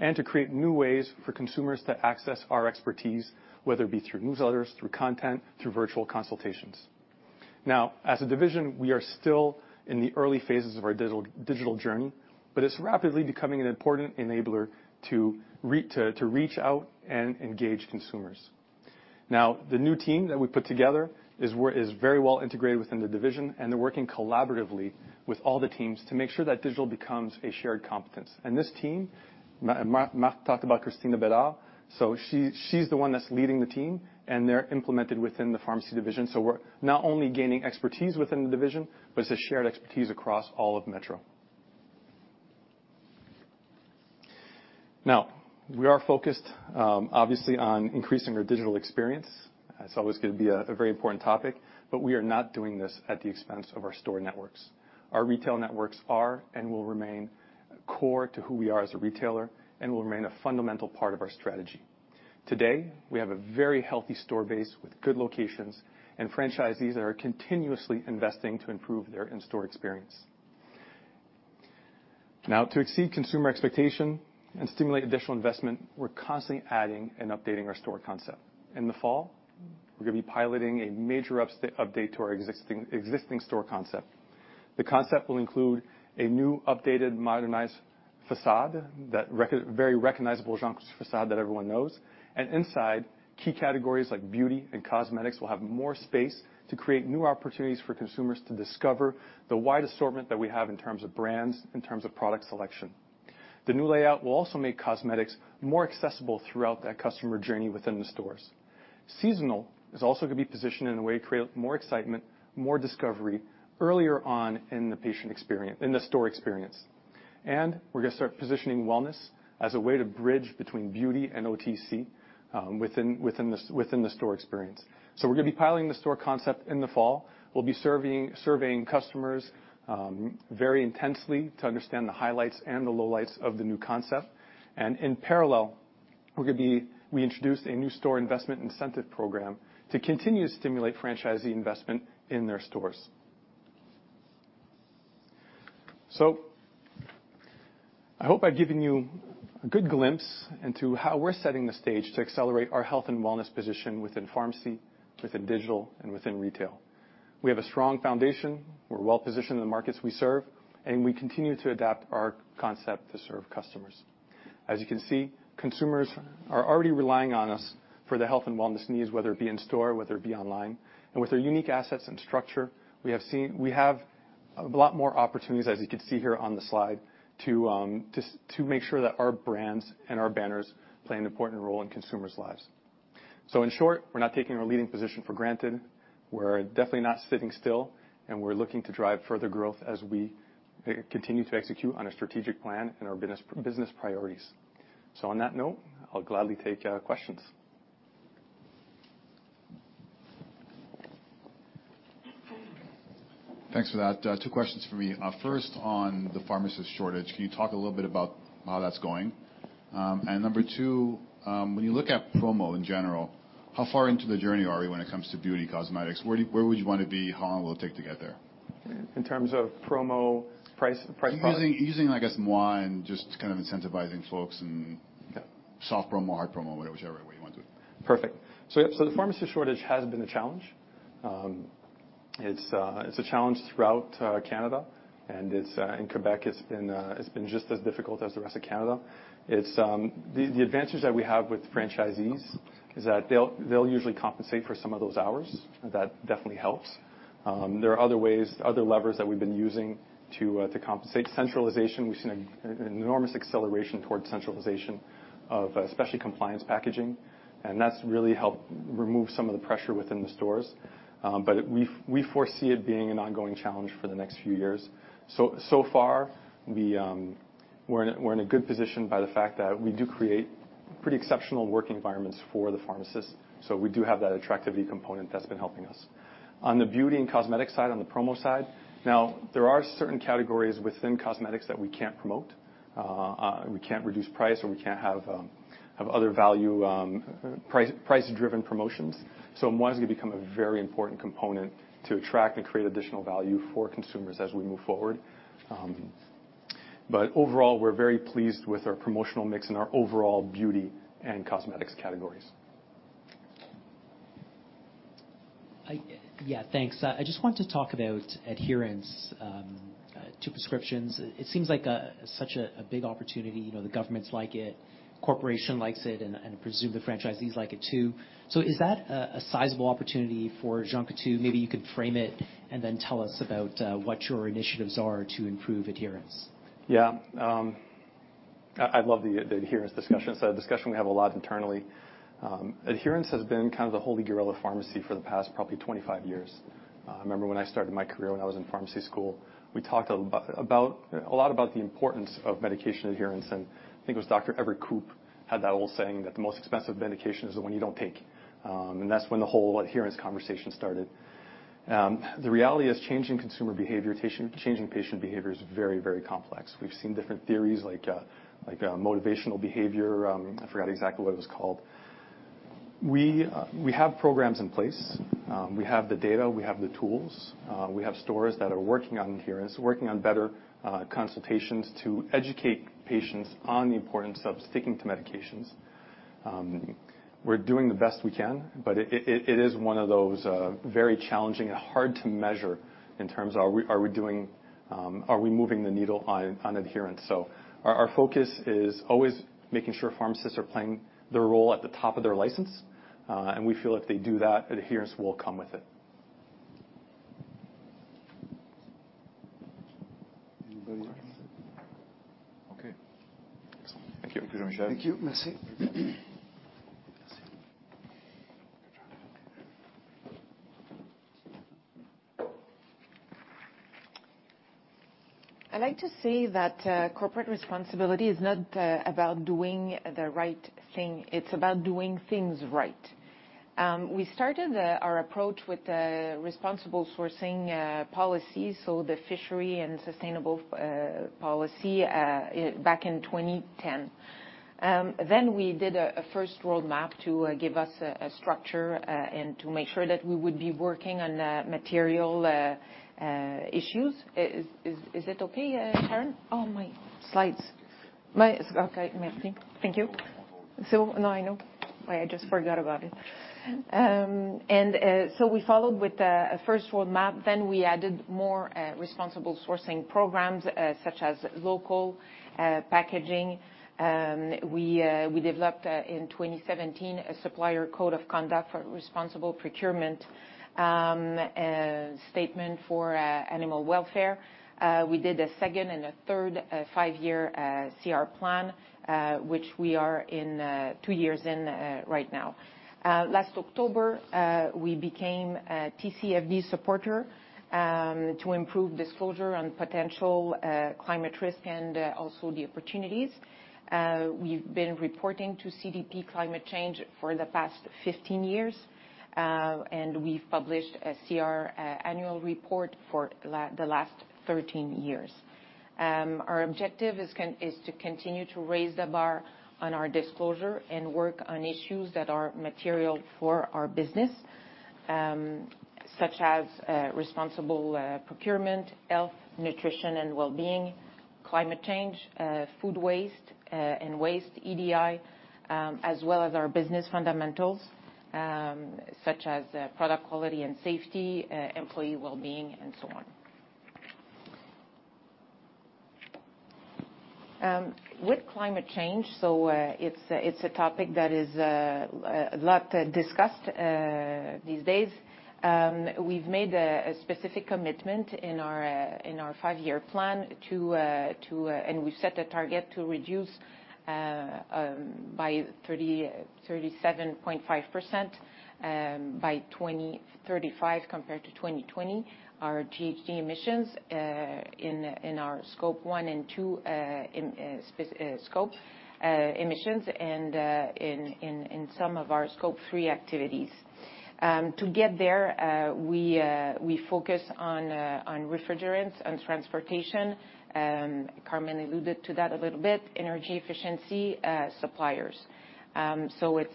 To create new ways for consumers to access our expertise, whether it be through newsletters, through content, through virtual consultations. As a division, we are still in the early phases of our digital journey, but it's rapidly becoming an important enabler to reach out and engage consumers. The new team that we put together is very well integrated within the division, and they're working collaboratively with all the teams to make sure that digital becomes a shared competence. This team, Marc talked about Christina Bédard, so she's the one that's leading the team, and they're implemented within the pharmacy division. We're not only gaining expertise within the division, but it's a shared expertise across all of Metro. We are focused, obviously on increasing our digital experience. That's always gonna be a very important topic. We are not doing this at the expense of our store networks. Our retail networks are and will remain core to who we are as a retailer and will remain a fundamental part of our strategy. Today, we have a very healthy store base with good locations and franchisees that are continuously investing to improve their in-store experience. Now, to exceed consumer expectation and stimulate additional investment, we're constantly adding and updating our store concept. In the fall, we're gonna be piloting a major update to our existing store concept. The concept will include a new, updated, modernized facade, that very recognizable Jean Coutu facade that everyone knows. Inside, key categories like beauty and cosmetics will have more space to create new opportunities for consumers to discover the wide assortment that we have in terms of brands, in terms of product selection. The new layout will also make cosmetics more accessible throughout that customer journey within the stores. Seasonal is also gonna be positioned in a way to create more excitement, more discovery earlier on in the store experience. We're gonna start positioning wellness as a way to bridge between beauty and OTC within the store experience. We're gonna be piloting the store concept in the fall. We'll be surveying customers very intensely to understand the highlights and the lowlights of the new concept. In parallel, we introduced a new store investment incentive program to continue to stimulate franchisee investment in their stores. I hope I've given you a good glimpse into how we're setting the stage to accelerate our health and wellness position within pharmacy, within digital, and within retail. We have a strong foundation. We're well-positioned in the markets we serve, and we continue to adapt our concept to serve customers. As you can see, consumers are already relying on us for their health and wellness needs, whether it be in store, whether it be online. With our unique assets and structure, we have a lot more opportunities, as you can see here on the slide, to make sure that our brands and our banners play an important role in consumers' lives. In short, we're not taking our leading position for granted. We're definitely not sitting still, and we're looking to drive further growth as we continue to execute on our strategic plan and our business priorities. On that note, I'll gladly take questions. Thanks for that. Two questions from me. First on the pharmacist shortage, can you talk a little bit about how that's going? Number two, when you look at promo in general, how far into the journey are we when it comes to beauty and cosmetics? Where would you wanna be? How long will it take to get there? In terms of promo price. Using, I guess, moi, just kind of incentivizing folks. Yeah. Soft promo, hard promo, whatever, whichever way you want to. Perfect. The pharmacist shortage has been a challenge. It's a challenge throughout Canada, and in Quebec, it's been just as difficult as the rest of Canada. The advantage that we have with franchisees is that they'll usually compensate for some of those hours. That definitely helps. There are other ways, other levers that we've been using to compensate. Centralization, we've seen an enormous acceleration towards centralization of especially compliance packaging. That's really helped remove some of the pressure within the stores. We foresee it being an ongoing challenge for the next few years. Far we're in a good position by the fact that we do create pretty exceptional work environments for the pharmacists. We do have that attractivity component that's been helping us. On the beauty and cosmetic side, on the promo side, now there are certain categories within cosmetics that we can't promote. We can't reduce price, or we can't have other value, price-driven promotions. Margin become a very important component to attract and create additional value for consumers as we move forward. Overall, we're very pleased with our promotional mix and our overall beauty and cosmetics categories. Yeah, thanks. I just want to talk about adherence to prescriptions. It seems like a, such a big opportunity. You know, the governments like it, corporation likes it, and I presume the franchisees like it too. Is that a sizable opportunity for Jean Coutu? Maybe you could frame it, and then tell us about what your initiatives are to improve adherence. Yeah. I love the adherence discussion. It's a discussion we have a lot internally. Adherence has been kind of the holy grail of pharmacy for the past probably 25 years. I remember when I started my career when I was in pharmacy school, we talked a lot about the importance of medication adherence, and I think it was C. Everett Koop had that old saying that the most expensive medication is the one you don't take. That's when the whole adherence conversation started. The reality is changing consumer behavior, changing patient behavior is very complex. We've seen different theories like motivational behavior, I forgot exactly what it was called. We have programs in place. We have the data, we have the tools. We have stores that are working on adherence, working on better consultations to educate patients on the importance of sticking to medications. We're doing the best we can, but it is one of those very challenging and hard to measure in terms of are we doing, are we moving the needle on adherence? Our focus is always making sure pharmacists are playing their role at the top of their license. We feel if they do that, adherence will come with it. Anybody else? Okay. Excellent. Thank you. Thank you, merci. Merci. I'd like to say that corporate responsibility is not about doing the right thing, it's about doing things right. We started our approach with a responsible sourcing policy, so the fishery and sustainable policy back in 2010. We did a first roadmap to give us a structure and to make sure that we would be working on material issues. Is it okay, Karen? Oh, my slides. Okay, merci. Thank you. So... No, I know. I just forgot about it. We followed with a first roadmap. We added more responsible sourcing programs such as local packaging. We developed in 2017 a supplier code of conduct for responsible procurement, a statement for animal welfare. We did a second and a third five-year CR plan, which we are in two years in right now. Last October, we became a TCFD supporter to improve disclosure on potential climate risk and also the opportunities. We've been reporting to CDP climate change for the past 15 years, and we've published a CR annual report for the last 13 years. Our objective is to continue to raise the bar on our disclosure and work on issues that are material for our business, such as responsible procurement, health, nutrition and wellbeing, climate change, food waste, and waste EDI, as well as our business fundamentals, such as product quality and safety, employee wellbeing and so on. It's a topic that is a lot discussed these days. We've made a specific commitment in our in our 5-year plan to and we've set a target to reduce by 37.5% by 2035 compared to 2020 our GHG emissions in our Scope 1 and 2 emissions and in some of our Scope 3 activities. To get there, we focus on refrigerants and transportation. Carmen alluded to that a little bit, energy efficiency, suppliers. natural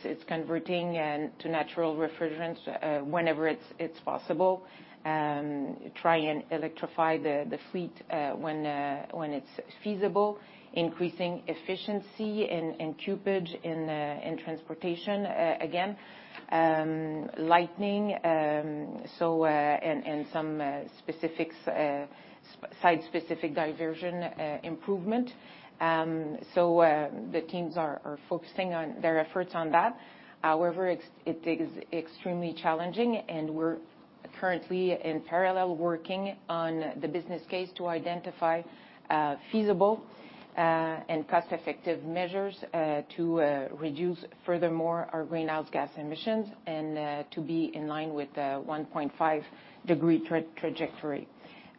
refrigerants whenever it's possible, try and electrify the fleet when it's feasible, increasing efficiency in cupage, in transportation again, lightning. So, and some site-specific diversion improvement. So, the teams are focusing on their efforts on that. However, it is extremely challenging, and we're currently in parallel working on the business case to identify feasible and cost-effective measures to reduce furthermore our greenhouse gas emissions and to be in line with 1.5 degree trajectory.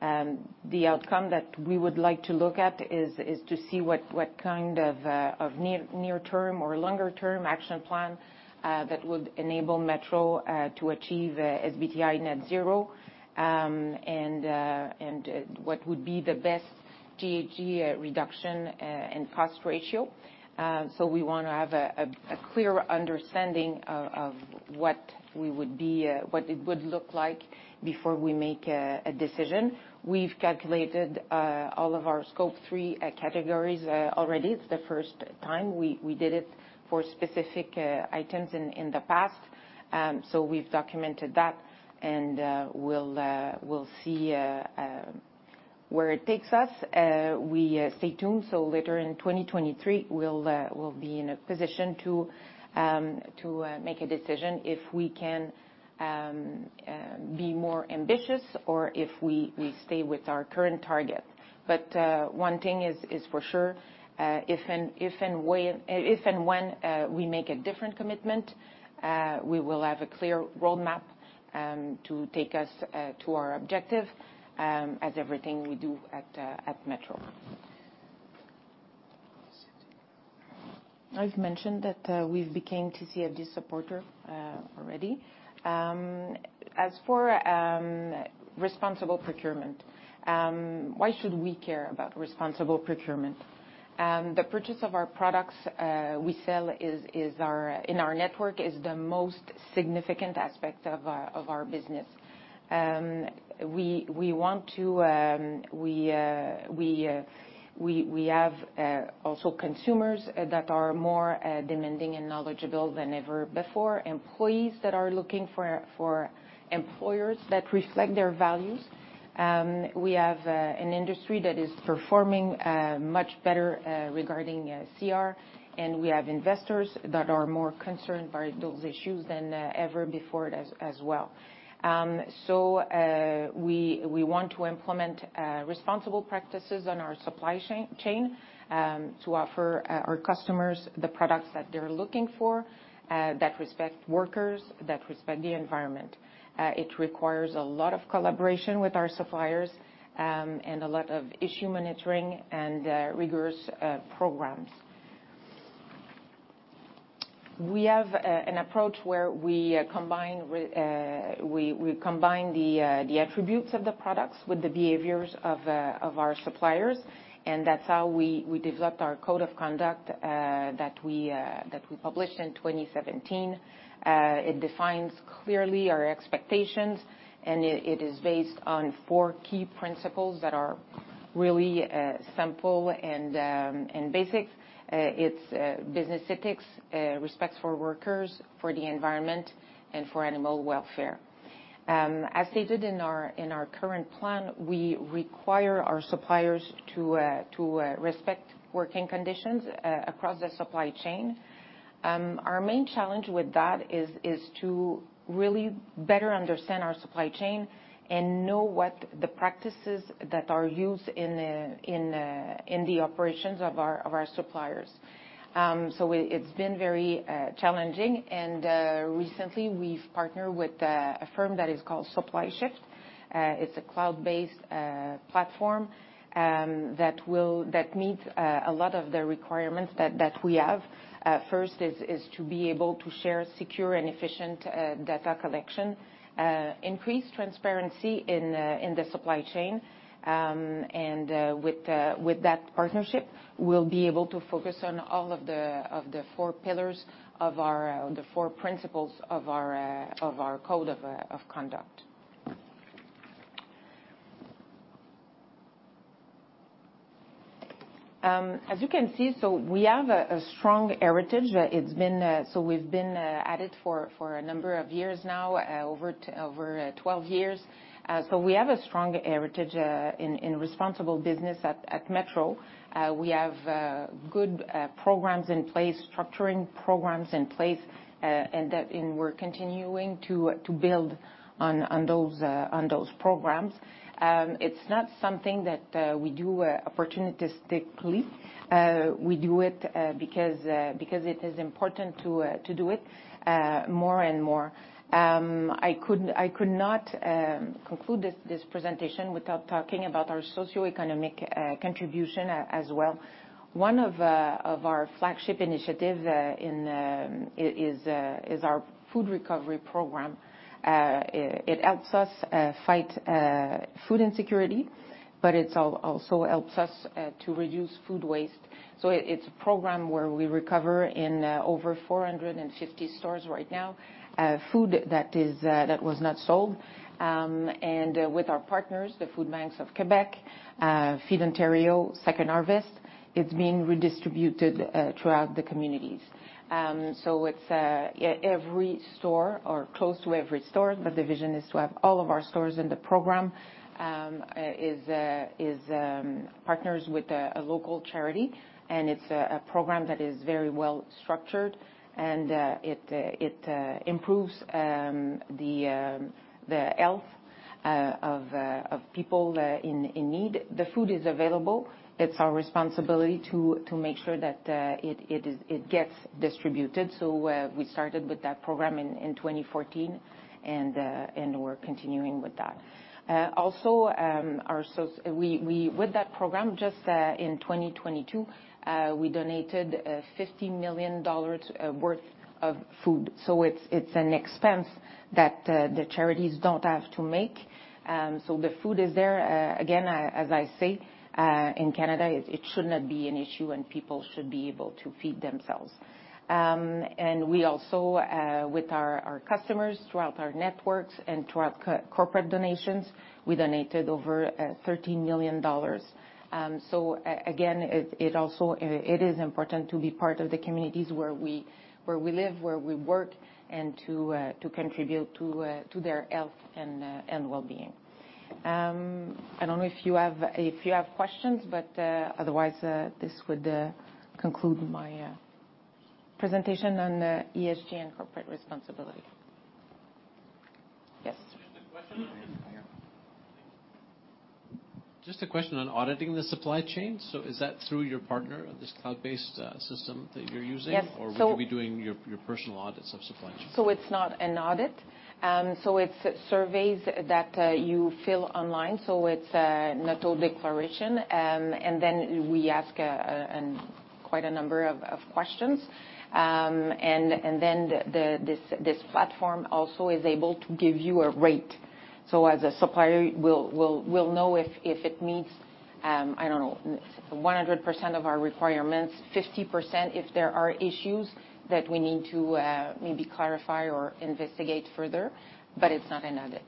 The outcome that we would like to look at is to see what kind of near-term or longer-term action plan that would enable Metro to achieve SBTI net zero. What would be the best GHG reduction and cost ratio. We wanna have a clear understanding of what we would be, what it would look like before we make a decision. We've calculated all of our Scope 3 categories already. It's the first time we did it for specific items in the past. We've documented that, and we'll see where it takes us. We stay tuned, later in 2023 we'll be in a position to make a decision if we can be more ambitious or if we stay with our current target. One thing is for sure, if and when we make a different commitment, we will have a clear roadmap to take us to our objective, as everything we do at Metro. I've mentioned that we've became TCFD supporter already. As for responsible procurement, why should we care about responsible procurement? The purchase of our products we sell in our network, is the most significant aspect of our business. We want to, we have also consumers that are more demanding and knowledgeable than ever before, employees that are looking for employers that reflect their values. We have an industry that is performing much better regarding CR, we have investors that are more concerned by those issues than ever before as well. We want to implement responsible practices on our supply chain to offer our customers the products that they're looking for, that respect workers, that respect the environment. It requires a lot of collaboration with our suppliers, a lot of issue monitoring and rigorous programs. We have an approach where we combine the attributes of the products with the behaviors of our suppliers, that's how we developed our code of conduct that we published in 2017. It defines clearly our expectations, and it is based on four key principles that are really simple and basic. It's business ethics, respect for workers, for the environment, and for animal welfare. As stated in our current plan, we require our suppliers to respect working conditions across the supply chain. Our main challenge with that is to really better understand our supply chain and know what the practices that are used in the operations of our suppliers. It's been very challenging, and recently we've partnered with a firm that is called SupplyShift. It's a cloud-based platform that meets a lot of the requirements that we have. First is to be able to share secure and efficient data collection, increase transparency in the supply chain. With that partnership, we'll be able to focus on all of the four pillars of our, the four principles of our code of conduct. As you can see, we have a strong heritage. It's been, we've been at it for a number of years now, over 12 years. We have a strong heritage in responsible business at Metro. We have good programs in place, structuring programs in place, we're continuing to build on those programs. It's not something that we do opportunistically. We do it because it is important to do it more and more. I could not conclude this presentation without talking about our socioeconomic contribution as well. One of our flagship initiatives is our food recovery program. It helps us fight food insecurity, but it also helps us to reduce food waste. It's a program where we recover in over 450 stores right now, food that is that was not sold. With our partners, the food banks of Quebec, Feed Ontario, Second Harvest, it's being redistributed throughout the communities. So it's every store or close to every store, the vision is to have all of our stores in the program, is partners with a local charity. It's a program that is very well structured, and it improves the health of people in need. The food is available. It's our responsibility to make sure that it gets distributed. We started with that program in 2014 and we're continuing with that. Also, with that program, just in 2022, we donated 50 million dollars worth of food. It's an expense that the charities don't have to make. The food is there. Again, as I say, in Canada it should not be an issue, and people should be able to feed themselves. We also, with our customers throughout our networks and throughout corporate donations, we donated over 13 million dollars. Again, it is important to be part of the communities where we live, where we work, and to contribute to their health and wellbeing. I don't know if you have questions, but otherwise, this would conclude my presentation on ESG and corporate responsibility. Yes. Just a question. Yeah. Just a question on auditing the supply chain. Is that through your partner, this cloud-based system that you're using? Yes. Will you be doing your personal audits of supply chain? It's not an audit. It's surveys that you fill online. It's not a declaration. We ask quite a number of questions. This platform also is able to give you a rate. As a supplier, we'll know if it meets, I don't know, 100% of our requirements, 50% if there are issues that we need to maybe clarify or investigate further. It's not an audit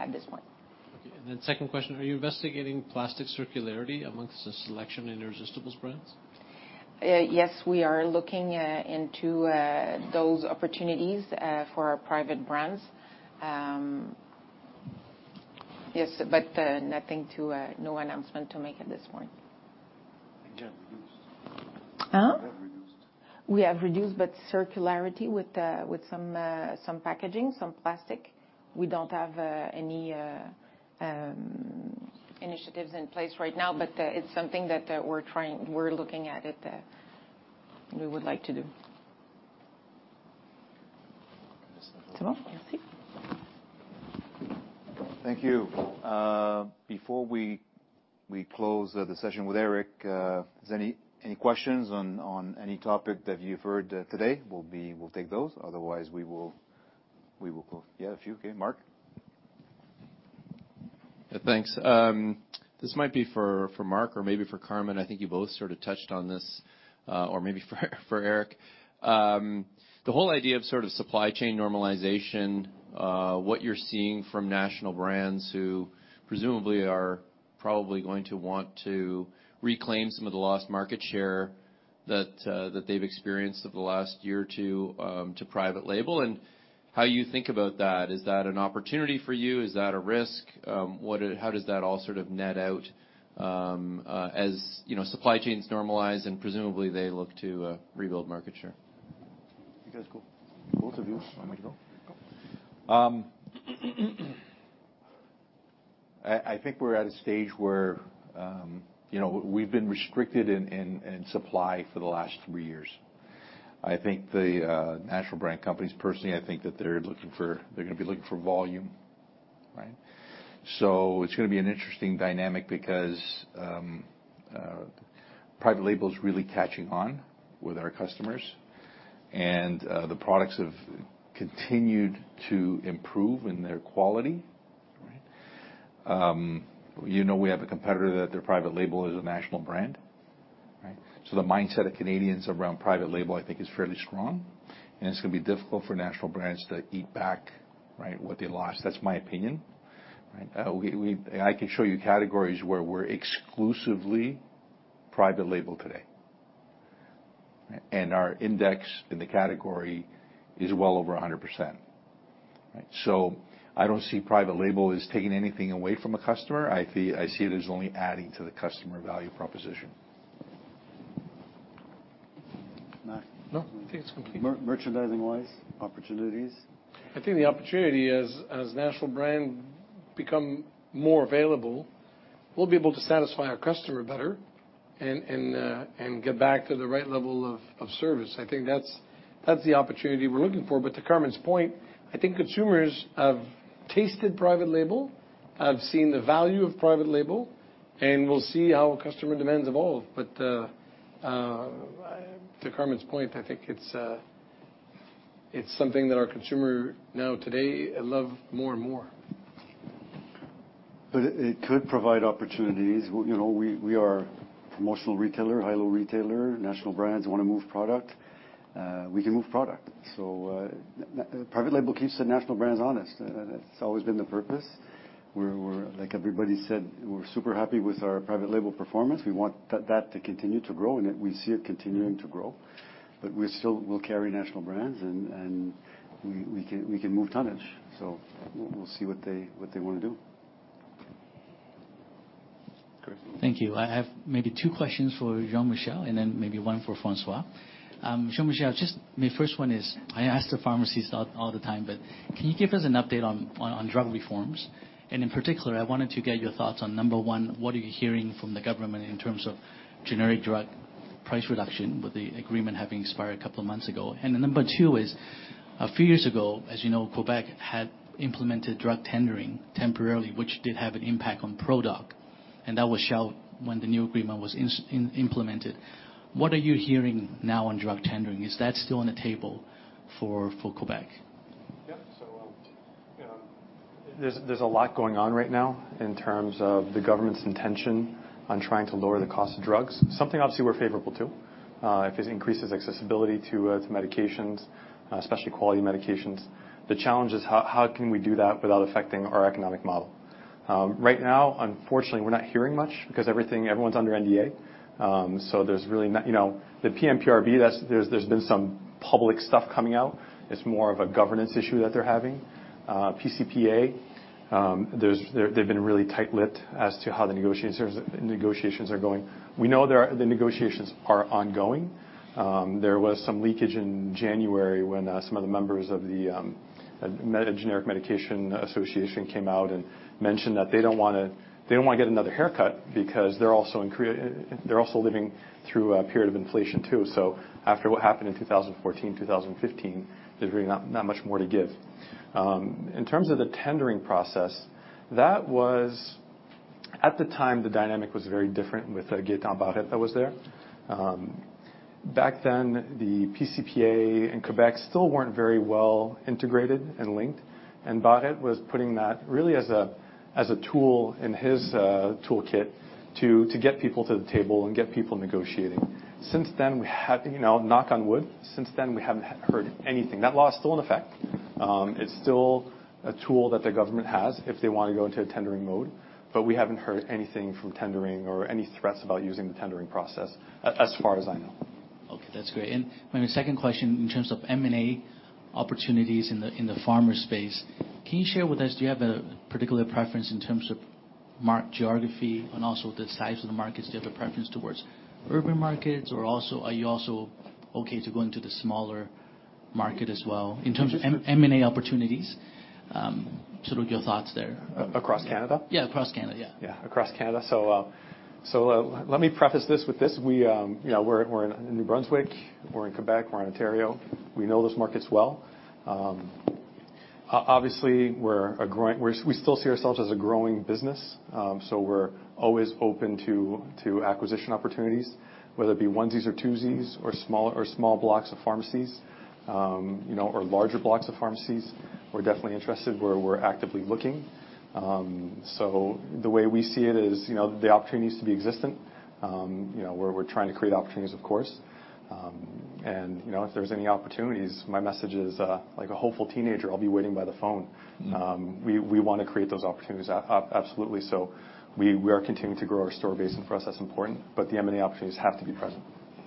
at this point. Okay. Second question, are you investigating plastic circularity amongst the Selection in Irresistibles brands? Yes, we are looking into those opportunities for our private brands. Yes, but no announcement to make at this point. You have reduced. Huh? You have reduced. We have reduced but circularity with some packaging, some plastic. We don't have any initiatives in place right now, but it's something that we're looking at it, we would like to do. Merci. Thank you. Before we close, the session with Eric, is there any questions on any topic that you've heard, today? We'll take those. Otherwise, we will close. Yeah, a few. Okay, Marc. Yeah, thanks. This might be for Marc or maybe for Carmen. I think you both sort of touched on this, or maybe for Eric. The whole idea of sort of supply chain normalization, what you're seeing from national brands who presumably are probably going to want to reclaim some of the lost market share that they've experienced over the last year or 2, to private label, and how you think about that. Is that an opportunity for you? Is that a risk? How does that all sort of net out, as, you know, supply chains normalize and presumably they look to rebuild market share? You guys go. Both of you. I might go. Go. I think we're at a stage where, you know, we've been restricted in supply for the last three years. I think the national brand companies, personally, I think that they're gonna be looking for volume, right? So it's gonna be an interesting dynamic because private label is really catching on with our customers, and the products have continued to improve in their quality. Right? You know, we have a competitor that their private label is a national brand, right? So the mindset of Canadians around private label, I think, is fairly strong, and it's gonna be difficult for national brands to eat back, right, what they lost. That's my opinion, right? And I can show you categories where we're exclusively private label today. And our index in the category is well over 100%. I don't see private label as taking anything away from a customer. I see it as only adding to the customer value proposition. Marc. No, I think it's complete. Merchandising-wise, opportunities? I think the opportunity as national brand become more available, we'll be able to satisfy our customer better and get back to the right level of service. I think that's the opportunity we're looking for. To Carmen's point, I think consumers have tasted private label, have seen the value of private label, and we'll see how customer demands evolve. To Carmen's point, I think it's something that our consumer now today love more and more. It could provide opportunities. You know, we are promotional retailer, high-low retailer. National brands wanna move product, we can move product. Private label keeps the national brands honest. That's always been the purpose. We're like everybody said, we're super happy with our private label performance. We want that to continue to grow, and we see it continuing to grow. We still will carry national brands and we can move tonnage. We'll see what they wanna do. Thank you. I have maybe two questions for Jean-Michel, and then maybe one for François. Jean-Michel, just my first one is, I ask the pharmacist all the time, but can you give us an update on drug reforms? In particular, I wanted to get your thoughts on, Number one, what are you hearing from the government in terms of generic drug price reduction with the agreement having expired a couple of months ago. Number two is, a few years ago, as you know, Quebec had implemented drug tendering temporarily, which did have an impact on Pro Doc, and that was shelved when the new agreement was implemented. What are you hearing now on drug tendering? Is that still on the table for Quebec? Yeah, you know, there's a lot going on right now in terms of the government's intention on trying to lower the cost of drugs, something obviously we're favorable to, if it increases accessibility to medications, especially quality medications. The challenge is how can we do that without affecting our economic model? Right now, unfortunately, we're not hearing much because everyone's under NDA. You know, the PMPRB, there's been some public stuff coming out. It's more of a governance issue that they're having. PCPA, they've been really tight-lipped as to how the negotiations are going. We know the negotiations are ongoing. There was some leakage in January when some of the members of the generic medication association came out and mentioned that they don't wanna get another haircut because they're also living through a period of inflation too. After what happened in 2014, 2015, there's really not much more to give. In terms of the tendering process, at the time, the dynamic was very different with Gaétan Barrette that was there. Back then, the PCPA and Quebec still weren't very well integrated and linked, and Barrette was putting that really as a tool in his toolkit to get people to the table and get people negotiating. Since then, we have, you know, knock on wood, since then we haven't heard anything. That law is still in effect. It's still a tool that the government has if they wanna go into a tendering mode, but we haven't heard anything from tendering or any threats about using the tendering process, as far as I know. Okay, that's great. My second question, in terms of M&A opportunities in the pharma space, can you share with us, do you have a particular preference in terms of mark geography and also the size of the markets? Do you have a preference towards urban markets, or also, are you also okay to go into the smaller market as well in terms of M&A opportunities? Sort of your thoughts there. Across Canada? Yeah, across Canada. Yeah. Across Canada. Let me preface this with this. We, you know, we're in New Brunswick, we're in Quebec, we're in Ontario. We know those markets well. Obviously, we still see ourselves as a growing business, so we're always open to acquisition opportunities, whether it be onesies or twosies or small blocks of pharmacies, you know, or larger blocks of pharmacies. We're definitely interested. We're actively looking. The way we see it is, you know, the opportunity needs to be existent. You know, we're trying to create opportunities, of course. You know, if there's any opportunities, my message is, like a hopeful teenager, I'll be waiting by the phone. We wanna create those opportunities, absolutely. We are continuing to grow our store base, and for us, that's important, but the M&A opportunities have to be present.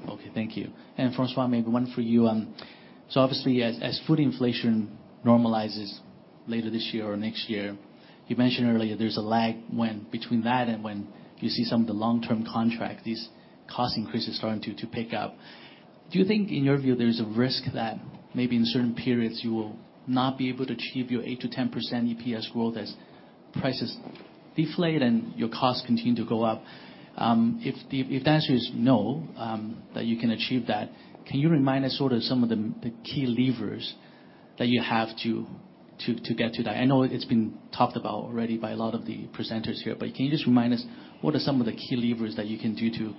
Okay, thank you. François, maybe one for you. Obviously, as food inflation normalizes later this year or next year, you mentioned earlier there's a lag when between that and when you see some of the long-term contract, these cost increases starting to pick up. Do you think, in your view, there's a risk that maybe in certain periods you will not be able to achieve your 8%-10% EPS growth as prices deflate and your costs continue to go up? If the answer is no, that you can achieve that, can you remind us sort of some of the key levers that you have to get to that? I know it's been talked about already by a lot of the presenters here, but can you just remind us what are some of the key levers that you can do to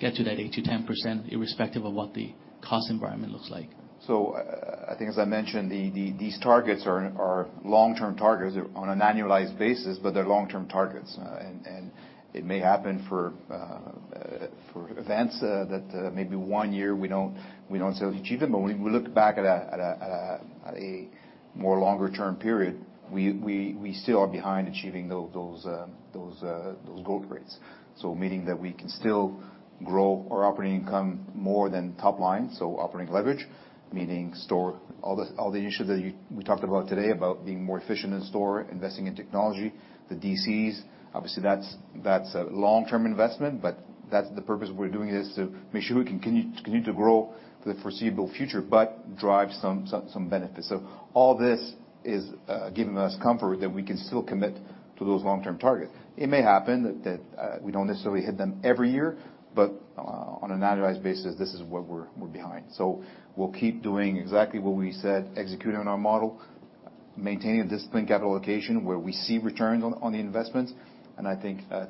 get to that 8%-10% irrespective of what the cost environment looks like? I think as I mentioned, the these targets are long-term targets on an annualized basis, but they're long-term targets. And it may happen for events that maybe one year we don't necessarily achieve them, but when we look back at a more longer term period, we still are behind achieving those goal rates. Meaning that we can still grow our operating income more than top line, so operating leverage, meaning store all the issues that we talked about today, about being more efficient in store, investing in technology, the DCs. Obviously that's a long-term investment, but that's the purpose we're doing is to make sure we can continue to grow for the foreseeable future but drive some benefits. All this is giving us comfort that we can still commit to those long-term targets. It may happen that we don't necessarily hit them every year, but on an annualized basis, this is what we're behind. We'll keep doing exactly what we said, executing on our model, maintaining a disciplined capital allocation where we see returns on the investments, and I think. As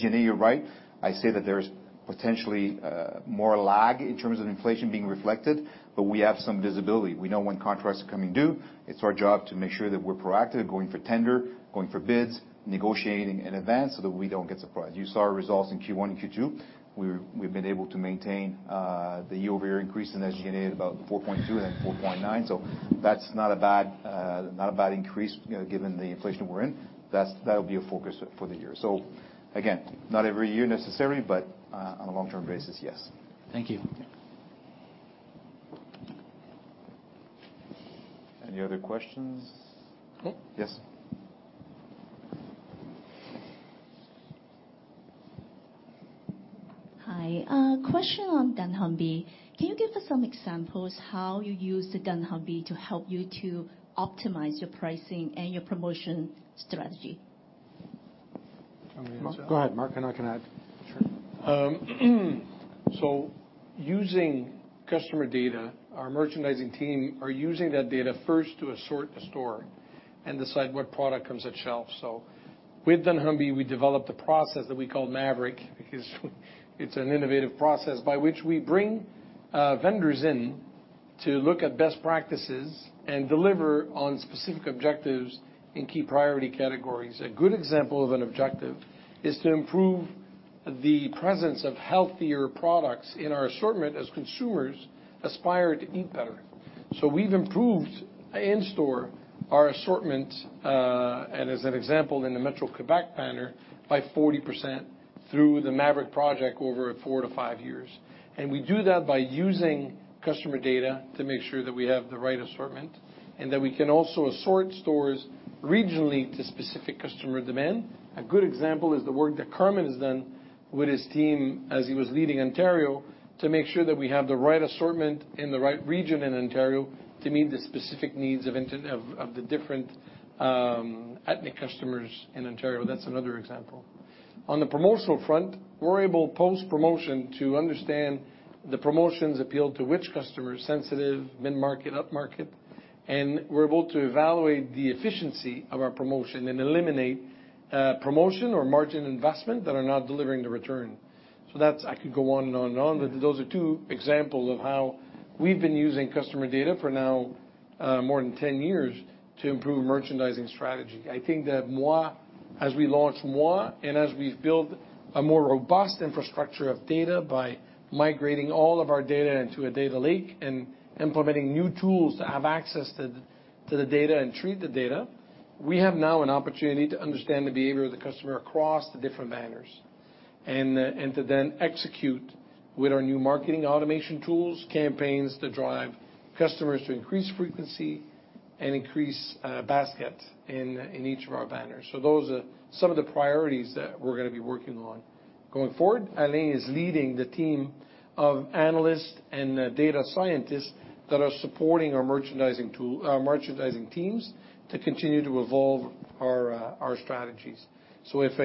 Janie, you're right, I say that there's potentially more lag in terms of inflation being reflected, but we have some visibility. We know when contracts are coming due. It's our job to make sure that we're proactive, going for tender, going for bids, negotiating in advance so that we don't get surprised. You saw our results in Q1 and Q2. We've been able to maintain the year-over-year increase, and as Janie, about 4.2%, then 4.9%. That's not a bad, not a bad increase, you know, given the inflation we're in. That's, that'll be a focus for the year. Again, not every year necessarily, but on a long-term basis, yes. Thank you. Any other questions? Okay. Yes. Hi. question on dunnhumby. Can you give us some examples how you use the dunnhumby to help you to optimize your pricing and your promotion strategy? You want me to answer that? Go ahead, Marc, and I can add. Sure. Using customer data, our merchandising team are using that data first to assort the store and decide what product comes at shelf. With dunnhumby, we developed a process that we call Maverick because it's an innovative process by which we bring vendors in to look at best practices and deliver on specific objectives in key priority categories. A good example of an objective is to improve the presence of healthier products in our assortment as consumers aspire to eat better. We've improved in store our assortment, and as an example, in the Metro Quebec banner, by 40% through the Maverick project over 4-5 years. We do that by using customer data to make sure that we have the right assortment, and that we can also assort stores regionally to specific customer demand. A good example is the work that Carmen has done with his team as he was leading Ontario to make sure that we have the right assortment in the right region in Ontario to meet the specific needs of the different ethnic customers in Ontario. That’s another example. On the promotional front, we’re able post-promotion to understand the promotions appeal to which customers, sensitive, mid-market, up-market, and we’re able to evaluate the efficiency of our promotion and eliminate promotion or margin investment that are not delivering the return. I could go on and on and on, but those are 2 examples of how we’ve been using customer data for now, more than 10 years to improve merchandising strategy. I think that moi, as we launch moi, and as we build a more robust infrastructure of data by migrating all of our data into a data lake and implementing new tools to have access to the data and treat the data, we have now an opportunity to understand the behavior of the customer across the different banners and to then execute with our new marketing automation tools, campaigns that drive customers to increase frequency and increase basket in each of our banners. So those are some of the priorities that we're going to be working on. Going forward, Alain is leading the team of analysts and data scientists that are supporting our merchandising teams to continue to evolve our strategies. If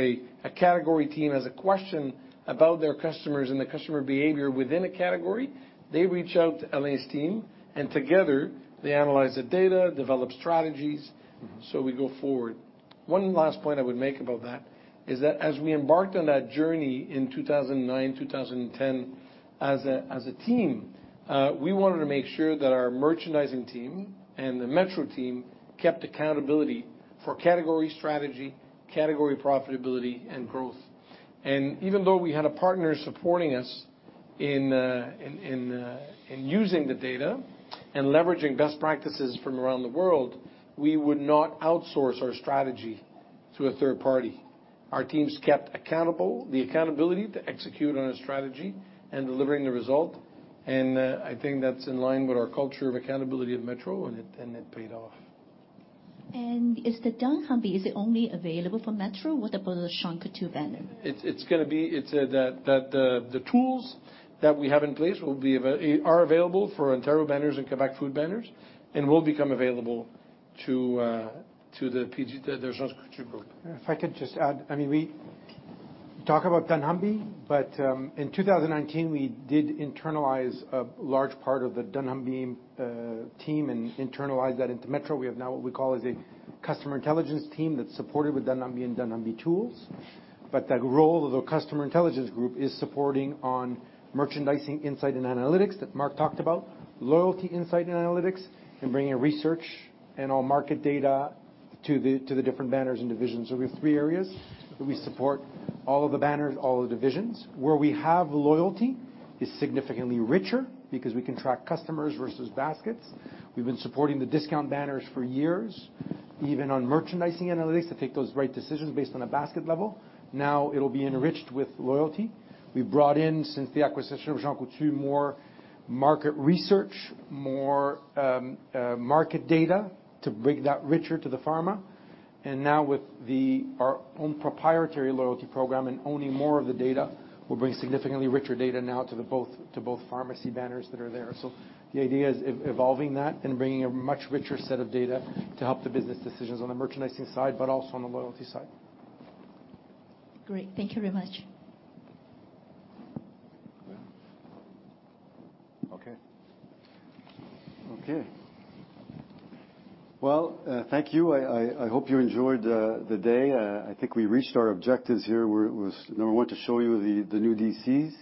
a category team has a question about their customers and the customer behavior within a category, they reach out to Alain's team, and together, they analyze the data, develop strategies. Mm-hmm. We go forward. One last point I would make about that is that as we embarked on that journey in 2009, 2010, as a team, we wanted to make sure that our merchandising team and the Metro team kept accountability for category strategy, category profitability, and growth. Even though we had a partner supporting us in using the data and leveraging best practices from around the world, we would not outsource our strategy to a third party. Our teams kept accountable, the accountability to execute on a strategy and delivering the result, and I think that's in line with our culture of accountability at Metro, and it, and it paid off. Is the dunnhumby only available for Metro? What about the Jean Coutu banner? The tools that we have in place are available for Ontario banners and Quebec Food banners and will become available to the Jean Coutu Group. If I could just add, I mean, we talk about dunnhumby, but in 2019, we did internalize a large part of the dunnhumby team and internalize that into Metro. We have now what we call is a customer intelligence team that's supported with dunnhumby and dunnhumby tools. The role of the customer intelligence group is supporting on merchandising insight and analytics that Marc talked about, loyalty insight and analytics, and bringing research and all market data to the different banners and divisions. We have 3 areas that we support all of the banners, all of the divisions. Where we have loyalty is significantly richer because we can track customers versus baskets. We've been supporting the discount banners for years, even on merchandising analytics to take those right decisions based on a basket level. Now it'll be enriched with loyalty. We've brought in, since the acquisition of Jean Coutu, more market research, more market data to make that richer to the pharma. Now with our own proprietary loyalty program and owning more of the data, we'll bring significantly richer data now to both pharmacy banners that are there. The idea is evolving that and bringing a much richer set of data to help the business decisions on the merchandising side, but also on the loyalty side. Great. Thank you very much. Okay. Okay. Well, thank you. I hope you enjoyed the day. I think we reached our objectives here. was number one, to show you the new DCs,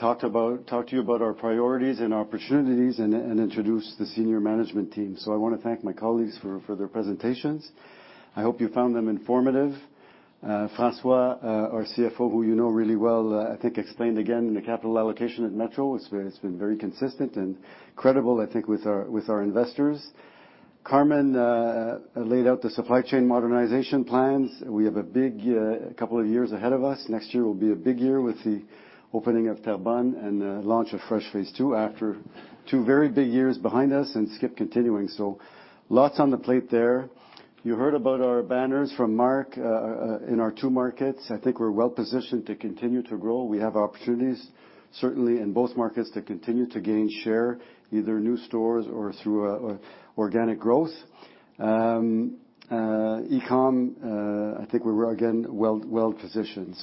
talk to you about our priorities and opportunities and introduce the senior management team. I wanna thank my colleagues for their presentations. I hope you found them informative. François, our CFO, who you know really well, I think explained again the capital allocation at Metro. It's been very consistent and credible, I think, with our investors. Carmen laid out the supply chain modernization plans. We have a big couple of years ahead of us. Next year will be a big year with the opening of Terrebonne and the launch of Fresh Phase Two after 2 very big years behind us and Skip continuing. Lots on the plate there. You heard about our banners from Marc in our 2 markets, I think we're well-positioned to continue to grow. We have opportunities, certainly in both markets, to continue to gain share, either new stores or through organic growth. E-com, I think we're again, well, well-positioned,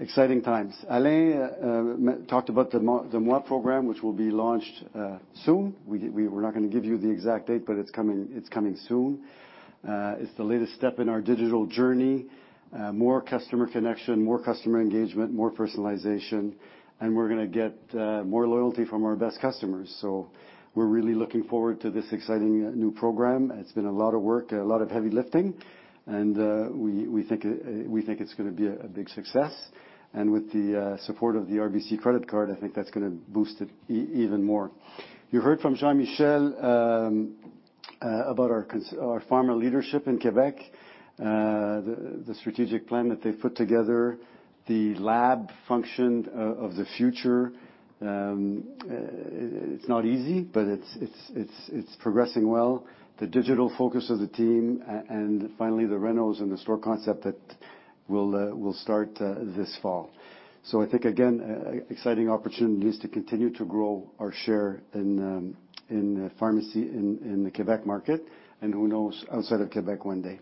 exciting times. Alain talked about the moi program, which will be launched soon. We're not gonna give you the exact date, but it's coming, it's coming soon. It's the latest step in our digital journey. More customer connection, more customer engagement, more personalization, and we're gonna get more loyalty from our best customers. We're really looking forward to this exciting new program. It's been a lot of work, a lot of heavy lifting, and we think it's gonna be a big success. With the support of the RBC credit card, I think that's gonna boost it even more. You heard from Jean-Michel about our pharma leadership in Quebec. The strategic plan that they've put together, the lab function of the future, it's not easy, but it's progressing well. The digital focus of the team, and finally, the renos and the store concept that will start this fall. I think, again, exciting opportunities to continue to grow our share in pharmacy in the Quebec market and who knows, outside of Quebec one day.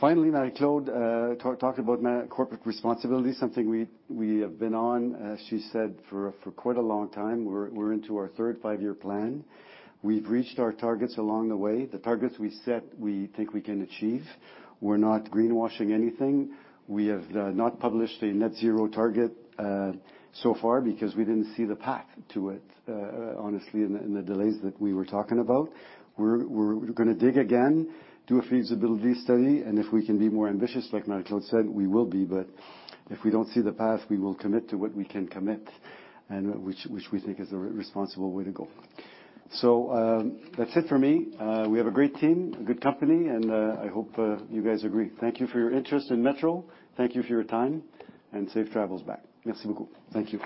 Finally, Marie-Claude talked about corporate responsibility, something we have been on, as she said, for quite a long time. We're into our third five-year plan. We've reached our targets along the way. The targets we set, we think we can achieve. We're not greenwashing anything. We have not published a net zero target so far because we didn't see the path to it honestly, in the delays that we were talking about. We're gonna dig again, do a feasibility study, and if we can be more ambitious, like Marie-Claude said, we will be. If we don't see the path, we will commit to what we can commit and which we think is the responsible way to go. That's it for me. We have a great team, a good company, and I hope you guys agree. Thank you for your interest in Metro. Thank you for your time, and safe travels back. Merci beaucoup. Thank you.